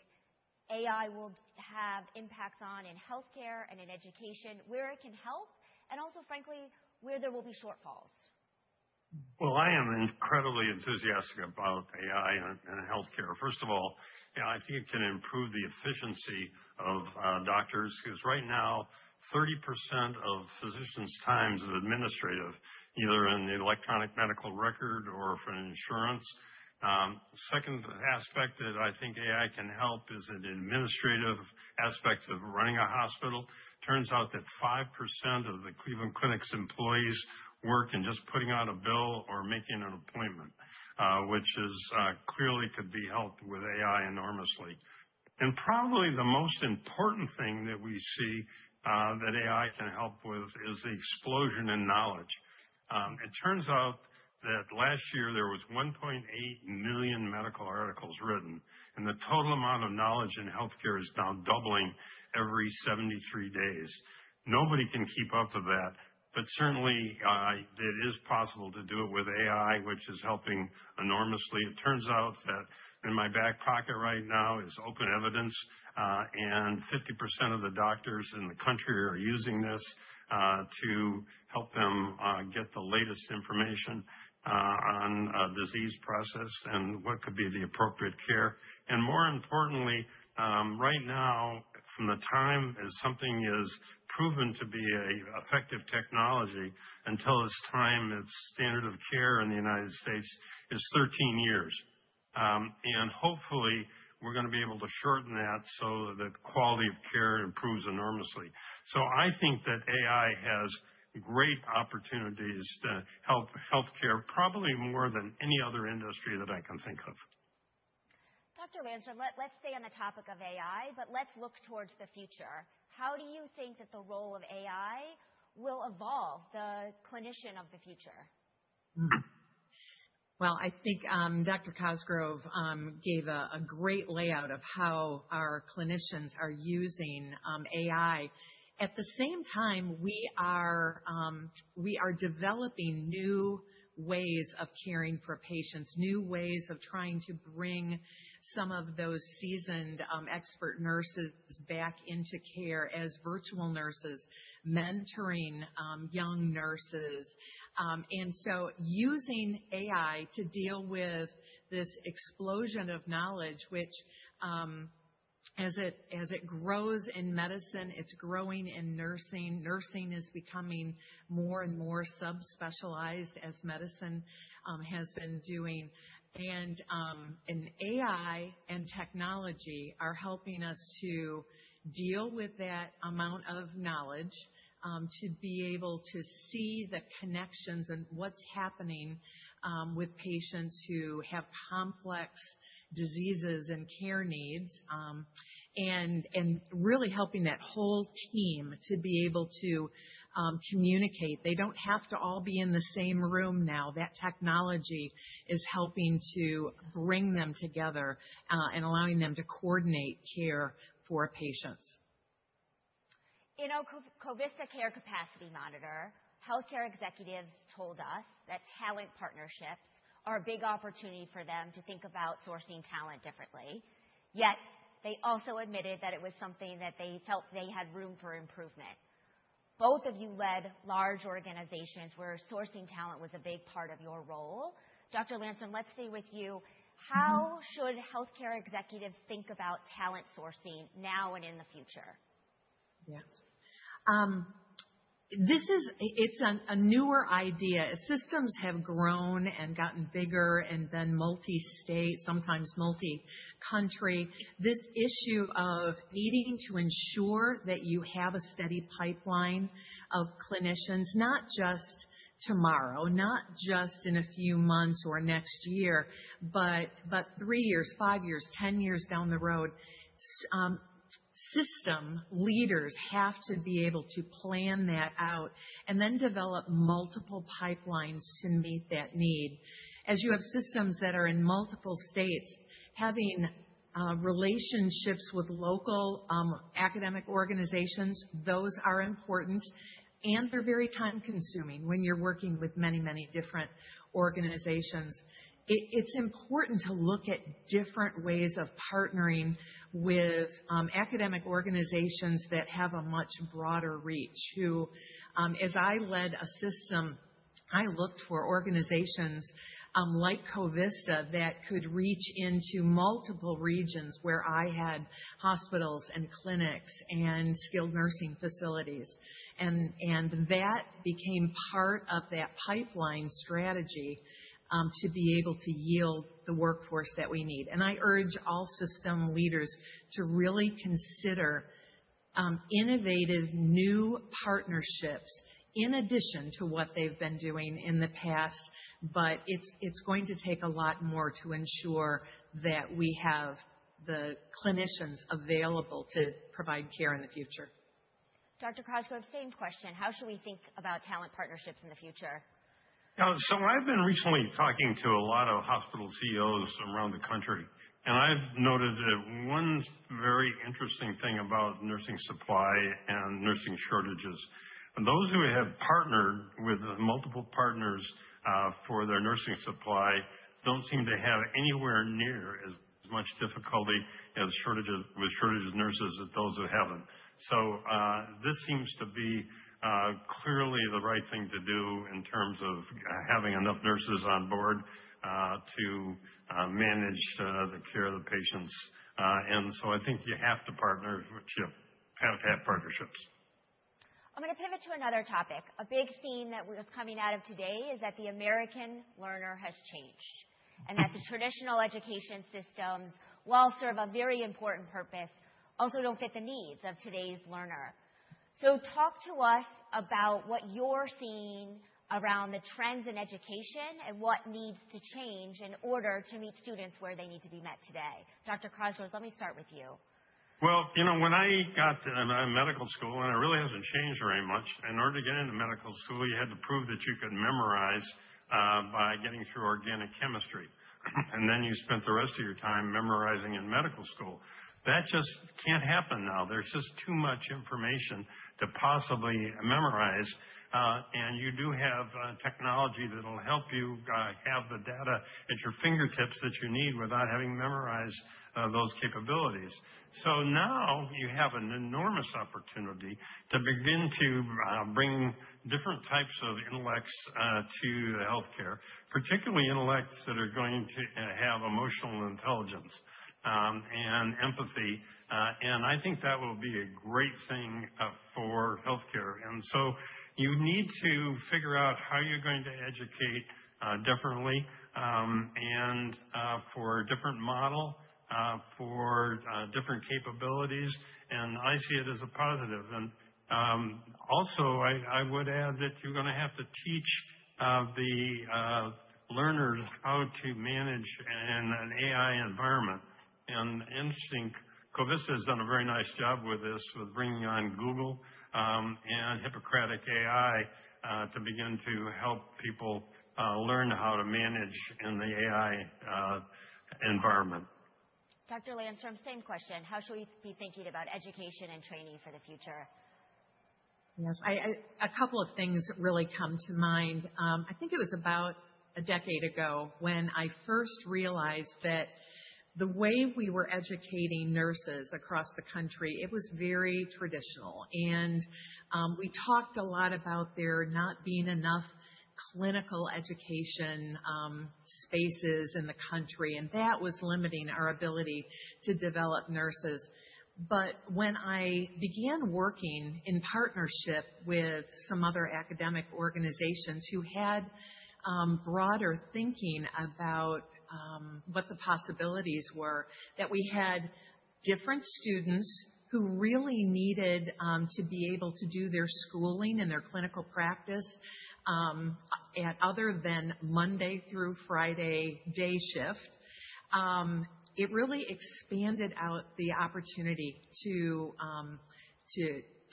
AI will have impacts on in healthcare and in education, where it can help, and also, frankly, where there will be shortfalls? I am incredibly enthusiastic about AI and healthcare. First of all, you know, I think it can improve the efficiency of doctors, because right now, 30% of physicians' time is administrative, either in the electronic medical record or for insurance. Second aspect that I think AI can help is in the administrative aspects of running a hospital. Turns out that 5% of the Cleveland Clinic's employees work in just putting out a bill or making an appointment, which is clearly could be helped with AI enormously. Probably the most important thing that we see that AI can help with is the explosion in knowledge. It turns out that last year there was 1.8 million medical articles written, and the total amount of knowledge in healthcare is now doubling every 73 days. Nobody can keep up with that, certainly, it is possible to do it with AI, which is helping enormously. It turns out that in my back pocket right now is Open Evidence, and 50% of the doctors in the country are using this to help them get the latest information on disease process and what could be the appropriate care. More importantly, right now, from the time as something is proven to be a effective technology until it's time, its standard of care in the United States is 13 years. Hopefully, we're gonna be able to shorten that so that the quality of care improves enormously. I think that AI has great opportunities to help healthcare, probably more than any other industry that I can think of. Dr. Landstrom, let's stay on the topic of AI. Let's look towards the future. How do you think that the role of AI will evolve the clinician of the future? I think Dr. Cosgrove gave a great layout of how our clinicians are using AI. At the same time, we are developing new ways of caring for patients, new ways of trying to bring some of those seasoned expert nurses back into care as virtual nurses, mentoring young nurses. Using AI to deal with this explosion of knowledge, which as it grows in medicine, it's growing in nursing. Nursing is becoming more and more subspecialized as medicine has been doing. AI and technology are helping us to deal with that amount of knowledge to be able to see the connections and what's happening with patients who have complex diseases and care needs, and really helping that whole team to be able to communicate. They don't have to all be in the same room now. That technology is helping to bring them together and allowing them to coordinate care for patients. In our Covista Care Capacity Monitor, healthcare executives told us that talent partnerships are a big opportunity for them to think about sourcing talent differently. They also admitted that it was something that they felt they had room for improvement. Both of you led large organizations where sourcing talent was a big part of your role. Dr. Landstrom, let's stay with you. How should healthcare executives think about talent sourcing now and in the future? Yes. This is a newer idea. As systems have grown and gotten bigger, and then multi-state, sometimes multi-country, this issue of needing to ensure that you have a steady pipeline of clinicians, not just tomorrow, not just in a few months or next year, but three years, five years, 10 years down the road, system leaders have to be able to plan that out and then develop multiple pipelines to meet that need. As you have systems that are in multiple states, having relationships with local academic organizations, those are important, and they're very time-consuming when you're working with many different organizations. It's important to look at different ways of partnering with academic organizations that have a much broader reach, who as I led a system, I looked for organizations like Covista, that could reach into multiple regions where I had hospitals, clinics, and skilled nursing facilities. That became part of that pipeline strategy to be able to yield the workforce that we need. I urge all system leaders to really consider innovative, new partnerships in addition to what they've been doing in the past, it's going to take a lot more to ensure that we have the clinicians available to provide care in the future. Dr. Cosgrove, same question: How should we think about talent partnerships in the future? I've been recently talking to a lot of hospital CEOs around the country, and I've noted that one very interesting thing about nursing supply and nursing shortages, those who have partnered with multiple partners for their nursing supply don't seem to have anywhere near as much difficulty with shortages of nurses as those who haven't. This seems to be clearly the right thing to do in terms of having enough nurses on board to manage the care of the patients. I think you have to partnership, have to have partnerships. I'm gonna pivot to another topic. A big theme that we're coming out of today is that the American learner has changed, and that the traditional education systems, while serve a very important purpose, also don't fit the needs of today's learner. Talk to us about what you're seeing around the trends in education and what needs to change in order to meet students where they need to be met today. Dr. Cosgrove, let me start with you. Well, you know, when I got to medical school, and it really hasn't changed very much, in order to get into medical school, you had to prove that you could memorize by getting through organic chemistry. You spent the rest of your time memorizing in medical school. That just can't happen now. There's just too much information to possibly memorize. You do have technology that'll help you have the data at your fingertips that you need without having to memorize those capabilities. You have an enormous opportunity to begin to bring different types of intellects to the healthcare, particularly intellects that are going to have emotional intelligence and empathy. I think that will be a great thing for healthcare. You need to figure out how you're going to educate differently, and for a different model, for different capabilities, and I see it as a positive. Also, I would add that you're gonna have to teach the learners how to manage in an AI environment. Interesting, Covista has done a very nice job with this, with bringing on Google and Hippocratic AI to begin to help people learn how to manage in the AI environment. Dr. Landstrom, same question: How should we be thinking about education and training for the future? Yes, I. A couple of things really come to mind. I think it was about a decade ago when I first realized that the way we were educating nurses across the country, it was very traditional. We talked a lot about there not being enough clinical education spaces in the country, and that was limiting our ability to develop nurses. When I began working in partnership with some other academic organizations who had broader thinking about what the possibilities were, that we had different students who really needed to be able to do their schooling and their clinical practice at other than Monday through Friday day shift. It really expanded out the opportunity to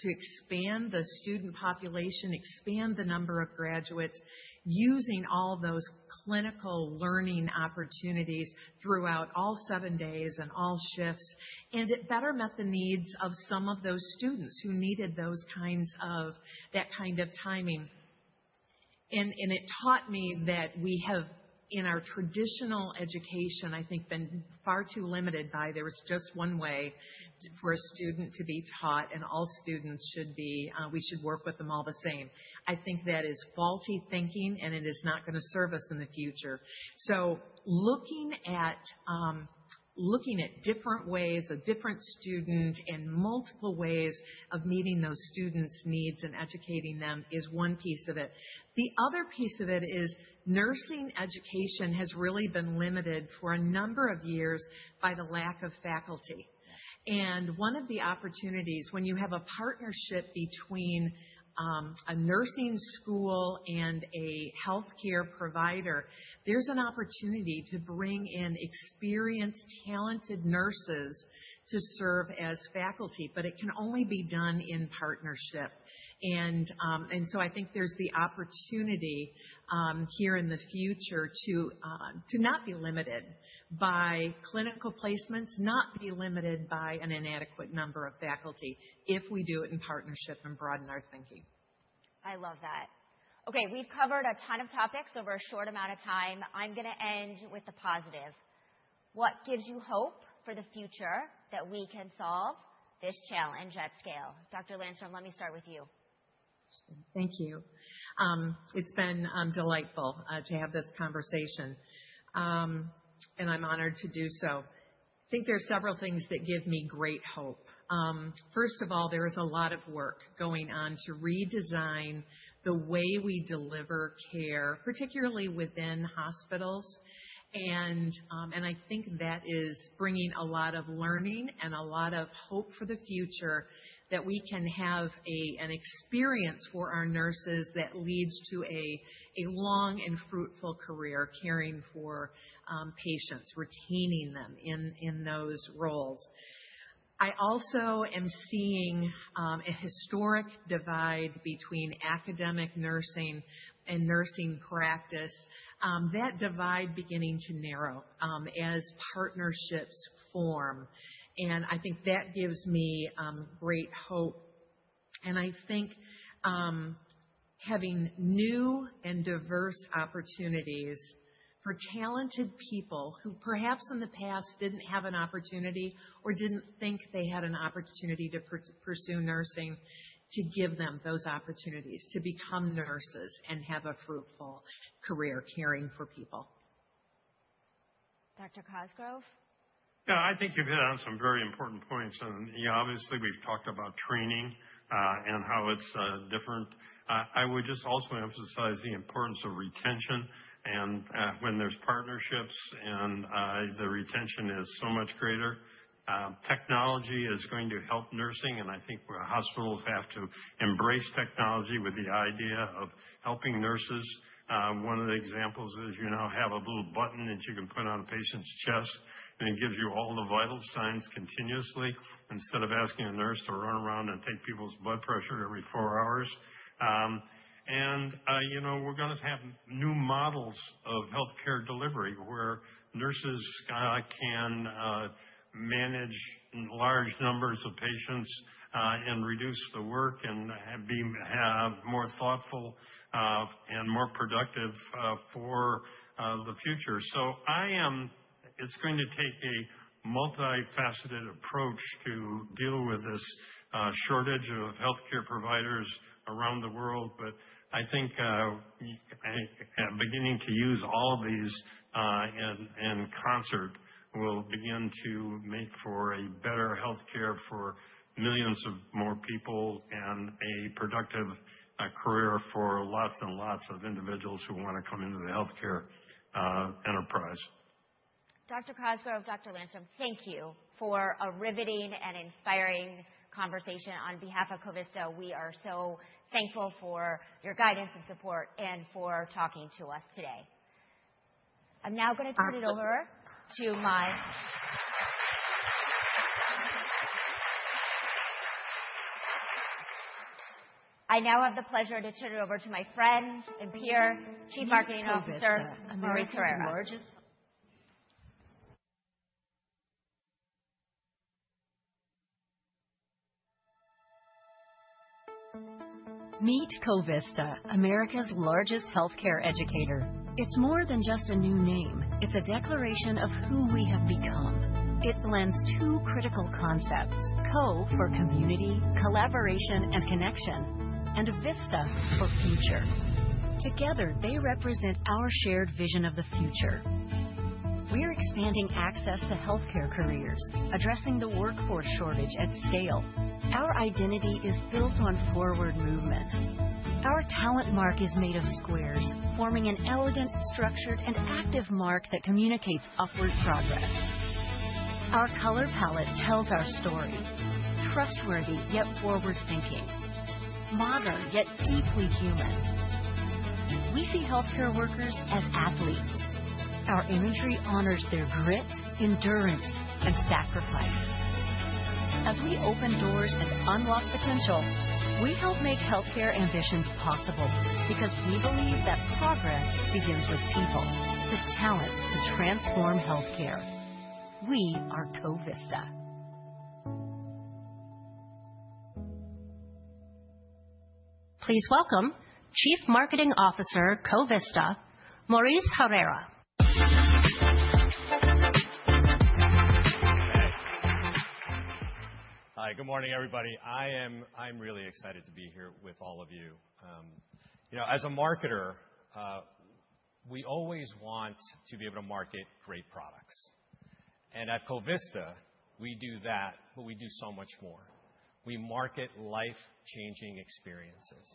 expand the student population, expand the number of graduates, using all those clinical learning opportunities throughout all seven days and all shifts, and it better met the needs of some of those students who needed that kind of timing. It taught me that we have, in our traditional education, I think, been far too limited by there was just one way for a student to be taught, and all students should be, we should work with them all the same. I think that is faulty thinking, and it is not gonna serve us in the future. Looking at different ways, a different student, and multiple ways of meeting those students' needs and educating them is one piece of it. The other piece of it is nursing education has really been limited for a number of years by the lack of faculty. One of the opportunities, when you have a partnership between, a nursing school and a healthcare provider, there's an opportunity to bring in experienced, talented nurses to serve as faculty, but it can only be done in partnership. I think there's the opportunity here in the future to not be limited by clinical placements, not be limited by an inadequate number of faculty, if we do it in partnership and broaden our thinking. I love that. Okay, we've covered a ton of topics over a short amount of time. I'm gonna end with a positive. What gives you hope for the future that we can solve this challenge at scale? Dr. Landstrom, let me start with you. Thank you. It's been delightful to have this conversation. I'm honored to do so. I think there are several things that give me great hope. First of all, there is a lot of work going on to redesign the way we deliver care, particularly within hospitals. I think that is bringing a lot of learning and a lot of hope for the future, that we can have an experience for our nurses that leads to a long and fruitful career caring for patients, retaining them in those roles. I also am seeing a historic divide between academic nursing and nursing practice. That divide beginning to narrow as partnerships form, I think that gives me great hope. I think, having new and diverse opportunities for talented people who perhaps in the past didn't have an opportunity or didn't think they had an opportunity to pursue nursing, to give them those opportunities to become nurses and have a fruitful career caring for people. Dr. Cosgrove? Yeah, I think you've hit on some very important points, and, you know, obviously, we've talked about training, and how it's different. I would just also emphasize the importance of retention and, when there's partnerships and, the retention is so much greater. Technology is going to help nursing, and I think where hospitals have to embrace technology with the idea of helping nurses. One of the examples is you now have a little button that you can put on a patient's chest, and it gives you all the vital signs continuously instead of asking a nurse to run around and take people's blood pressure every 4 hours. You know, we're gonna have new models of healthcare delivery, where nurses can manage large numbers of patients and reduce the work and be more thoughtful and more productive for the future. It's going to take a multifaceted approach to deal with this shortage of healthcare providers around the world, but I think beginning to use all of these in concert, will begin to make for a better healthcare for millions of more people and a productive career for lots and lots of individuals who wanna come into the healthcare enterprise. Dr. Cosgrove, Dr. Lanzen, thank you for a riveting and inspiring conversation. On behalf of Covista, we are so thankful for your guidance and support and for talking to us today. I now have the pleasure to turn it over to my friend and peer, Chief Marketing Officer, Maurice Herrera. Meet Covista, America's largest healthcare educator. It's more than just a new name. It's a declaration of who we have become. It blends two critical concepts, Co for community, collaboration, and connection, and Vista for future. Together, they represent our shared vision of the future. We're expanding access to healthcare careers, addressing the workforce shortage at scale. Our identity is built on forward movement. Our talent mark is made of squares, forming an elegant, structured, and active mark that communicates upward progress. Our color palette tells our story. Trustworthy, yet forward-thinking. Modern, yet deeply human. We see healthcare workers as athletes. Our imagery honors their grit, endurance, and sacrifice. As we open doors and unlock potential, we help make healthcare ambitions possible because we believe that progress begins with people, the talent to transform healthcare. We are Covista. Please welcome Chief Marketing Officer, Covista, Maurice Herrera. Hi, good morning, everybody. I'm really excited to be here with all of you. you know, as a marketer, we always want to be able to market great products. At Covista, we do that, but we do so much more. We market life-changing experiences.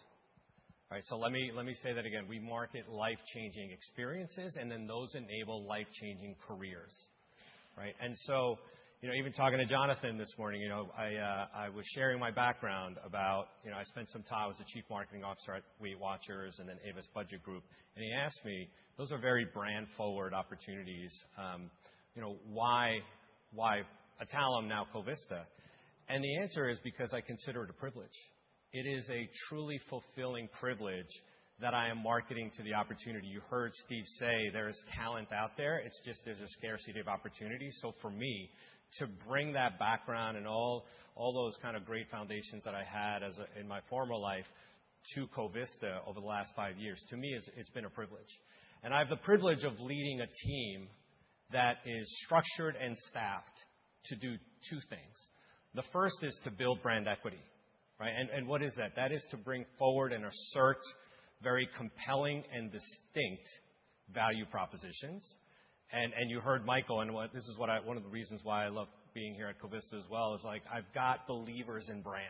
All right, let me say that again. We market life-changing experiences, those enable life-changing careers, right? you know, even talking to Jonathan this morning, you know, I was sharing my background about, you know, I spent some time as a chief marketing officer at Weight Watchers and Avis Budget Group, he asked me, "Those are very brand-forward opportunities. you know, why Adtalem, now Covista?" The answer is because I consider it a privilege. It is a truly fulfilling privilege that I am marketing to the opportunity. You heard Steve say there is talent out there. It's just there's a scarcity of opportunity. For me, to bring that background and all those kind of great foundations that I had in my former life to Covista over the last five years, to me, it's been a privilege. I have the privilege of leading a team that is structured and staffed to do two things. The first is to build brand equity, right? What is that? That is to bring forward and assert very compelling and distinct value propositions. You heard Michael, this is what I... One of the reasons why I love being here at Covista as well, is like, I've got believers in brand.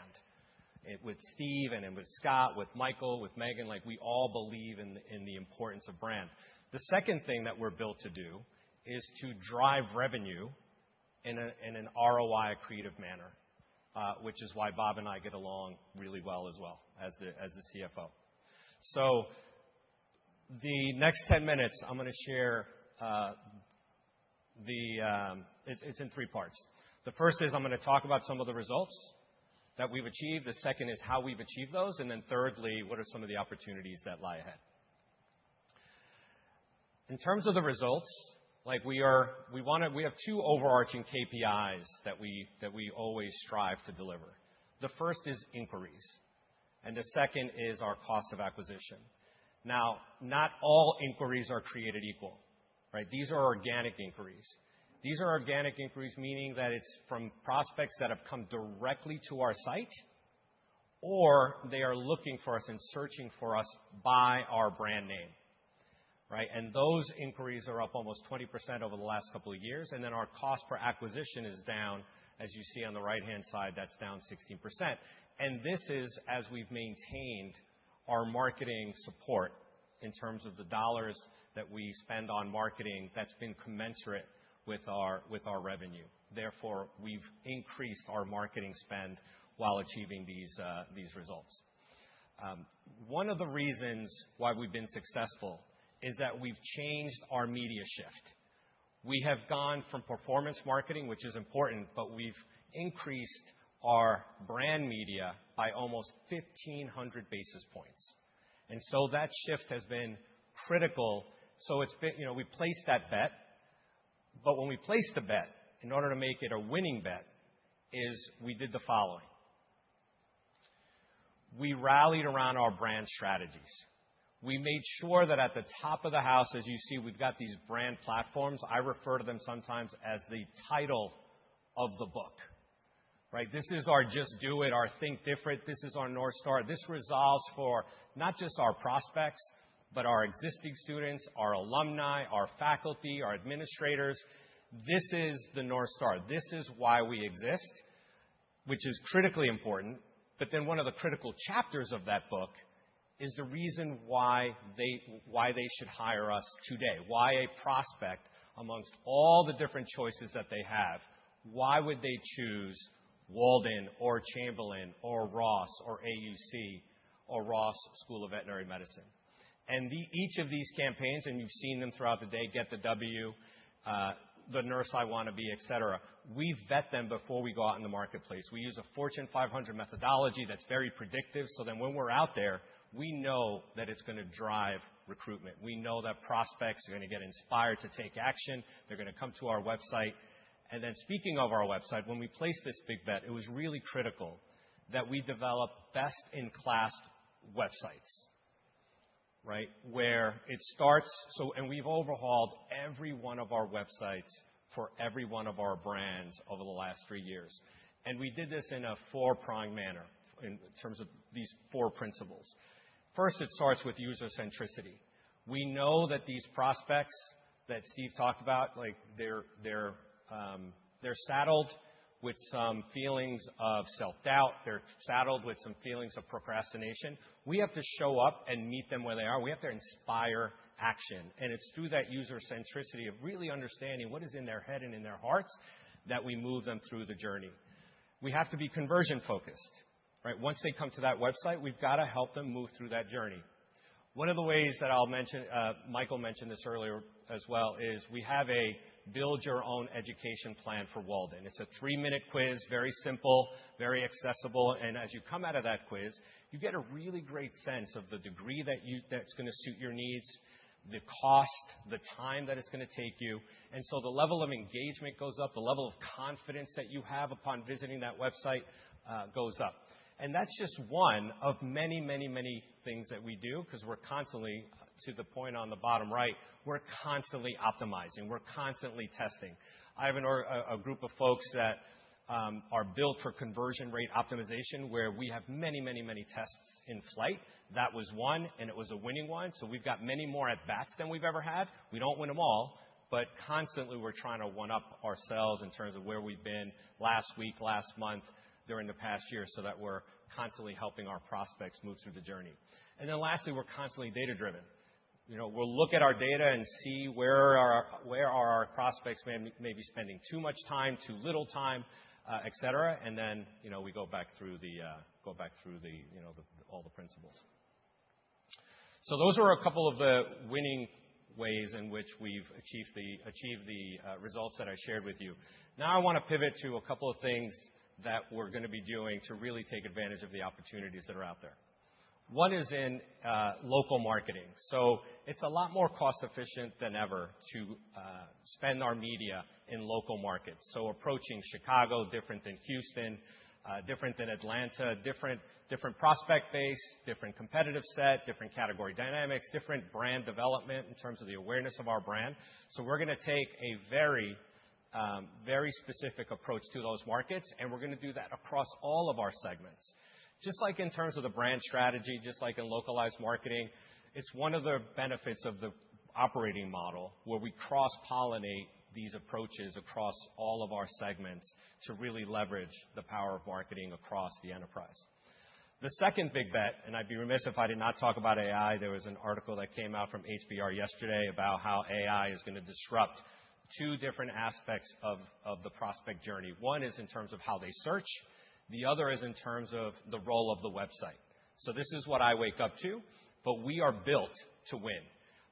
With Steve and with Scott, with Michael, with Megan, like, we all believe in the importance of brand. The second thing that we're built to do is to drive revenue in an ROI creative manner, which is why Bob and I get along really well as the CFO. The next 10 minutes, I'm gonna share, it's in three parts. The first is I'm gonna talk about some of the results that we've achieved, the second is how we've achieved those, thirdly, what are some of the opportunities that lie ahead? In terms of the results, like we have two overarching KPIs that we always strive to deliver. The first is inquiries, the second is our cost of acquisition. Not all inquiries are created equal, right? These are organic inquiries. These are organic inquiries, meaning that it's from prospects that have come directly to our site, or they are looking for us and searching for us by our brand name, right? Those inquiries are up almost 20% over the last couple of years, and then our cost per acquisition is down, as you see on the right-hand side, that's down 16%. This is as we've maintained our marketing support in terms of the dollars that we spend on marketing, that's been commensurate with our, with our revenue. Therefore, we've increased our marketing spend while achieving these results. One of the reasons why we've been successful is that we've changed our media shift. We have gone from performance marketing, which is important, but we've increased our brand media by almost 1,500 basis points, That shift has been critical. It's been... You know, we placed that bet, but when we placed the bet, in order to make it a winning bet, is we did the following: We rallied around our brand strategies. We made sure that at the top of the house, as you see, we've got these brand platforms. I refer to them sometimes as the title of the book, right? This is our Just Do It, our Think Different. This is our North Star. This resolves for not just our prospects, but our existing students, our alumni, our faculty, our administrators. This is the North Star. This is why we exist, which is critically important, but then one of the critical chapters of that book is the reason why they should hire us today. Why a prospect, amongst all the different choices that they have, why would they choose Walden or Chamberlain or Ross or AUC or Ross School of Veterinary Medicine? Each of these campaigns, and you've seen them throughout the day, Get the W, The nurse I want to be, et cetera. We vet them before we go out in the marketplace. We use a Fortune 500 methodology that's very predictive, then when we're out there, we know that it's going to drive recruitment. We know that prospects are going to get inspired to take action, they're going to come to our website. Then, speaking of our website, when we placed this big bet, it was really critical that we develop best-in-class websites, right? Where it starts. We've overhauled every one of our websites for every one of our brands over the last three years, and we did this in a four-pronged manner in terms of these four principles. First, it starts with user centricity. We know that these prospects that Steve talked about, they're saddled with some feelings of self-doubt. They're saddled with some feelings of procrastination. We have to show up and meet them where they are. We have to inspire action, and it's through that user centricity of really understanding what is in their head and in their hearts, that we move them through the journey. We have to be conversion-focused, right? Once they come to that website, we've got to help them move through that journey. One of the ways that I'll mention, Michael mentioned this earlier as well, is we have a Build Your Education Plan for Walden. It's a 3-minute quiz, very simple, very accessible, as you come out of that quiz, you get a really great sense of the degree that's gonna suit your needs, the cost, the time that it's gonna take you, the level of engagement goes up, the level of confidence that you have upon visiting that website, goes up. That's just one of many, many, many things that we do, 'cause we're constantly, to the point on the bottom right, we're constantly optimizing, we're constantly testing. I have a group of folks that are built for conversion rate optimization, where we have many, many, many tests in flight. That was one, and it was a winning one, so we've got many more at bats than we've ever had. We don't win them all, but constantly, we're trying to one-up ourselves in terms of where we've been last week, last month, during the past year, so that we're constantly helping our prospects move through the journey. Lastly, we're constantly data-driven. You know, we'll look at our data and see where are our prospects may be spending too much time, too little time, et cetera, and then, you know, we go back through the, you know, all the principles. Those are a couple of the winning ways in which we've achieved the results that I shared with you. I want to pivot to a couple of things that we're gonna be doing to really take advantage of the opportunities that are out there. One is in local marketing. It's a lot more cost-efficient than ever to spend our media in local markets. Approaching Chicago, different than Houston, different than Atlanta, different prospect base, different competitive set, different category dynamics, different brand development in terms of the awareness of our brand. We're gonna take a very, very specific approach to those markets, and we're gonna do that across all of our segments. Just like in terms of the brand strategy, just like in localized marketing, it's one of the benefits of the operating model, where we cross-pollinate these approaches across all of our segments to really leverage the power of marketing across the enterprise. The second big bet, I'd be remiss if I did not talk about AI. There was an article that came out from HBR yesterday about how AI is gonna disrupt two different aspects of the prospect journey. One is in terms of how they search, the other is in terms of the role of the website. This is what I wake up to, but we are built to win.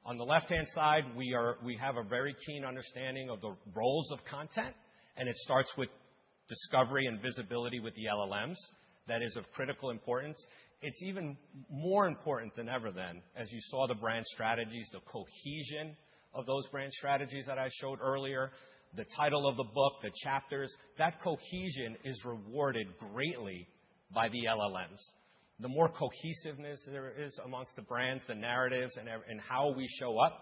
On the left-hand side, we have a very keen understanding of the roles of content, it starts with discovery and visibility with the LLMs. That is of critical importance. It's even more important than ever then, as you saw the brand strategies, the cohesion of those brand strategies that I showed earlier, the title of the book, the chapters, that cohesion is rewarded greatly by the LLMs. The more cohesiveness there is amongst the brands, the narratives, and how we show up,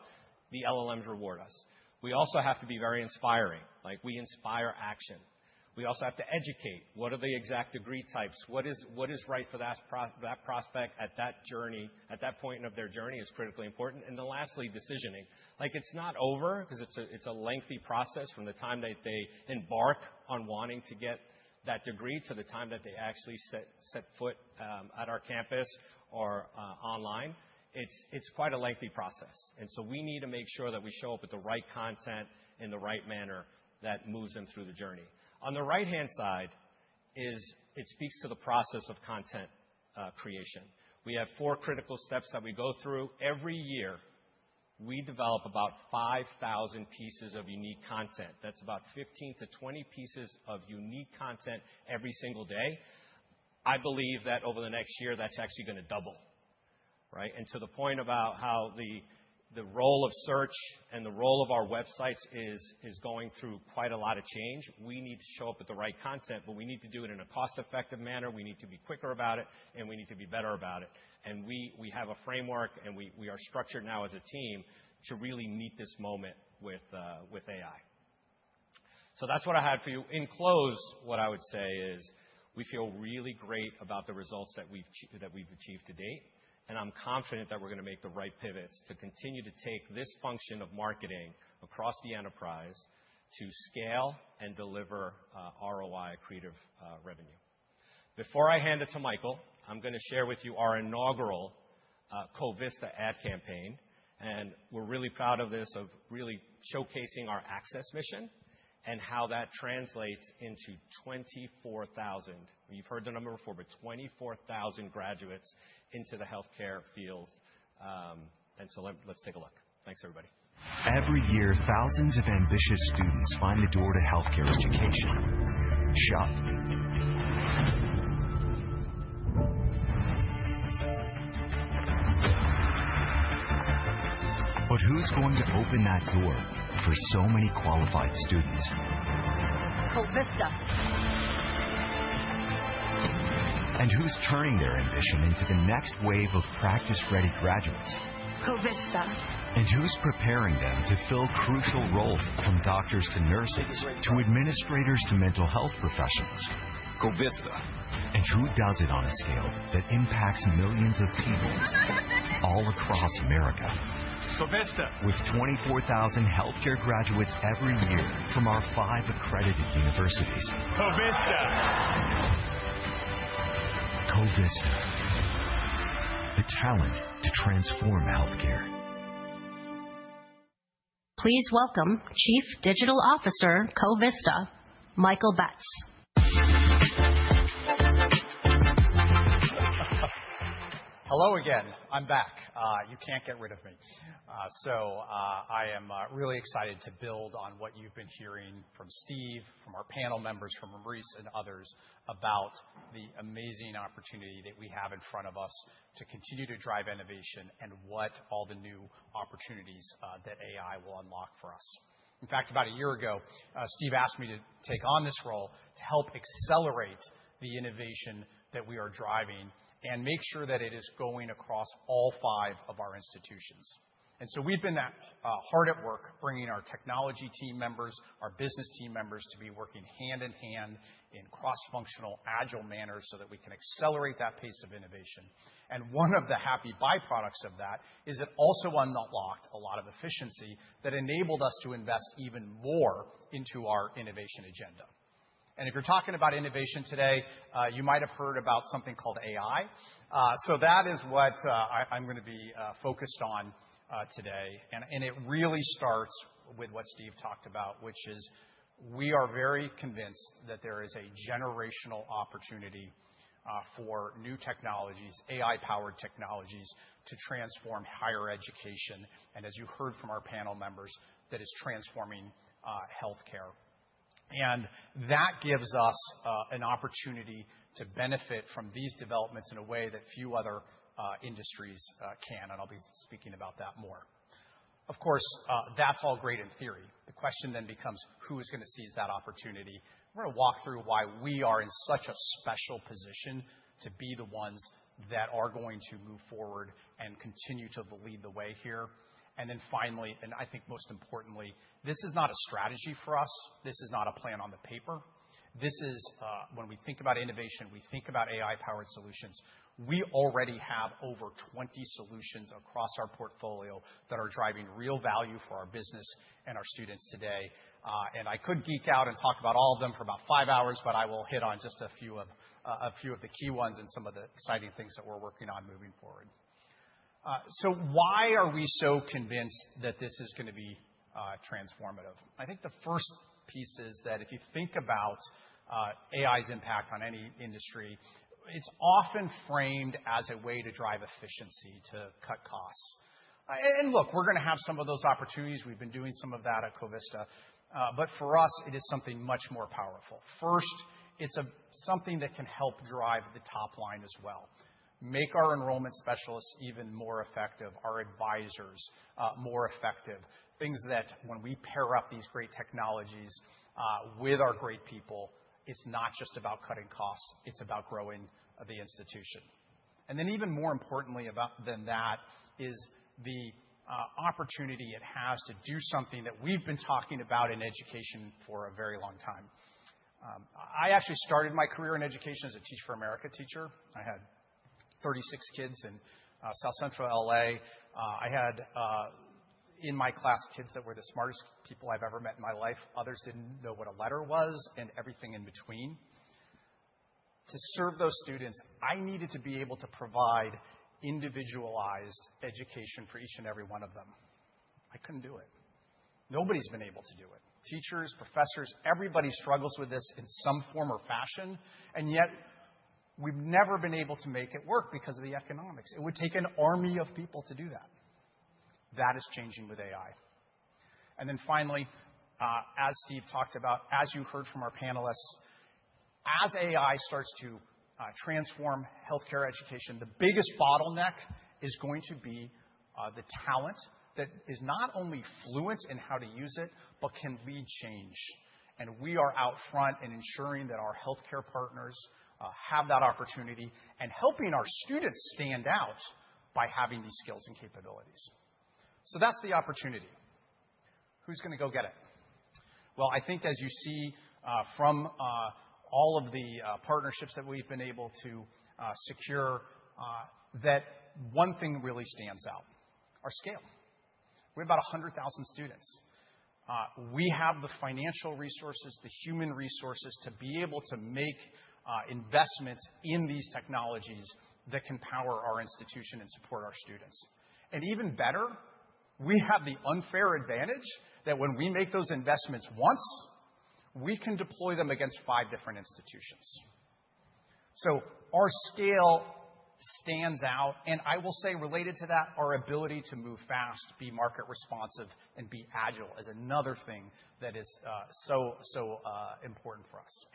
the LLMs reward us. We also have to be very inspiring, like we inspire action. We also have to educate. What are the exact degree types? What is right for that prospect at that journey, at that point of their journey is critically important. Lastly, decisioning. Like, it's not over 'cause it's a lengthy process from the time that they embark on wanting to get that degree to the time that they actually set foot at our campus or online. It's quite a lengthy process. We need to make sure that we show up with the right content in the right manner that moves them through the journey. On the right-hand side is. It speaks to the process of content, creation. We have four critical steps that we go through. Every year, we develop about 5,000 pieces of unique content. That's about 15-20 pieces of unique content every single day. I believe that over the next year, that's actually gonna double, right? To the point about how the role of search and the role of our websites is going through quite a lot of change, we need to show up with the right content, but we need to do it in a cost-effective manner, we need to be quicker about it, and we need to be better about it. We have a framework, and we are structured now as a team to really meet this moment with AI. That's what I had for you. In close, what I would say is we feel really great about the results that we've achieved to date, and I'm confident that we're gonna make the right pivots to continue to take this function of marketing across the enterprise to scale and deliver, ROI accretive, revenue. Before I hand it to Michael, I'm gonna share with you our inaugural Covista ad campaign, and we're really proud of this, of really showcasing our access mission and how that translates into 24,000. You've heard the number before, 24,000 graduates into the healthcare field, let's take a look. Thanks, everybody. Every year, thousands of ambitious students find the door to healthcare education shut. Who's going to open that door for so many qualified students? Covista. Who's turning their ambition into the next wave of practice-ready graduates? Covista. Who's preparing them to fill crucial roles, from doctors to nurses, to administrators, to mental health professionals? Covista. Who does it on a scale that impacts millions of people all across America? Covista. With 24,000 healthcare graduates every year from our five accredited universities. Covista. Covista, the talent to transform healthcare. Please welcome Chief Digital Officer, Covista, Michael Betz. Hello again. I'm back. You can't get rid of me. I am really excited to build on what you've been hearing from Steve, from our panel members, from Maurice and others, about the amazing opportunity that we have in front of us to continue to drive innovation and what all the new opportunities that AI will unlock for us. In fact, about a year ago, Steve asked me to take on this role to help accelerate the innovation that we are driving and make sure that it is going across all five of our institutions. We've been hard at work, bringing our technology team members, our business team members, to be working hand in hand in cross-functional, agile manners, so that we can accelerate that pace of innovation. One of the happy byproducts of that is it also unlocked a lot of efficiency that enabled us to invest even more into our innovation agenda. If you're talking about innovation today, you might have heard about something called AI. That is what I'm gonna be focused on today. It really starts with what Steve talked about, which is we are very convinced that there is a generational opportunity for new technologies, AI-powered technologies, to transform higher education, and as you heard from our panel members, that is transforming healthcare. That gives us an opportunity to benefit from these developments in a way that few other industries can, and I'll be speaking about that more. Of course, that's all great in theory. The question then becomes: Who is gonna seize that opportunity? We're gonna walk through why we are in such a special position to be the ones that are going to move forward and continue to lead the way here. Then finally, and I think most importantly, this is not a strategy for us. This is not a plan on the paper. This is. When we think about innovation, we think about AI-powered solutions. We already have over 20 solutions across our portfolio that are driving real value for our business and our students today. I could geek out and talk about all of them for about 5 hours, but I will hit on just a few of a few of the key ones and some of the exciting things that we're working on moving forward. Why are we so convinced that this is going to be transformative? I think the first piece is that if you think about AI's impact on any industry, it's often framed as a way to drive efficiency, to cut costs. Look, we're going to have some of those opportunities. We've been doing some of that at Covista, but for us, it is something much more powerful. First, it's a something that can help drive the top line as well, make our enrollment specialists even more effective, our advisors, more effective. Things that when we pair up these great technologies, with our great people, it's not just about cutting costs, it's about growing the institution. Even more importantly than that, is the opportunity it has to do something that we've been talking about in education for a very long time. I actually started my career in education as a Teach For America teacher. I had 36 kids in South Central L.A. I had in my class, kids that were the smartest people I've ever met in my life. Others didn't know what a letter was, and everything in between. To serve those students, I needed to be able to provide individualized education for each and every one of them. I couldn't do it. Nobody's been able to do it. Teachers, professors, everybody struggles with this in some form or fashion, and yet we've never been able to make it work because of the economics. It would take an army of people to do that. That is changing with AI. Then finally, as Steve talked about, as you heard from our panelists, as AI starts to transform healthcare education, the biggest bottleneck is going to be the talent that is not only fluent in how to use it, but can lead change. We are out front in ensuring that our healthcare partners have that opportunity, and helping our students stand out by having these skills and capabilities. That's the opportunity. Who's going to go get it? I think as you see from all of the partnerships that we've been able to secure, that one thing really stands out, our scale. We have about 100,000 students. We have the financial resources, the human resources, to be able to make investments in these technologies that can power our institution and support our students. Even better, we have the unfair advantage that when we make those investments once, we can deploy them against five different institutions. Our scale stands out, and I will say related to that, our ability to move fast, be market responsive, and be agile is another thing that is so important for us.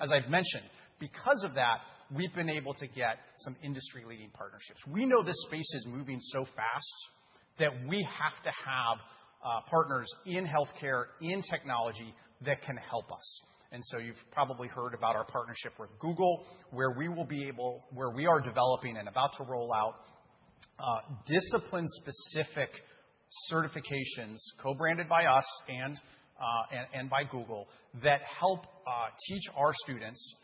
As I've mentioned, because of that, we've been able to get some industry-leading partnerships. We know this space is moving so fast, that we have to have partners in healthcare, in technology that can help us. You've probably heard about our partnership with Google, where we are developing and about to roll out, discipline-specific certifications, co-branded by us and by Google, that help teach our students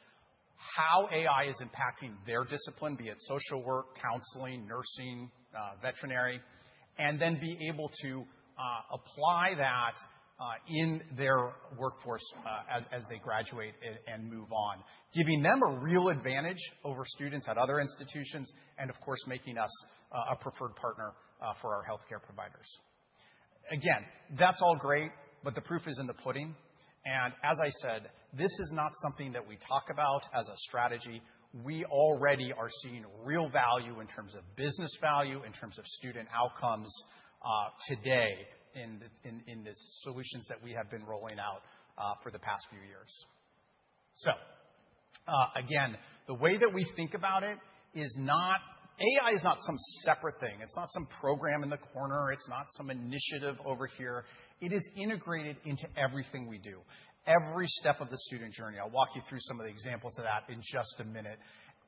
how AI is impacting their discipline, be it social work, counseling, nursing, veterinary, and then be able to apply that in their workforce as they graduate and move on. Giving them a real advantage over students at other institutions and, of course, making us a preferred partner for our healthcare providers. Again, that's all great, but the proof is in the pudding, and as I said, this is not something that we talk about as a strategy. We already are seeing real value in terms of business value, in terms of student outcomes today in the solutions that we have been rolling out for the past few years. Again, the way that we think about it, AI is not some separate thing. It's not some program in the corner. It's not some initiative over here. It is integrated into everything we do, every step of the student journey. I'll walk you through some of the examples of that in just a minute.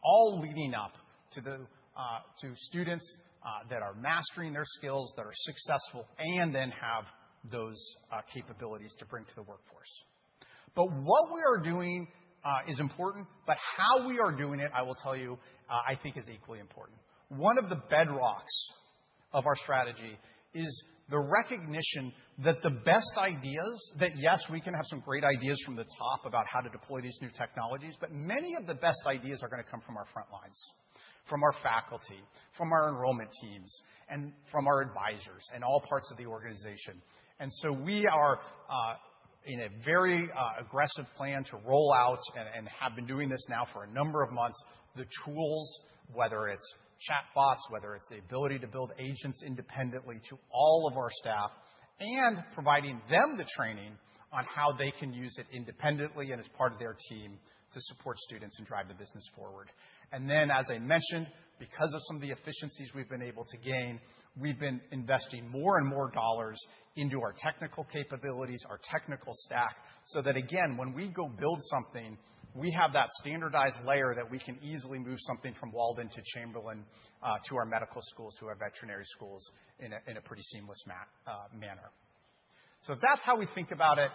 All leading up to students that are mastering their skills, that are successful, and then have those capabilities to bring to the workforce. What we are doing is important, but how we are doing it, I will tell you, I think is equally important. One of the bedrocks of our strategy is the recognition that the best ideas, that yes, we can have some great ideas from the top about how to deploy these new technologies, but many of the best ideas are going to come from our front lines, from our faculty, from our enrollment teams, and from our advisors, and all parts of the organization. We are in a very aggressive plan to roll out and have been doing this now for a number of months. The tools, whether it's chatbots, whether it's the ability to build agents independently to all of our staff, and providing them the training on how they can use it independently and as part of their team to support students and drive the business forward. Then, as I mentioned, because of some of the efficiencies we've been able to gain, we've been investing more and more dollars into our technical capabilities, our technical staff, so that again, when we go build something, we have that standardized layer that we can easily move something from Walden to Chamberlain, to our medical schools, to our veterinary schools in a pretty seamless manner. That's how we think about it.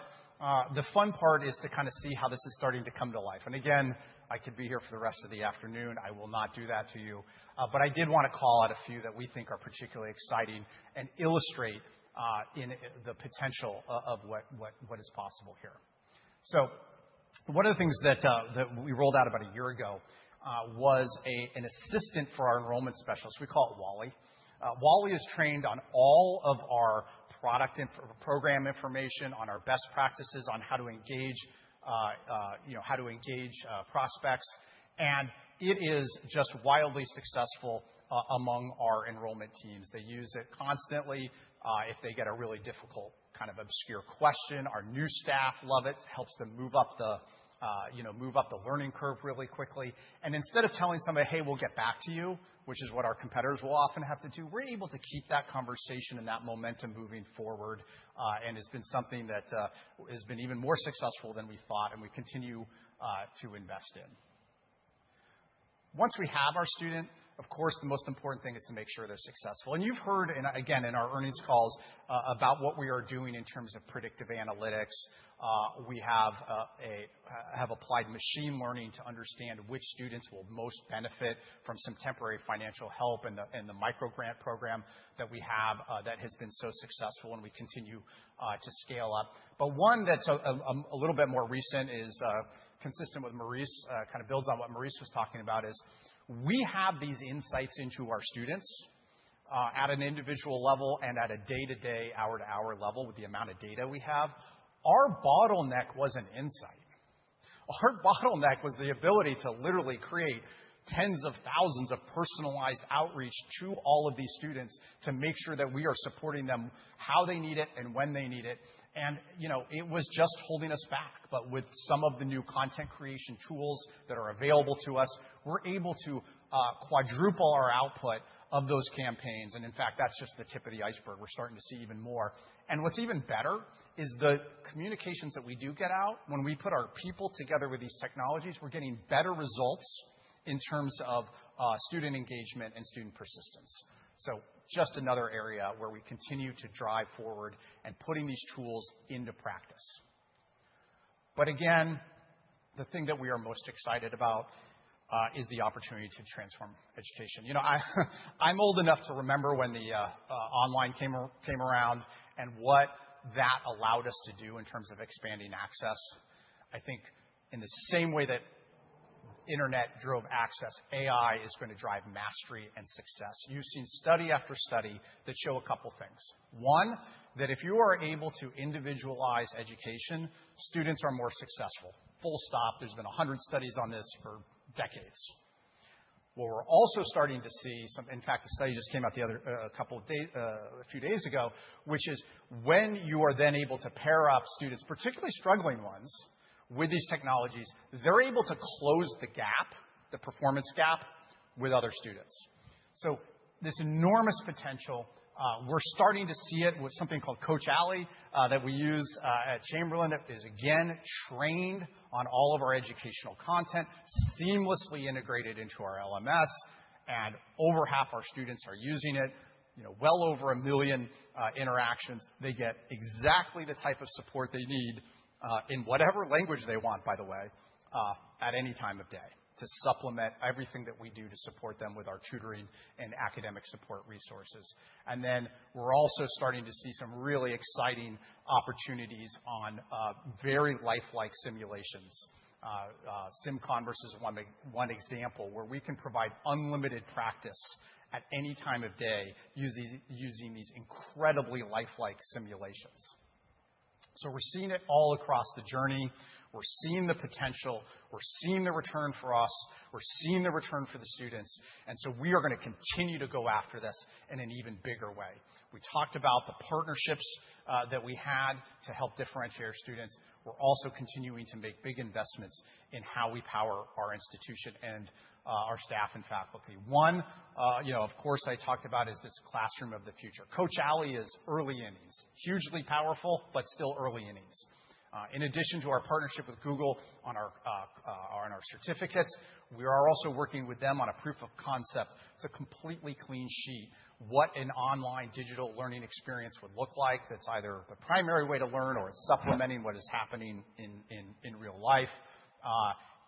The fun part is to kind of see how this is starting to come to life. Again, I could be here for the rest of the afternoon. I will not do that to you. But I did want to call out a few that we think are particularly exciting and illustrate, in the potential of what is possible here. One of the things that we rolled out about a year ago, was an assistant for our enrollment specialist. We call it Wally. Wally is trained on all of our product info- program information, on our best practices, on how to engage, you know, prospects, and it is just wildly successful, among our enrollment teams. They use it constantly, if they get a really difficult, kind of obscure question. Our new staff love it. Helps them move up the, you know, move up the learning curve really quickly. Instead of telling somebody, "Hey, we'll get back to you," which is what our competitors will often have to do, we're able to keep that conversation and that momentum moving forward, and it's been something that has been even more successful than we thought, and we continue to invest in. Once we have our student, of course, the most important thing is to make sure they're successful. You've heard in, again, in our earnings calls about what we are doing in terms of predictive analytics. We have applied machine learning to understand which students will most benefit from some temporary financial help in the microgrant program that we have that has been so successful, and we continue to scale up. One that's a little bit more recent is consistent with Maurice, kind of builds on what Maurice was talking about, is we have these insights into our students at an individual level and at a day-to-day, hour-to-hour level with the amount of data we have. Our bottleneck wasn't insight. Our bottleneck was the ability to literally create 10s of thousands of personalized outreach to all of these students to make sure that we are supporting them, how they need it and when they need it, and, you know, it was just holding us back. With some of the new content creation tools that are available to us, we're able to quadruple our output of those campaigns, and in fact, that's just the tip of the iceberg. We're starting to see even more. What's even better is the communications that we do get out, when we put our people together with these technologies, we're getting better results in terms of student engagement and student persistence. Just another area where we continue to drive forward and putting these tools into practice. Again, the thing that we are most excited about is the opportunity to transform education. You know, I'm old enough to remember when online came around, and what that allowed us to do in terms of expanding access. I think in the same way that internet drove access, AI is gonna drive mastery and success. You've seen study after study that show a couple things. One, that if you are able to individualize education, students are more successful. Full stop. There's been 100 studies on this for decades. What we're also starting to see some. In fact, a study just came out a few days ago, which is when you are then able to pair up students, particularly struggling ones, with these technologies, they're able to close the gap, the performance gap, with other students. This enormous potential, we're starting to see it with something called Coach Ally, that we use at Chamberlain, is again, trained on all of our educational content, seamlessly integrated into our LMS, and over half our students are using it. You know, well over 1 million interactions, they get exactly the type of support they need, in whatever language they want, by the way, at any time of day to supplement everything that we do to support them with our tutoring and academic support resources. Then we're also starting to see some really exciting opportunities on very lifelike simulations. SimConverse is one example, where we can provide unlimited practice at any time of day, using these incredibly lifelike simulations. We're seeing it all across the journey. We're seeing the potential, we're seeing the return for us, we're seeing the return for the students. We are gonna continue to go after this in an even bigger way. We talked about the partnerships that we had to help differentiate our students. We're also continuing to make big investments in how we power our institution and our staff and faculty. One, you know, of course, I talked about, is this classroom of the future. Coach Ally is early innings. Hugely powerful, but still early innings. In addition to our partnership with Google on our certificates, we are also working with them on a proof of concept. It's a completely clean sheet, what an online digital learning experience would look like, that's either the primary way to learn or it's supplementing what is happening in real life,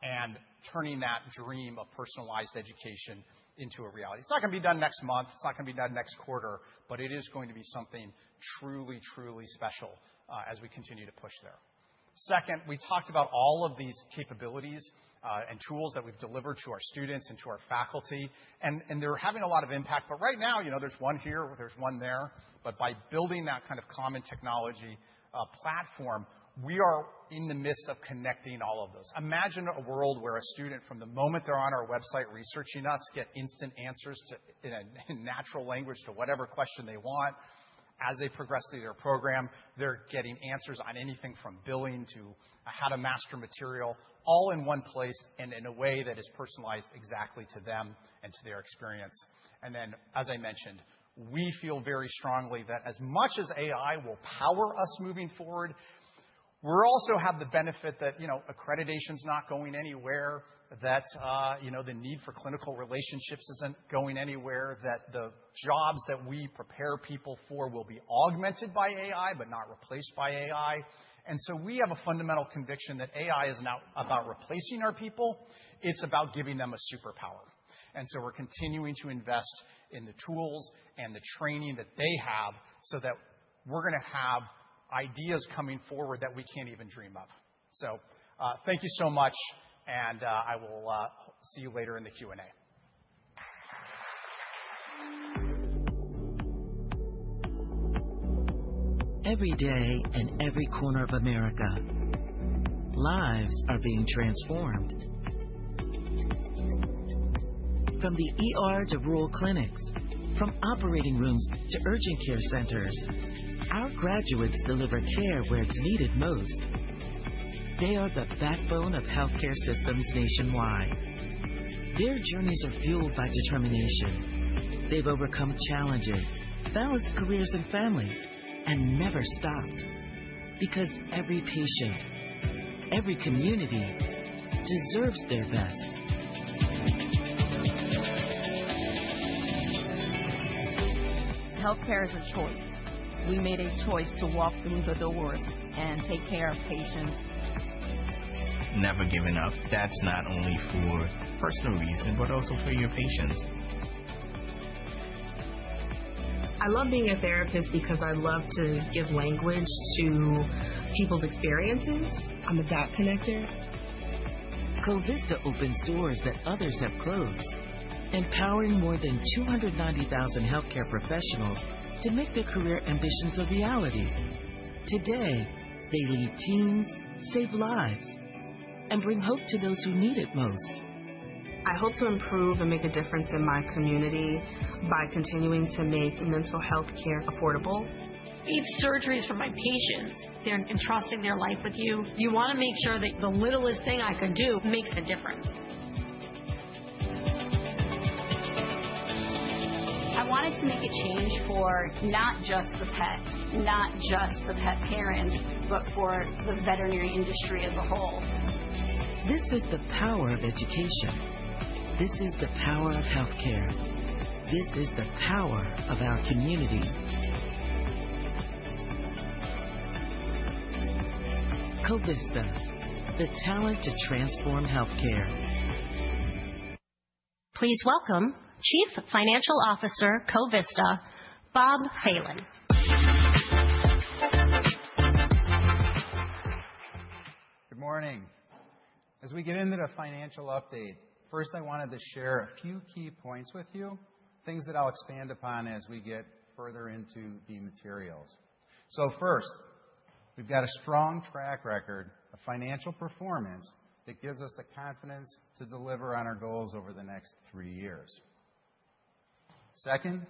and turning that dream of personalized education into a reality. It's not gonna be done next month, it's not gonna be done next quarter, but it is going to be something truly special, as we continue to push there. Second, we talked about all of these capabilities and tools that we've delivered to our students and to our faculty, and they're having a lot of impact. Right now, you know, there's one here, or there's one there, but by building that kind of common technology, platform, we are in the midst of connecting all of those. Imagine a world where a student, from the moment they're on our website researching us, get instant answers to, in a, in natural language, to whatever question they want. As they progress through their program, they're getting answers on anything from billing to how to master material, all in one place and in a way that is personalized exactly to them and to their experience. Then, as I mentioned, we feel very strongly that as much as AI will power us moving forward, we're also have the benefit that, you know, accreditation's not going anywhere. You know, the need for clinical relationships isn't going anywhere, that the jobs that we prepare people for will be augmented by AI, but not replaced by AI. We have a fundamental conviction that AI is not about replacing our people, it's about giving them a superpower. We're continuing to invest in the tools and the training that they have so that. We're gonna have ideas coming forward that we can't even dream of. Thank you so much, and I will see you later in the Q&A. Every day, in every corner of America, lives are being transformed. From the ER to rural clinics, from operating rooms to urgent care centers, our graduates deliver care where it's needed most. They are the backbone of healthcare systems nationwide. Their journeys are fueled by determination. They've overcome challenges, balanced careers and families, and never stopped, because every patient, every community deserves their best. Healthcare is a choice. We made a choice to walk through the doors and take care of patients. Never giving up. That's not only for personal reasons, but also for your patients. I love being a therapist because I love to give language to people's experiences. I'm a dot connector. Covista opens doors that others have closed, empowering more than 290,000 healthcare professionals to make their career ambitions a reality. Today, they lead teams, save lives, and bring hope to those who need it most. I hope to improve and make a difference in my community by continuing to make mental health care affordable. These surgeries for my patients, they're entrusting their life with you. You wanna make sure that the littlest thing I could do makes a difference. I wanted to make a change for not just the pet, not just the pet parent, but for the veterinary industry as a whole. This is the power of education. This is the power of healthcare. This is the power of our community. Covista, the talent to transform healthcare. Please welcome Chief Financial Officer, Covista, Bob Phelan. Good morning. As we get into the financial update, first, I wanted to share a few key points with you, things that I'll expand upon as we get further into the materials. First, we've got a strong track record of financial performance that gives us the confidence to deliver on our goals over the next three years. Second,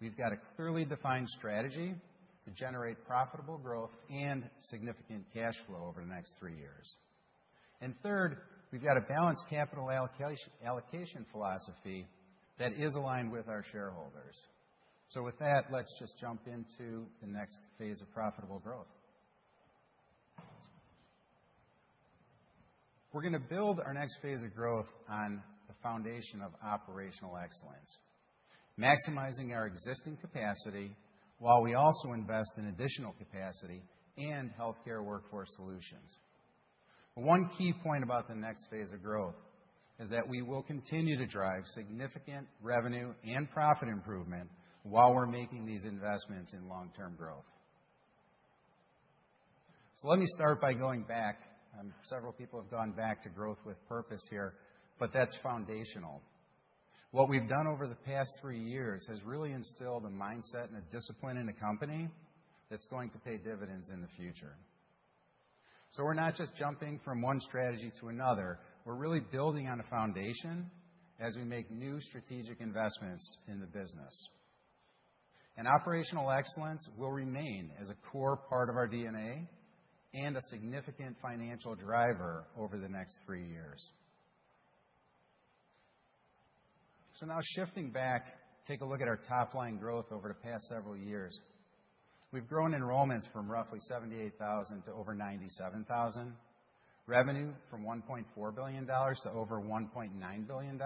we've got a clearly defined strategy to generate profitable growth and significant cash flow over the next three years. Third, we've got a balanced capital allocation philosophy that is aligned with our shareholders. With that, let's just jump into the next phase of profitable growth. We're gonna build our next phase of growth on the foundation of operational excellence, maximizing our existing capacity, while we also invest in additional capacity and healthcare workforce solutions. One key point about the next phase of growth is that we will continue to drive significant revenue and profit improvement while we're making these investments in long-term growth. Let me start by going back, and several people have gone back to Growth with Purpose here, but that's foundational. What we've done over the past three years has really instilled a mindset and a discipline in the company that's going to pay dividends in the future. We're not just jumping from one strategy to another. We're really building on a foundation as we make new strategic investments in the business. Operational excellence will remain as a core part of our DNA and a significant financial driver over the next three years. Now shifting back, take a look at our top-line growth over the past several years. We've grown enrollments from roughly 78,000 to over 97,000. Revenue from $1.4 billion to over $1.9 billion,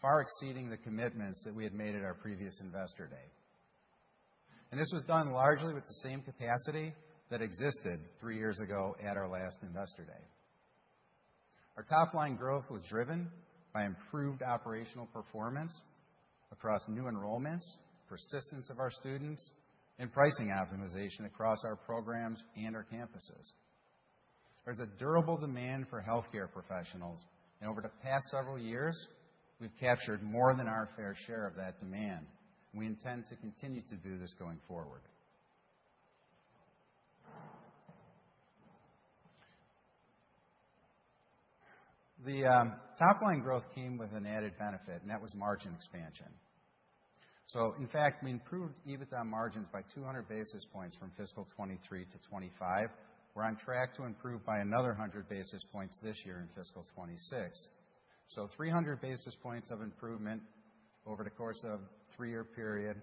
far exceeding the commitments that we had made at our previous Investor Day. This was done largely with the same capacity that existed 3 years ago at our last Investor Day. Our top-line growth was driven by improved operational performance across new enrollments, persistence of our students, and pricing optimization across our programs and our campuses. There's a durable demand for healthcare professionals, and over the past several years, we've captured more than our fair share of that demand. We intend to continue to do this going forward. The top-line growth came with an added benefit, and that was margin expansion. In fact, we improved EBITDA margins by 200 basis points from fiscal 2023 to 2025. We're on track to improve by another 100 basis points this year in fiscal '26. 300 basis points of improvement over the course of a 3-year period,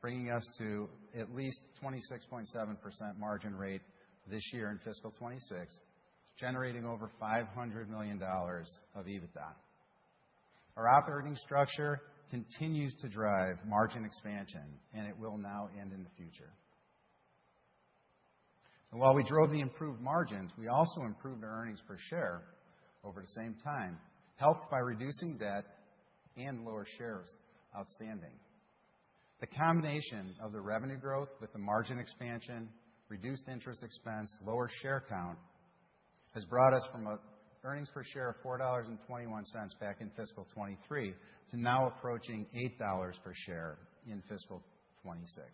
bringing us to at least 26.7% margin rate this year in fiscal '26, generating over $500 million of EBITDA. Our operating structure continues to drive margin expansion, it will now end in the future. While we drove the improved margins, we also improved our earnings per share over the same time, helped by reducing debt and lower shares outstanding. The combination of the revenue growth with the margin expansion, reduced interest expense, lower share count, has brought us from a earnings per share of $4.21 back in fiscal '23 to now approaching $8 per share in fiscal '26.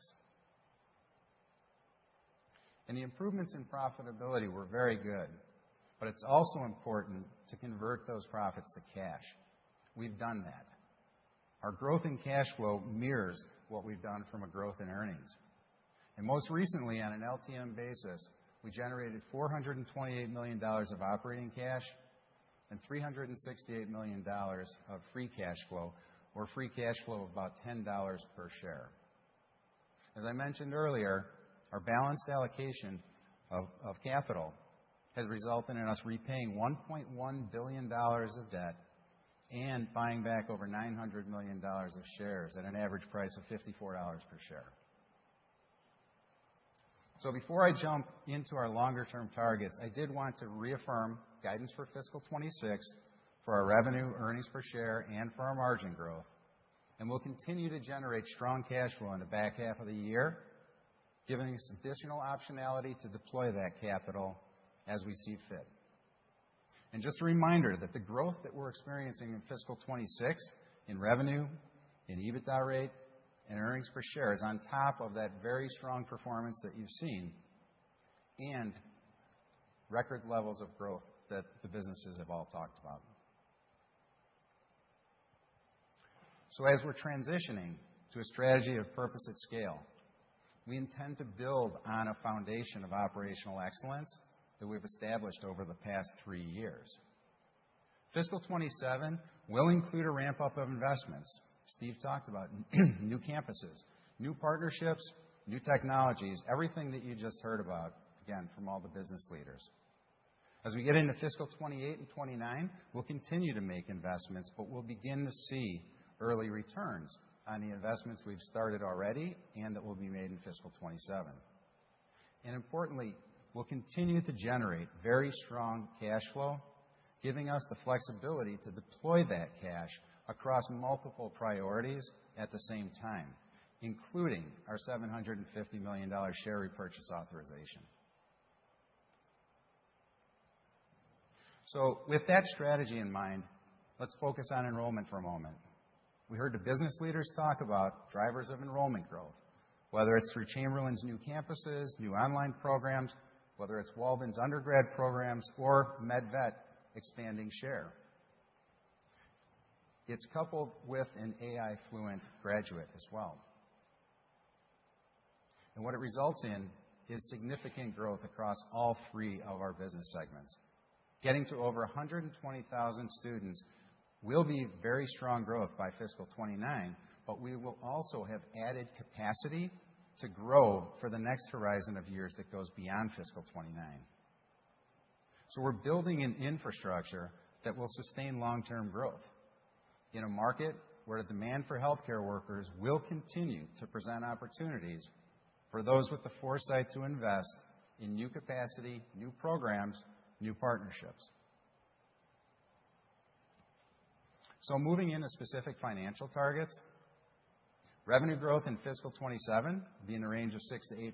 The improvements in profitability were very good, but it's also important to convert those profits to cash. We've done that. Our growth in cash flow mirrors what we've done from a growth in earnings. Most recently, on an LTM basis, we generated $428 million of operating cash and $368 million of free cash flow, or free cash flow of about $10 per share. As I mentioned earlier, our balanced allocation of capital has resulted in us repaying $1.1 billion of debt and buying back over $900 million of shares at an average price of $54 per share. Before I jump into our longer-term targets, I did want to reaffirm guidance for fiscal 2026 for our revenue, earnings per share, and for our margin growth, and we'll continue to generate strong cash flow in the back half of the year, giving us additional optionality to deploy that capital as we see fit. Just a reminder that the growth that we're experiencing in fiscal 2026 in revenue, in EBITDA rate, and earnings per share is on top of that very strong performance that you've seen and record levels of growth that the businesses have all talked about. As we're transitioning to a strategy of Purpose at Scale, we intend to build on a foundation of operational excellence that we've established over the past three years. Fiscal 2027 will include a ramp-up of investments. Steve talked about new campuses, new partnerships, new technologies, everything that you just heard about, again, from all the business leaders. As we get into fiscal 2028 and 2029, we'll continue to make investments, but we'll begin to see early returns on the investments we've started already and that will be made in fiscal 2027. Importantly, we'll continue to generate very strong cash flow, giving us the flexibility to deploy that cash across multiple priorities at the same time, including our $750 million share repurchase authorization. With that strategy in mind, let's focus on enrollment for a moment. We heard the business leaders talk about drivers of enrollment growth, whether it's through Chamberlain's new campuses, new online programs, whether it's Walden's undergrad programs or MedVet expanding share. It's coupled with an AI-fluent graduate as well. What it results in is significant growth across all three of our business segments. Getting to over 120,000 students will be very strong growth by fiscal 2029, but we will also have added capacity to grow for the next horizon of years that goes beyond fiscal 2029. We're building an infrastructure that will sustain long-term growth in a market where the demand for healthcare workers will continue to present opportunities for those with the foresight to invest in new capacity, new programs, new partnerships. Moving into specific financial targets, revenue growth in fiscal 2027 will be in the range of 6%-8%,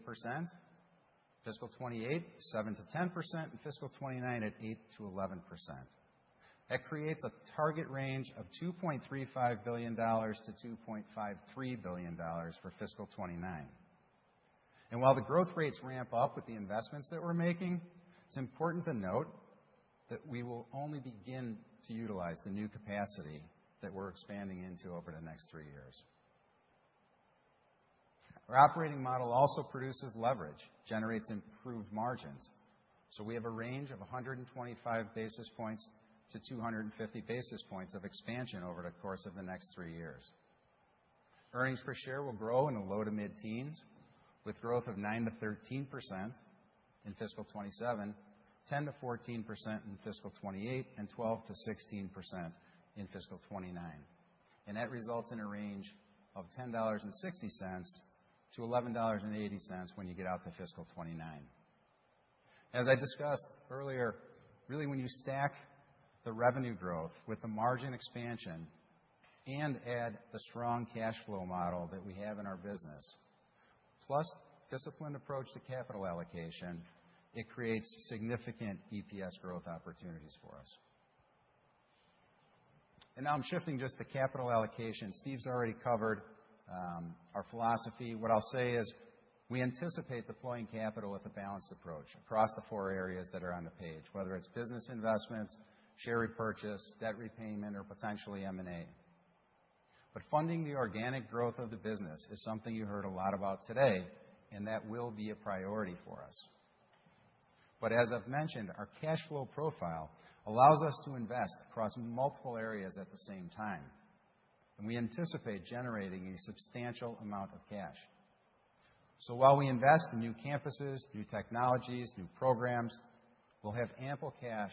fiscal 2028, 7%-10%, and fiscal 2029 at 8%-11%. That creates a target range of $2.35 billion-$2.53 billion for fiscal 2029. While the growth rates ramp up with the investments that we're making, it's important to note that we will only begin to utilize the new capacity that we're expanding into over the next 3 years. Our operating model also produces leverage, generates improved margins. We have a range of 125 basis points to 250 basis points of expansion over the course of the next 3 years. Earnings per share will grow in the low to mid-teens, with growth of 9%-13% in fiscal 2027, 10%-14% in fiscal 2028, and 12%-16% in fiscal 2029. That results in a range of $10.60-$11.80 when you get out to fiscal 2029. As I discussed earlier, really, when you stack the revenue growth with the margin expansion and add the strong cash flow model that we have in our business, plus disciplined approach to capital allocation, it creates significant EPS growth opportunities for us. Now I'm shifting just the capital allocation. Steve's already covered our philosophy. What I'll say is, we anticipate deploying capital with a balanced approach across the four areas that are on the page, whether it's business investments, share repurchase, debt repayment, or potentially M&A. Funding the organic growth of the business is something you heard a lot about today, and that will be a priority for us. As I've mentioned, our cash flow profile allows us to invest across multiple areas at the same time, and we anticipate generating a substantial amount of cash. While we invest in new campuses, new technologies, new programs, we'll have ample cash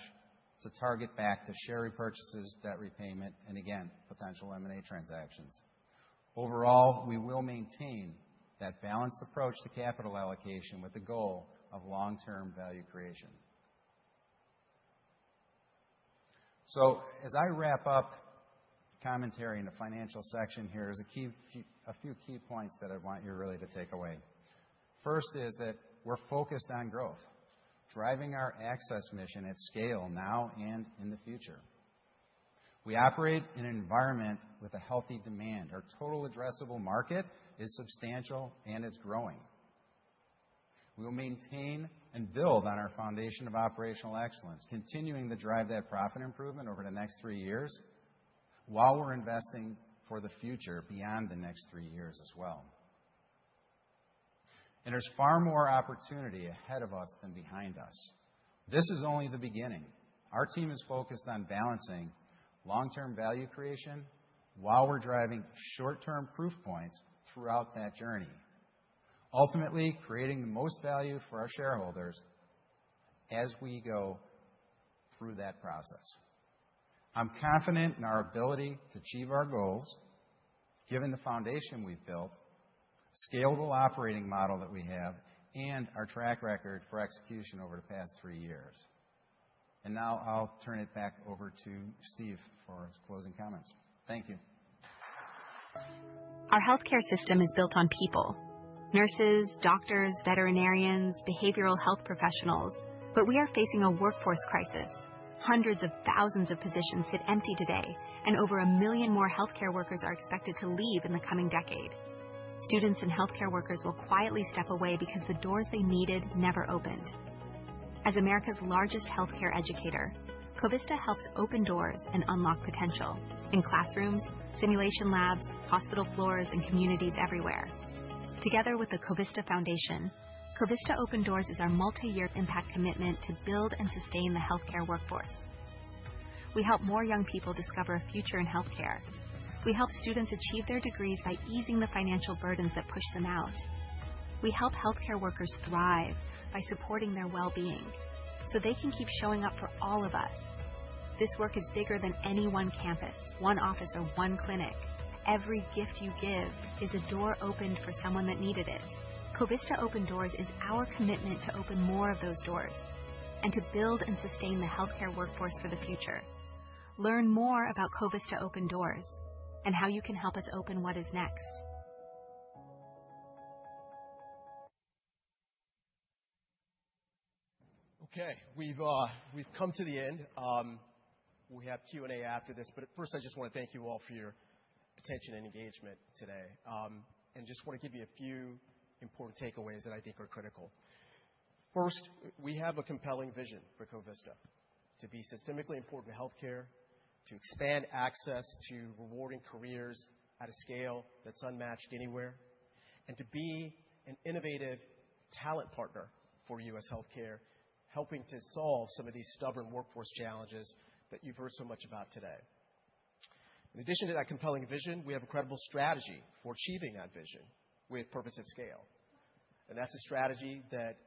to target back to share repurchases, debt repayment, and again, potential M&A transactions. Overall, we will maintain that balanced approach to capital allocation with the goal of long-term value creation. As I wrap up the commentary in the financial section, here are a few key points that I want you really to take away. First is that we're focused on growth, driving our access mission at scale now and in the future. We operate in an environment with a healthy demand. Our total addressable market is substantial, and it's growing. We will maintain and build on our foundation of operational excellence, continuing to drive that profit improvement over the next three years while we're investing for the future beyond the next three years as well. There's far more opportunity ahead of us than behind us. This is only the beginning. Our team is focused on balancing long-term value creation while we're driving short-term proof points throughout that journey, ultimately creating the most value for our shareholders as we go through that process. I'm confident in our ability to achieve our goals, given the foundation we've built, scalable operating model that we have, and our track record for execution over the past 3 years. Now I'll turn it back over to Steve for his closing comments. Thank you. Our healthcare system is built on people, nurses, doctors, veterinarians, behavioral health professionals, but we are facing a workforce crisis. Hundreds of thousands of positions sit empty today. Over 1 million more healthcare workers are expected to leave in the coming decade. Students and healthcare workers will quietly step away because the doors they needed never opened. As America's largest healthcare educator, Covista helps open doors and unlock potential in classrooms, simulation labs, hospital floors, and communities everywhere. Together with the Covista Foundation, Covista Open Doors is our multiyear impact commitment to build and sustain the healthcare workforce. We help more young people discover a future in healthcare. We help students achieve their degrees by easing the financial burdens that push them out. We help healthcare workers thrive by supporting their well-being, so they can keep showing up for all of us. This work is bigger than any one campus, one office, or one clinic. Every gift you give is a door opened for someone that needed it. Covista Open Doors is our commitment to open more of those doors and to build and sustain the healthcare workforce for the future. Learn more about Covista Open Doors and how you can help us open what is next. Okay, we've come to the end. We have Q&A after this, but first, I just wanna thank you all for your attention and engagement today, and just wanna give you a few important takeaways that I think are critical. First, we have a compelling vision for Covista, to be systemically important to healthcare, to expand access to rewarding careers at a scale that's unmatched anywhere, and to be an innovative talent partner for U.S. healthcare, helping to solve some of these stubborn workforce challenges that you've heard so much about today. In addition to that compelling vision, we have a incredible strategy for achieving that vision with Purpose at Scale, that's a strategy that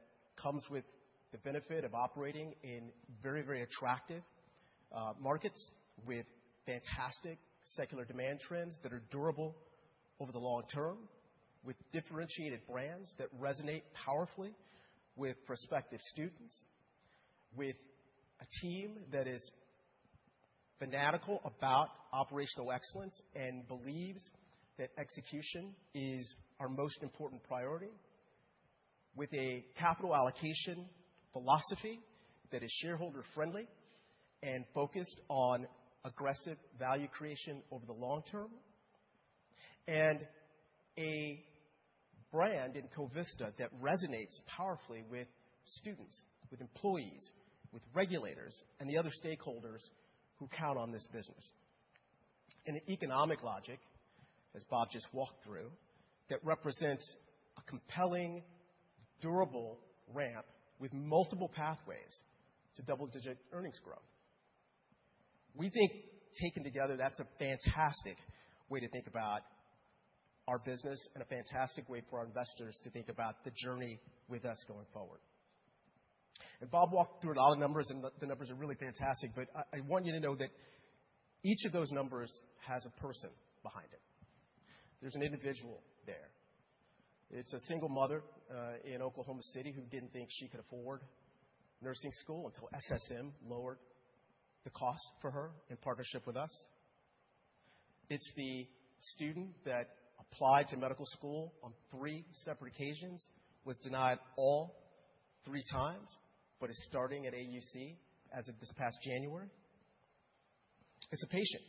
comes with the benefit of operating in very, very attractive markets, with fantastic secular demand trends that are durable over the long term, with differentiated brands that resonate powerfully, with prospective students, with a team that is fanatical about operational excellence and believes that execution is our most important priority, with a capital allocation philosophy that is shareholder-friendly and focused on aggressive value creation over the long term, and a brand in Covista that resonates powerfully with students, with employees, with regulators, and the other stakeholders who count on this business. An economic logic, as Bob just walked through, that represents a compelling, durable ramp with multiple pathways to double-digit earnings growth. We think, taken together, that's a fantastic way to think about our business and a fantastic way for our investors to think about the journey with us going forward. Bob walked through a lot of numbers, and the numbers are really fantastic, but I want you to know that each of those numbers has a person behind it. There's an individual there. It's a single mother in Oklahoma City who didn't think she could afford nursing school until SSM lowered the cost for her in partnership with us. It's the student that applied to medical school on three separate occasions, was denied all three times, but is starting at AUC as of this past January. It's a patient,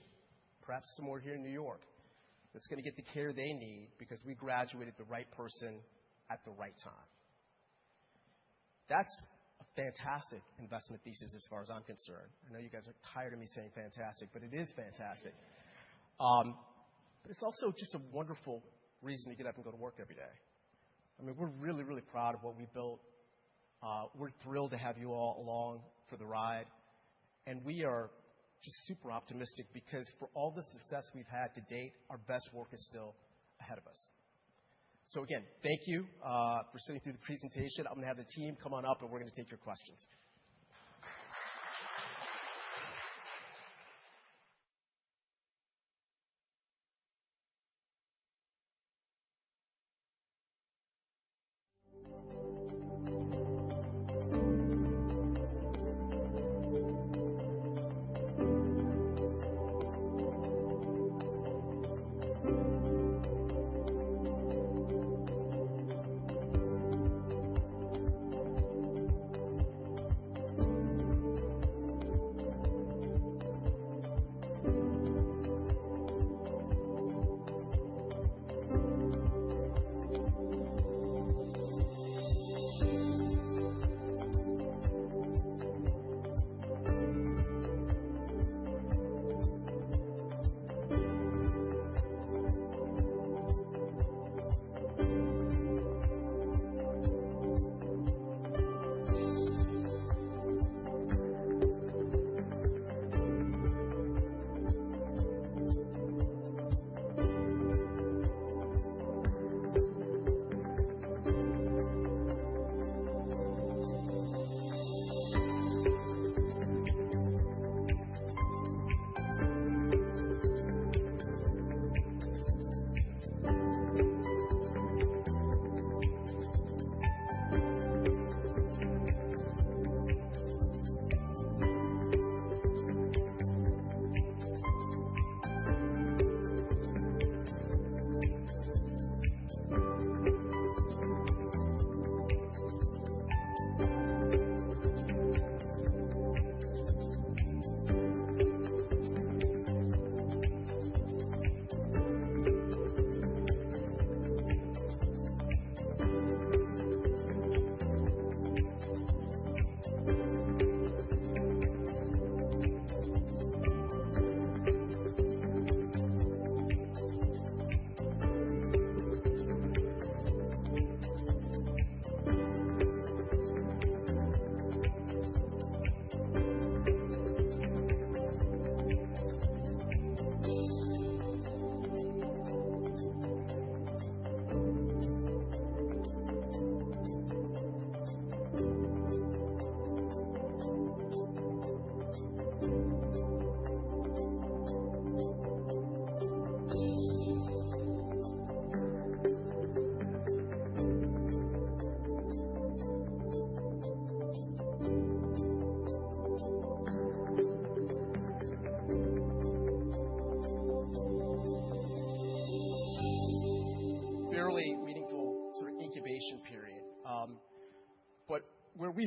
perhaps somewhere here in New York, that's gonna get the care they need because we graduated the right person at the right time. That's a fantastic investment thesis as far as I'm concerned. I know you guys are tired of me saying fantastic, but it is fantastic. It's also just a wonderful reason to get up and go to work every day. I mean, we're really, really proud of what we've built. We're thrilled to have you all along for the ride, we are just super optimistic because for all the success we've had to date, our best work is still ahead of us. Again, thank you for sitting through the presentation. I'm gonna have the team come on up, and we're gonna take your questions....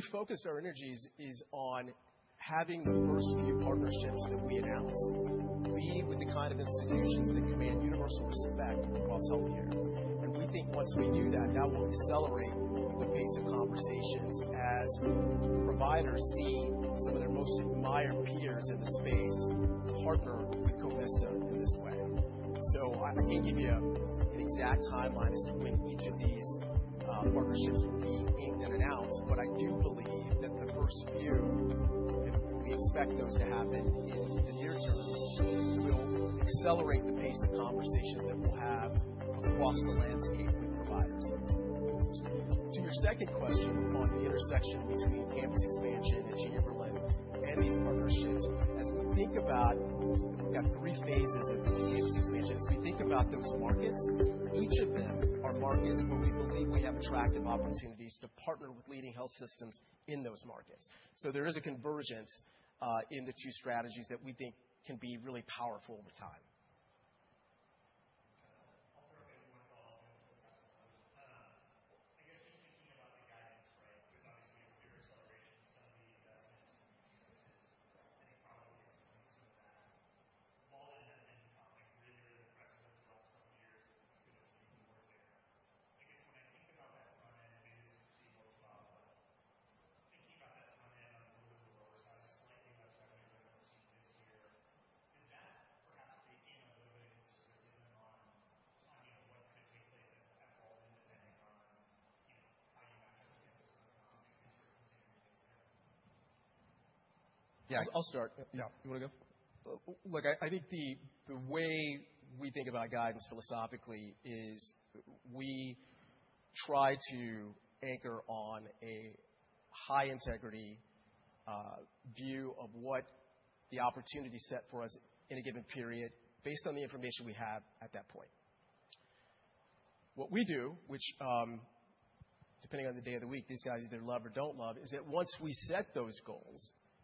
Fairly meaningful sort of incubation period. Where we focus our energies is on having the first few partnerships that we announce be with the kind of institutions that can make universal risk effect across healthcare. We think once we do that will accelerate the pace of conversations as providers see some of their most admired peers in the space partner with Covista in this way. I can't give you an exact timeline as to when each of these partnerships will be inked and announced, but I do believe that the first few, and we expect those to happen in the near term, will accelerate the pace of conversations that we'll have across the landscape with providers. To your second question on the intersection between campus expansion that you alluded, and these partnerships, as we think about, we've got three phases of the campus expansion. As we think about those markets, each of them are markets where we believe we have attractive opportunities to partner with leading health systems in those markets. There is a convergence in the two strategies that we think can be really powerful over time.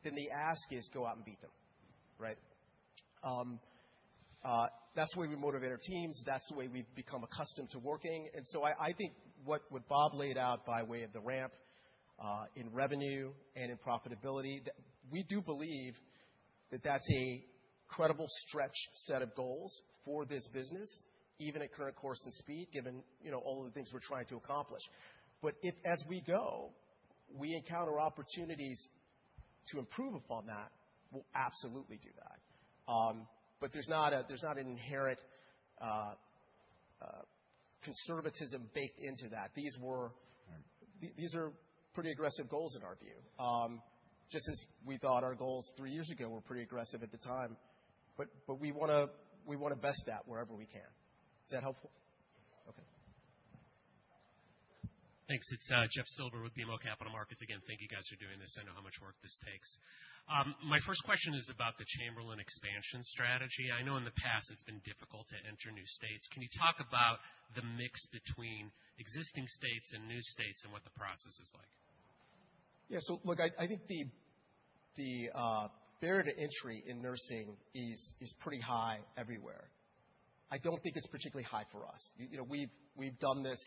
the ask is go out and beat them, right? That's the way we motivate our teams. That's the way we've become accustomed to working. I think what Bob laid out by way of the ramp in revenue and in profitability, that we do believe that that's a credible stretch set of goals for this business, even at current course and speed, given, you know, all of the things we're trying to accomplish. If as we go, we encounter opportunities to improve upon that, we'll absolutely do that. There's not a, there's not an inherent conservatism baked into that. Right. These are pretty aggressive goals in our view. just as we thought our goals three years ago were pretty aggressive at the time, but we wanna best that wherever we can. Is that helpful? Yes. Okay. Thanks. It's Jeffrey Silber with BMO Capital Markets. Thank you guys for doing this. I know how much work this takes. My first question is about the Chamberlain expansion strategy. I know in the past it's been difficult to enter new states. Can you talk about the mix between existing states and new states, and what the process is like? Yeah. look, I think the barrier to entry in nursing is pretty high everywhere. I don't think it's particularly high for us. You know, we've done this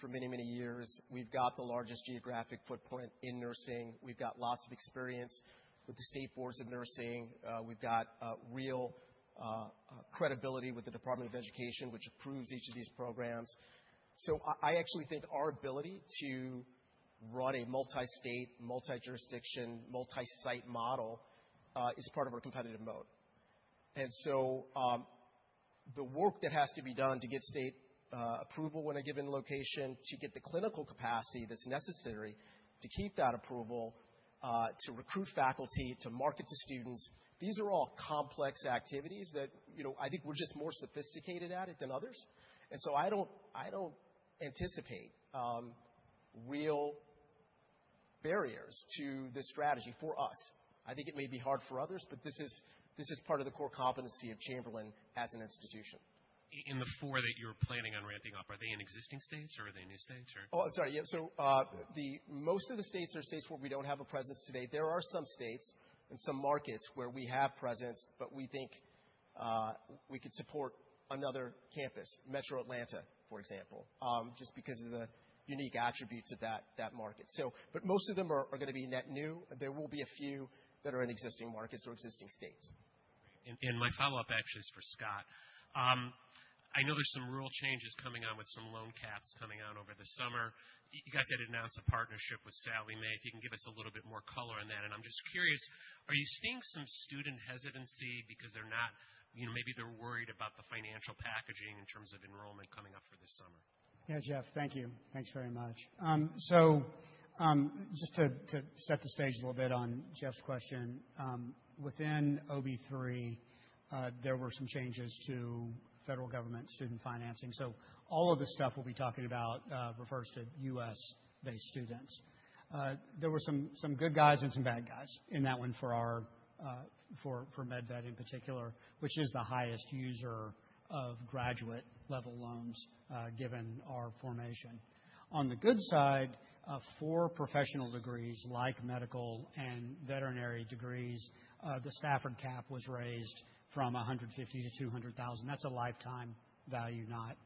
for many years. We've got the largest geographic footprint in nursing. We've got lots of experience with the state boards of nursing. We've got real credibility with the Department of Education, which approves each of these programs. I actually think our ability to run a multi-state, multi-jurisdiction, multi-site model is part of our competitive mode. The work that has to be done to get state approval in a given location, to get the clinical capacity that's necessary to keep that approval, to recruit faculty, to market to students, these are all complex activities that, you know, I think we're just more sophisticated at it than others. I don't anticipate real barriers to this strategy for us. I think it may be hard for others, but this is part of the core competency of Chamberlain as an institution. In the four that you're planning on ramping up, are they in existing states or are they new states, or? Oh, sorry. Yeah, most of the states are states where we don't have a presence today. There are some states and some markets where we have presence, but we think we could support another campus, Metro Atlanta, for example, just because of the unique attributes of that market. Most of them are gonna be net new. There will be a few that are in existing markets or existing states. My follow-up actually is for Scott. I know there's some rule changes coming out with some loan caps coming out over the summer. You guys had announced a partnership with Sallie Mae. If you can give us a little bit more color on that, and I'm just curious, are you seeing some student hesitancy because you know, maybe they're worried about the financial packaging in terms of enrollment coming up for this summer? Yeah, Jeff, thank you. Thanks very much. Just to set the stage a little bit on Jeff's question, within OB3, there were some changes to federal government student financing. All of this stuff we'll be talking about refers to U.S.-based students. There were some good guys and some bad guys in that one for our MedVet in particular, which is the highest user of graduate-level loans, given our formation. On the good side, for professional degrees like medical and veterinary degrees, the Stafford cap was raised from $150,000 to $200,000. That's a lifetime value, not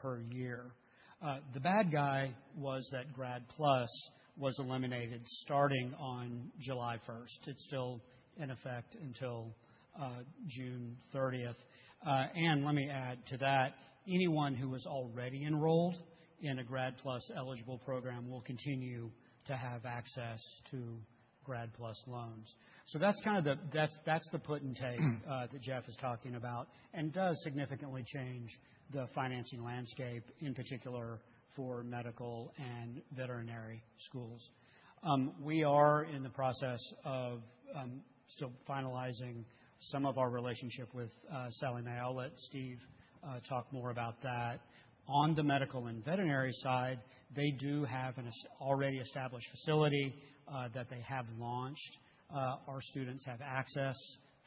per year. The bad guy was that Grad PLUS was eliminated starting on July first. It's still in effect until June thirtieth. Let me add to that, anyone who was already enrolled in a Grad PLUS-eligible program will continue to have access to Grad PLUS loans. That's kind of the, that's the put and take that Jeff is talking about, and does significantly change the financing landscape, in particular for medical and veterinary schools. We are in the process of still finalizing some of our relationship with Sallie Mae. I'll let Steve talk more about that. On the medical and veterinary side, they do have an already established facility that they have launched. Our students have access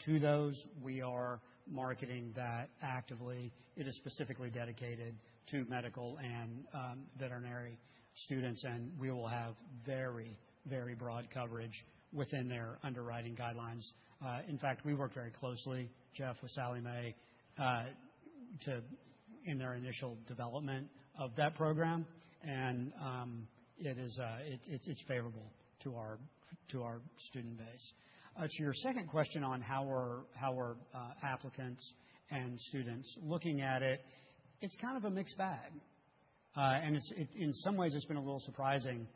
to those. We are marketing that actively. It is specifically dedicated to medical and veterinary students, and we will have very broad coverage within their underwriting guidelines. In fact, we work very closely, Jeff, with Sallie Mae to... in their initial development of that program, it's favorable to our student base. To your second question on how are applicants and students looking at it's kind of a mixed bag. In some ways, it's been a little surprising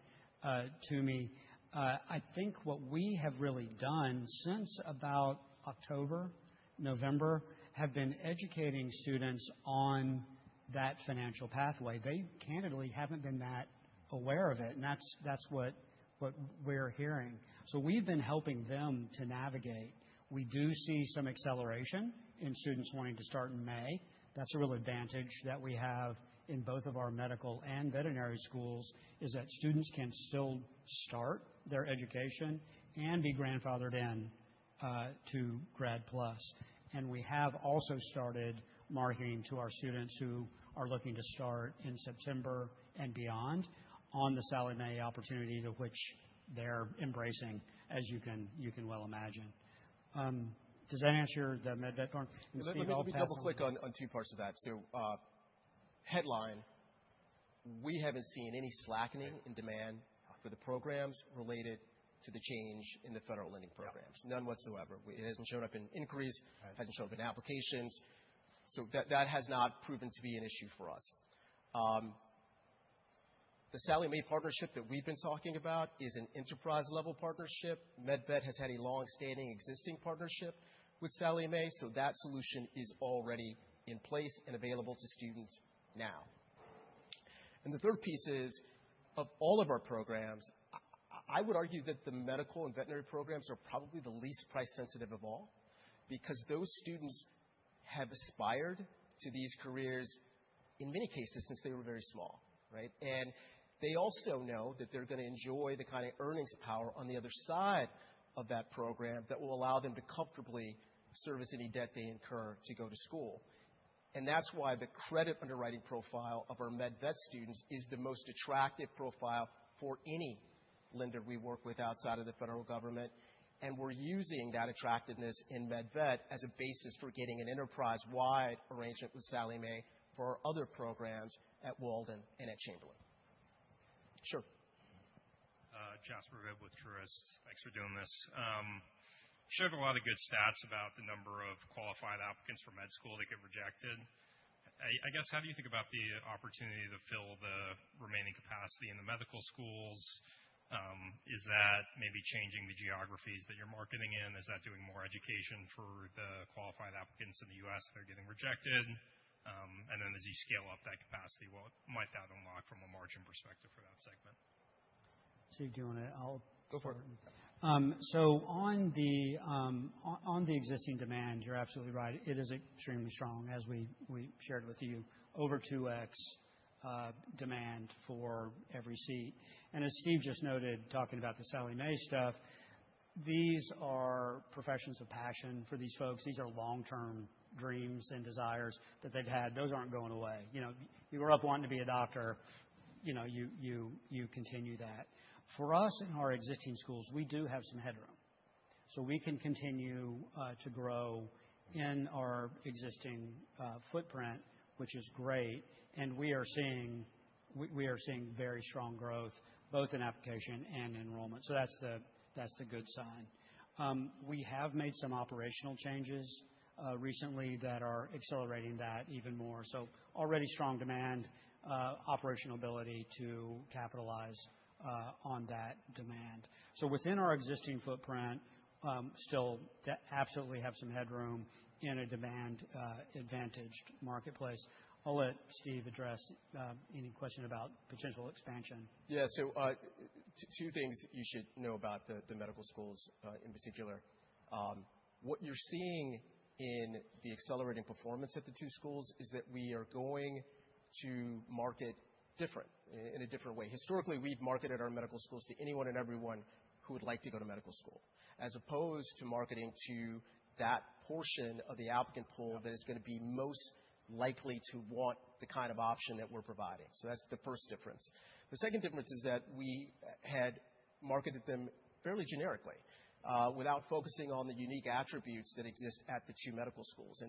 to me. I think what we have really done since about October, November, have been educating students on that financial pathway. They candidly haven't been that aware of it, and that's what we're hearing. We've been helping them to navigate. We do see some acceleration in students wanting to start in May. That's a real advantage that we have in both of our medical and veterinary schools, is that students can still start their education and be grandfathered in to Grad PLUS. We have also started marketing to our students who are looking to start in September and beyond on the Sallie Mae opportunity, to which they're embracing, as you can well imagine. Does that answer the MedVet part? Steve. Let me double-click on two parts of that. Headline, we haven't seen any slackening in demand for the programs related to the change in the federal lending programs. Yeah. None whatsoever. It hasn't showed up in inquiries. Right. It hasn't showed up in applications, so that has not proven to be an issue for us. The Sallie Mae partnership that we've been talking about is an enterprise-level partnership. MedVet has had a long-standing, existing partnership with Sallie Mae, so that solution is already in place and available to students now. The third piece is, of all of our programs, I would argue that the medical and veterinary programs are probably the least price sensitive of all, because those students have aspired to these careers, in many cases, since they were very small, right? They also know that they're gonna enjoy the kind of earnings power on the other side of that program that will allow them to comfortably service any debt they incur to go to school. That's why the credit underwriting profile of our med-vet students is the most attractive profile for any lender we work with outside of the federal government, and we're using that attractiveness in med-vet as a basis for getting an enterprise-wide arrangement with Sallie Mae for our other programs at Walden and at Chamberlain. Sure. Jasper Bibb with Truist. Thanks for doing this. You shared a lot of good stats about the number of qualified applicants for med school that get rejected. I guess, how do you think about the opportunity to fill the remaining capacity in the medical schools? Is that maybe changing the geographies that you're marketing in? Is that doing more education for the qualified applicants in the U.S. that are getting rejected? As you scale up that capacity, what might that unlock from a margin perspective for that segment? Steve, do you want to? Go for it. On the existing demand, you're absolutely right. It is extremely strong. As we shared with you, over 2X demand for every seat. As Steve just noted, talking about the Sallie Mae stuff, these are professions of passion for these folks. These are long-term dreams and desires that they've had. Those aren't going away. You know, you grew up wanting to be a doctor, you know, you continue that. For us, in our existing schools, we do have some headroom, so we can continue to grow in our existing footprint, which is great, and we are seeing very strong growth, both in application and enrollment, so that's the good sign. We have made some operational changes recently that are accelerating that even more. Already strong demand, operational ability to capitalize on that demand. Within our existing footprint, still absolutely have some headroom in a demand advantaged marketplace. I'll let Steve address any question about potential expansion. Yeah. Two things you should know about the medical schools in particular. What you're seeing in the accelerating performance at the two schools is that we are going to market in a different way. Historically, we've marketed our medical schools to anyone and everyone who would like to go to medical school, as opposed to marketing to that portion of the applicant pool that is gonna be most likely to want the kind of option that we're providing. That's the first difference. The second difference is that we had marketed them fairly generically, without focusing on the unique attributes that exist at the two medical schools.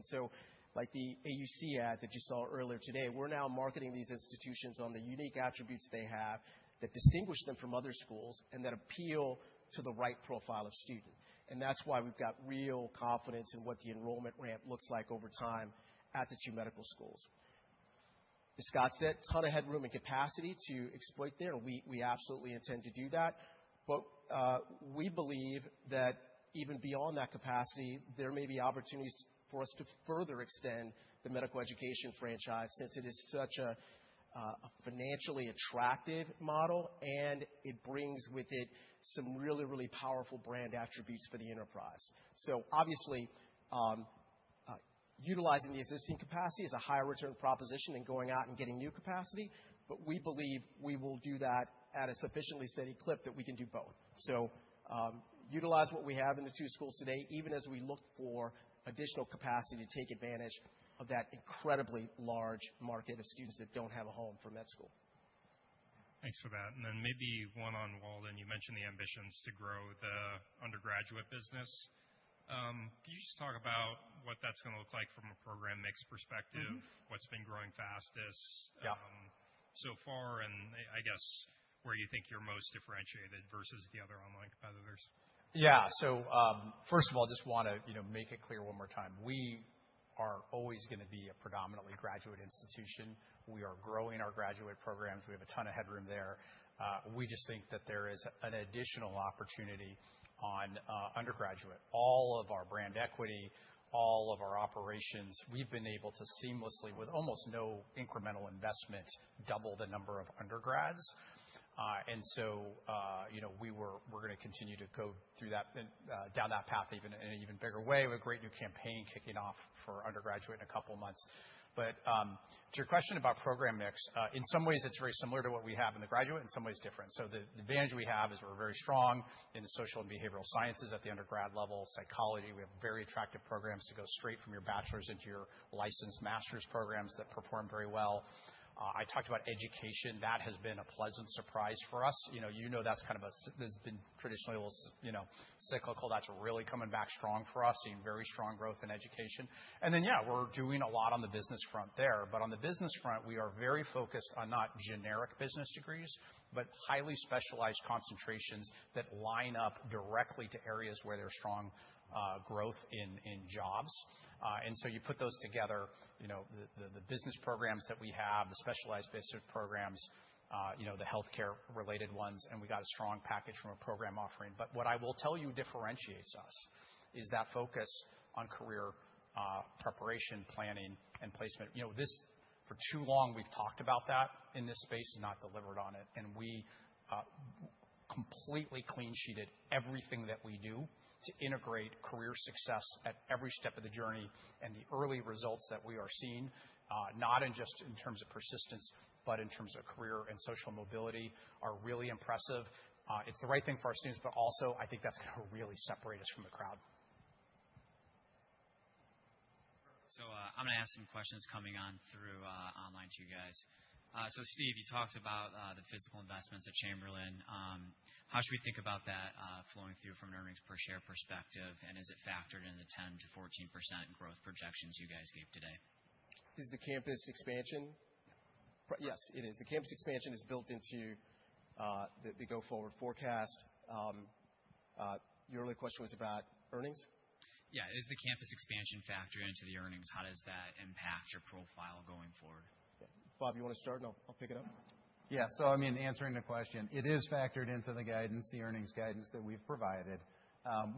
Like the AUC ad that you saw earlier today, we're now marketing these institutions on the unique attributes they have that distinguish them from other schools and that appeal to the right profile of student. That's why we've got real confidence in what the enrollment ramp looks like over time at the two medical schools. As Scott said, ton of headroom and capacity to exploit there, we absolutely intend to do that. We believe that even beyond that capacity, there may be opportunities for us to further extend the medical education franchise, since it is such a financially attractive model, and it brings with it some really powerful brand attributes for the enterprise. Obviously, utilizing the existing capacity is a higher return proposition than going out and getting new capacity, but we believe we will do that at a sufficiently steady clip that we can do both. Utilize what we have in the two schools today, even as we look for additional capacity to take advantage of that incredibly large market of students that don't have a home for med school. Thanks for that. Maybe one on Walden. You mentioned the ambitions to grow the undergraduate business. Can you just talk about what that's gonna look like from a program mix perspective? Mm-hmm. What's been growing fastest? Yeah so far, I guess where you think you're most differentiated versus the other online competitors? Yeah. First of all, just wanna, you know, make it clear one more time, we are always gonna be a predominantly graduate institution. We are growing our graduate programs. We have a ton of headroom there. We just think that there is an additional opportunity on undergraduate. All of our brand equity, all of our operations, we've been able to seamlessly, with almost no incremental investment, double the number of undergrads. You know, we're gonna continue to go through that, and down that path even in an even bigger way, with a great new campaign kicking off for undergraduate in a couple of months. To your question about program mix, in some ways, it's very similar to what we have in the graduate, in some ways different. The advantage we have is we're very strong in the social and behavioral sciences at the undergrad level. Psychology, we have very attractive programs to go straight from your bachelor's into your licensed master's programs that perform very well. I talked about education. That has been a pleasant surprise for us. You know that's kind of a there's been traditionally a little, you know, cyclical. That's really coming back strong for us, seeing very strong growth in education. Yeah, we're doing a lot on the business front there, but on the business front, we are very focused on not generic business degrees, but highly specialized concentrations that line up directly to areas where there's strong growth in jobs. You put those together, you know, the business programs that we have, the specialized business programs, you know, the healthcare-related ones, and we got a strong package from a program offering. What I will tell you differentiates us is that focus on career, preparation, planning, and placement. You know, for too long, we've talked about that in this space and not delivered on it, and we. completely clean sheeted everything that we do to integrate career success at every step of the journey, and the early results that we are seeing, not in just in terms of persistence, but in terms of career and social mobility, are really impressive. It's the right thing for our students, but also I think that's gonna really separate us from the crowd. I'm gonna ask some questions coming on through online to you guys. Steve, you talked about the physical investments at Chamberlain. How should we think about that flowing through from an EPS perspective? Is it factored in the 10%-14% growth projections you guys gave today? Is the campus expansion? Yes, it is. The campus expansion is built into the go-forward forecast. Your other question was about earnings? Yeah. Is the campus expansion factored into the earnings? How does that impact your profile going forward? Bob, you wanna start, and I'll pick it up? Yeah. I mean, answering the question, it is factored into the guidance, the earnings guidance that we've provided.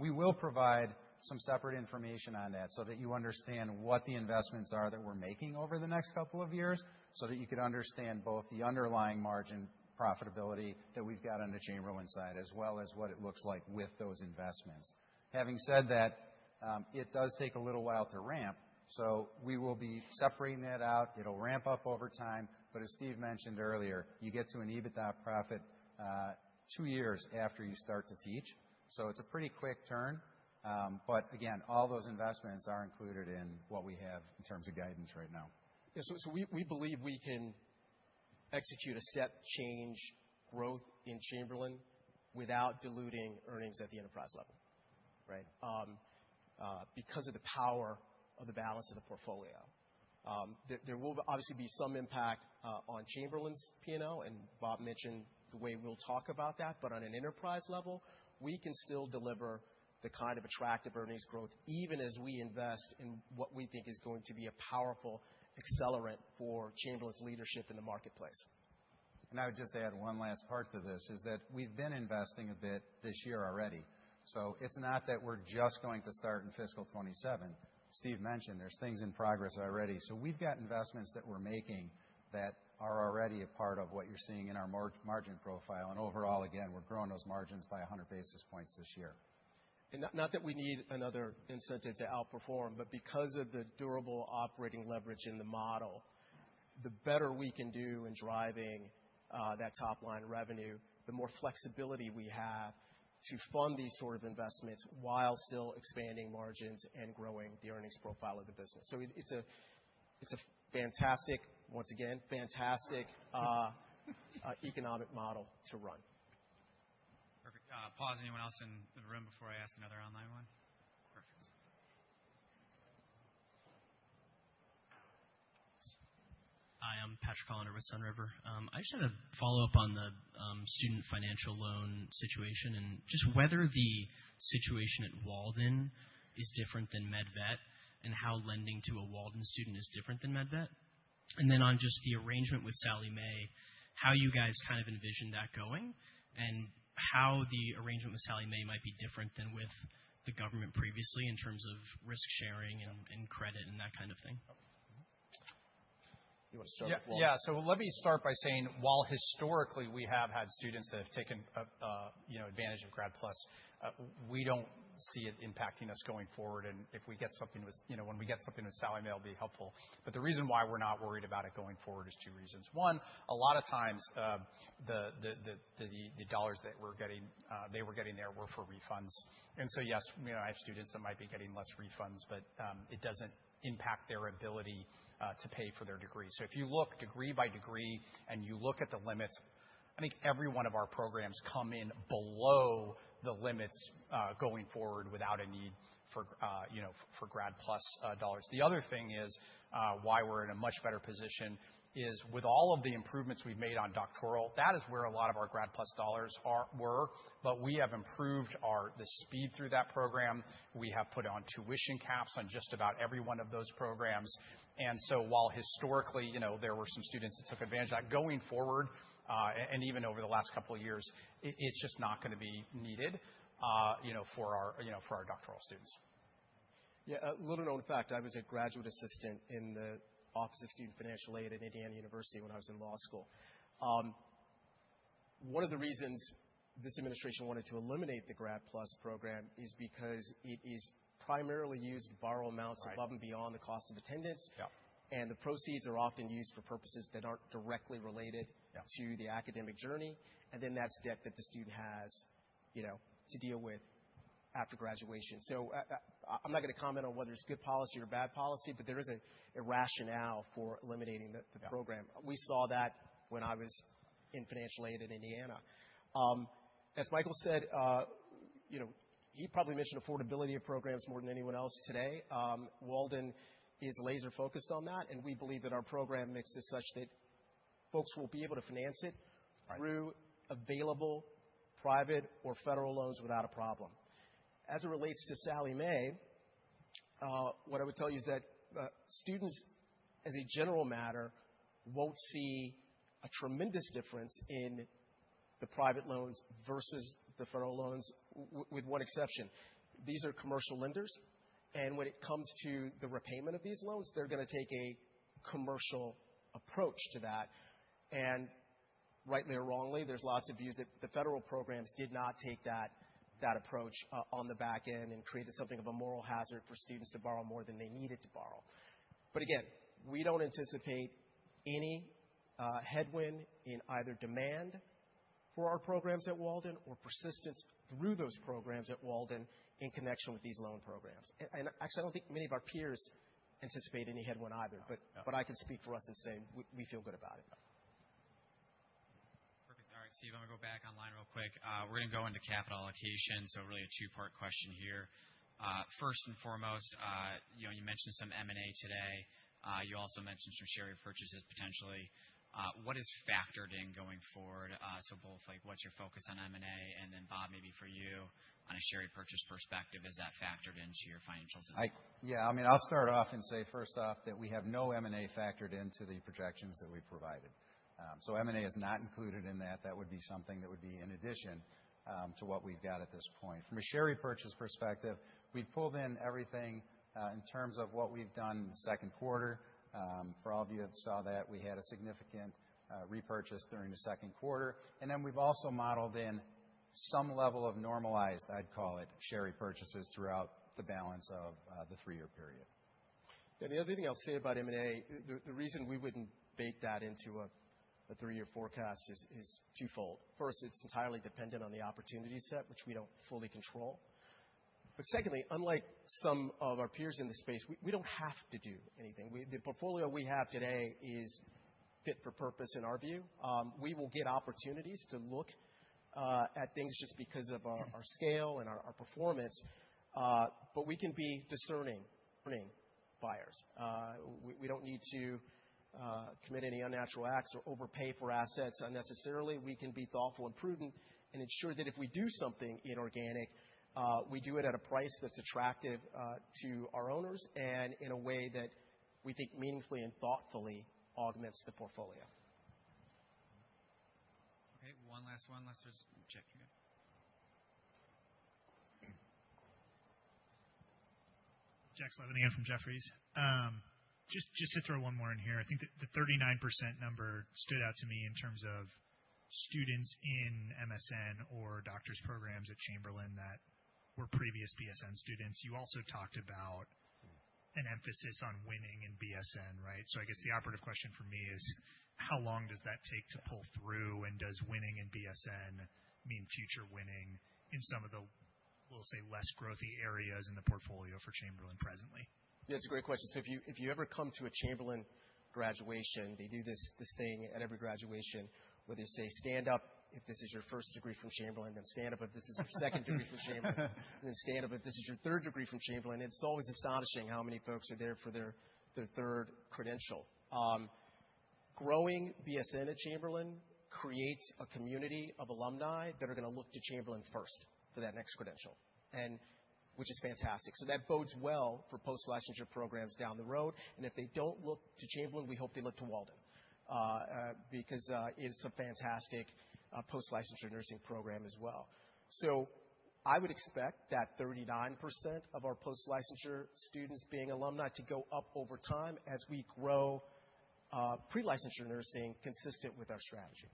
We will provide some separate information on that so that you understand what the investments are that we're making over the next couple of years, so that you can understand both the underlying margin profitability that we've got on the Chamberlain side, as well as what it looks like with those investments. Having said that, it does take a little while to ramp, so we will be separating that out. It'll ramp up over time, as Steve mentioned earlier, you get to an EBITDA profit two years after you start to teach, so it's a pretty quick turn. Again, all those investments are included in what we have in terms of guidance right now. we believe we can execute a step change growth in Chamberlain without diluting earnings at the enterprise level, right. Because of the power of the balance of the portfolio. There will obviously be some impact on Chamberlain's P&L, and Bob mentioned the way we'll talk about that, but on an enterprise level, we can still deliver the kind of attractive earnings growth, even as we invest in what we think is going to be a powerful accelerant for Chamberlain's leadership in the marketplace. I would just add one last part to this, is that we've been investing a bit this year already, so it's not that we're just going to start in fiscal 2027. Steve mentioned there's things in progress already. We've got investments that we're making that are already a part of what you're seeing in our margin profile, and overall, again, we're growing those margins by 100 basis points this year. Not that we need another incentive to outperform, but because of the durable operating leverage in the model, the better we can do in driving that top-line revenue, the more flexibility we have to fund these sort of investments while still expanding margins and growing the earnings profile of the business. It's a fantastic, once again, fantastic economic model to run. Perfect. pause. Anyone else in the room before I ask another online one? Perfect. Hi, I'm Patrick Hollander with SunRiver. I just had a follow-up on the student financial loan situation. Just whether the situation at Walden is different than MedVet, and how lending to a Walden student is different than MedVet? On just the arrangement with Sallie Mae, how you guys kind of envision that going, and how the arrangement with Sallie Mae might be different than with the government previously in terms of risk-sharing and credit, and that kind of thing? You want to start? Yeah. Yeah, let me start by saying, while historically we have had students that have taken, you know, advantage of Grad PLUS, we don't see it impacting us going forward, and when we get something with Sallie Mae, it'll be helpful. The reason why we're not worried about it going forward is 2 reasons. 1, a lot of times, the dollars that we're getting, they were getting there were for refunds. Yes, you know, I have students that might be getting less refunds, but it doesn't impact their ability to pay for their degree. If you look degree by degree, and you look at the limits, I think every one of our programs come in below the limits, going forward without a need for, you know, for Grad PLUS dollars. The other thing is why we're in a much better position, is with all of the improvements we've made on doctoral, that is where a lot of our Grad PLUS dollars were, but we have improved our, the speed through that program. We have put on tuition caps on just about every one of those programs, and so while historically, you know, there were some students that took advantage, like going forward, and even over the last couple of years, it's just not gonna be needed, you know, for our, you know, for our doctoral students. Yeah, little known fact, I was a graduate assistant in the Office of Student Financial Aid at Indiana University when I was in law school. One of the reasons this administration wanted to eliminate the Grad PLUS program is because it is primarily used to borrow amounts. Right. above and beyond the cost of attendance. Yeah. The proceeds are often used for purposes that aren't directly related... Yeah to the academic journey, that's debt that the student has, you know, to deal with after graduation. I'm not gonna comment on whether it's good policy or bad policy, but there is a rationale for eliminating the program. Yeah. We saw that when I was in financial aid at Indiana. As Michael said, you know, he probably mentioned affordability of programs more than anyone else today. Walden is laser-focused on that, and we believe that our program mix is such that folks will be able to finance it- Right through available private or federal loans without a problem. As it relates to Sallie Mae, what I would tell you is that students, as a general matter, won't see a tremendous difference in the private loans versus the federal loans, with one exception. These are commercial lenders, and when it comes to the repayment of these loans, they're gonna take a commercial approach to that, and rightly or wrongly, there's lots of views that the federal programs did not take that approach on the back end and created something of a moral hazard for students to borrow more than they needed to borrow. Again, we don't anticipate any headwind in either demand for our programs at Walden or persistence through those programs at Walden in connection with these loan programs. Actually, I don't think many of our peers anticipate any headwind either, but I can speak for us and say we feel good about it. Perfect. All right, Steve, I'm gonna go back online real quick. We're gonna go into capital allocation, so really a two-part question here. First and foremost, you know, you mentioned some M&A today. You also mentioned some share repurchases, potentially. What is factored in going forward? Both, like, what's your focus on M&A? Bob, maybe for you, on a share repurchase perspective, is that factored into your financials as well? Yeah, I mean, I'll start off and say first off, that we have no M&A factored into the projections that we've provided. M&A is not included in that. That would be something that would be in addition to what we've got at this point. From a share repurchase perspective, we pulled in everything in terms of what we've done in the second quarter. For all of you that saw that, we had a significant repurchase during the second quarter, we've also modeled in some level of normalized, I'd call it, share repurchases throughout the balance of the 3-year period. The other thing I'll say about M&A, the reason we wouldn't bake that into a three-year forecast is twofold. First, it's entirely dependent on the opportunity set, which we don't fully control. Secondly, unlike some of our peers in this space, we don't have to do anything. The portfolio we have today is fit for purpose in our view. We will get opportunities to look at things just because of our scale and our performance, but we can be discerning buyers. We don't need to commit any unnatural acts or overpay for assets unnecessarily. We can be thoughtful and prudent and ensure that if we do something inorganic, we do it at a price that's attractive to our owners and in a way that we think meaningfully and thoughtfully augments the portfolio. Okay, one last one, unless there's Jack again? Jack Slevin again from Jefferies. Just to throw one more in here. I think the 39% number stood out to me in terms of students in MSN or doctor's programs at Chamberlain that were previous BSN students. You also talked about an emphasis on winning in BSN, right? I guess the operative question for me is: how long does that take to pull through, and does winning in BSN mean future winning in some of the, we'll say, less growthy areas in the portfolio for Chamberlain presently? Yeah, it's a great question. If you ever come to a Chamberlain graduation, they do this thing at every graduation, where they say, "Stand up if this is your first degree from Chamberlain, then stand up if this is your second degree from Chamberlain, then stand up if this is your third degree from Chamberlain." It's always astonishing how many folks are there for their third credential. Growing BSN at Chamberlain creates a community of alumni that are gonna look to Chamberlain first for that next credential, and which is fantastic. That bodes well for post-licensure programs down the road, and if they don't look to Chamberlain, we hope they look to Walden, because it's a fantastic post-licensure nursing program as well. I would expect that 39% of our post-licensure students being alumni to go up over time as we grow pre-licensure nursing consistent with our strategy.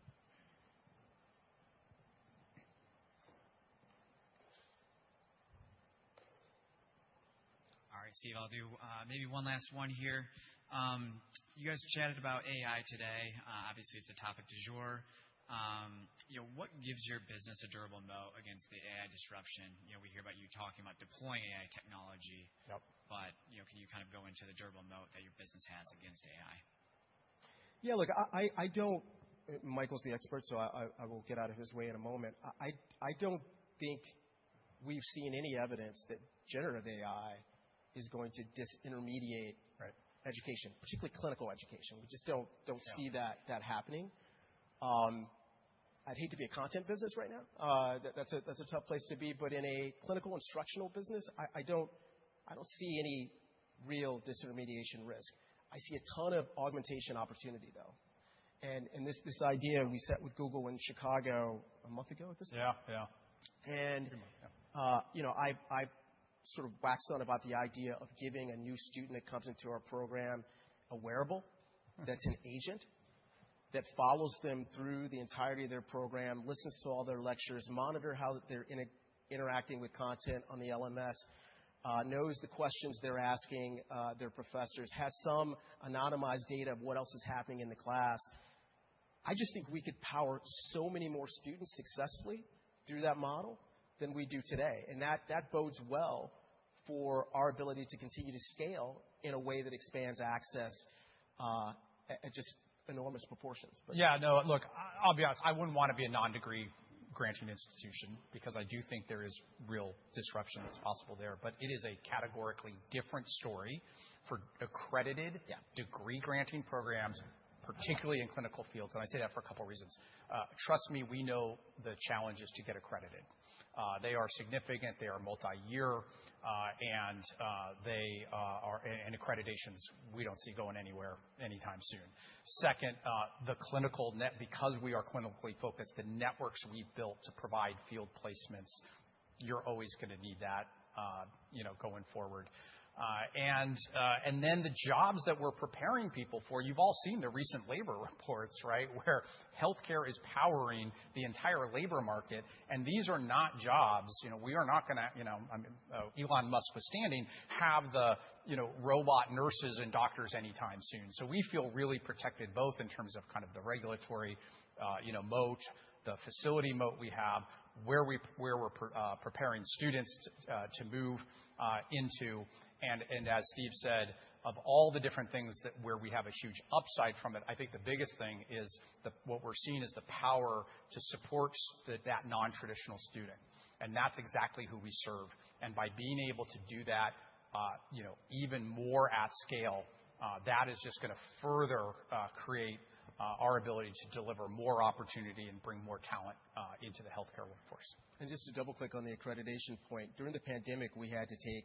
All right, Steve, I'll do maybe one last one here. You guys chatted about AI today. Obviously, it's a topic du jour. You know, what gives your business a durable moat against the AI disruption? You know, we hear about you talking about deploying AI technology- Yep. You know, can you kind of go into the durable moat that your business has against AI? Yeah, look. Michael's the expert, so I will get out of his way in a moment. I don't think we've seen any evidence that generative AI is going to disintermediate. Right. education, particularly clinical education. We just don't see that. Yeah. - that happening. I'd hate to be a content business right now. That's a tough place to be, but in a clinical instructional business, I don't see any real disintermediation risk. I see a ton of augmentation opportunity, though. This idea, we sat with Google in Chicago a month ago at this point? Yeah, yeah. And- Three months, yeah. you know, I sort of waxed on about the idea of giving a new student that comes into our program a wearable that's an agent, that follows them through the entirety of their program, listens to all their lectures, monitor how they're interacting with content on the LMS, knows the questions they're asking, their professors, has some anonymized data of what else is happening in the class. I just think we could power so many more students successfully through that model than we do today, and that bodes well for our ability to continue to scale in a way that expands access, at just enormous proportions. Yeah, no, look, I'll be honest, I wouldn't want to be a non-degree granting institution, because I do think there is real disruption that's possible there. It is a categorically different story for accredited- Yeah degree granting programs, particularly in clinical fields. I say that for a couple reasons. Trust me, we know the challenges to get accredited. They are significant, they are multi-year, and accreditations, we don't see going anywhere anytime soon. Second, the clinical net, because we are clinically focused, the networks we've built to provide field placements, you're always gonna need that, you know, going forward. Then the jobs that we're preparing people for, you've all seen the recent labor reports, right? Where healthcare is powering the entire labor market, and these are not jobs, you know, we are not gonna, you know, I mean, Elon Musk withstanding, have the, you know, robot nurses and doctors anytime soon. We feel really protected, both in terms of kind of the regulatory, you know, moat, the facility moat we have, where we're preparing students to move into. As Steve said, of all the different things that where we have a huge upside from it, I think the biggest thing is what we're seeing is the power to support that nontraditional student, and that's exactly who we serve. By being able to do that, you know, even more at scale, that is just gonna further create our ability to deliver more opportunity and bring more talent into the healthcare workforce. Just to double click on the accreditation point, during the pandemic, we had to take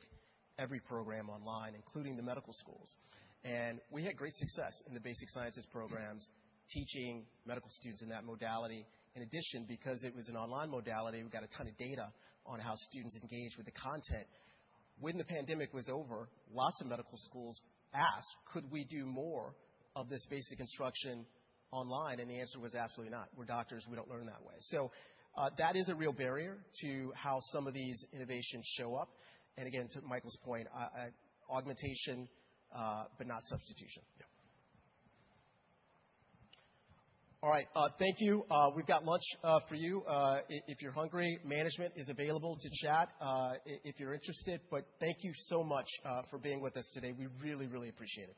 every program online, including the medical schools. We had great success in the basic sciences programs, teaching medical students in that modality. In addition, because it was an online modality, we got a ton of data on how students engaged with the content. When the pandemic was over, lots of medical schools asked, "Could we do more of this basic instruction online?" The answer was: absolutely not. We're doctors. We don't learn that way. That is a real barrier to how some of these innovations show up. Again, to Michael's point, augmentation, but not substitution. Yeah. All right, thank you. We've got lunch for you. If you're hungry, management is available to chat, if you're interested. Thank you so much for being with us today. We really, really appreciate it.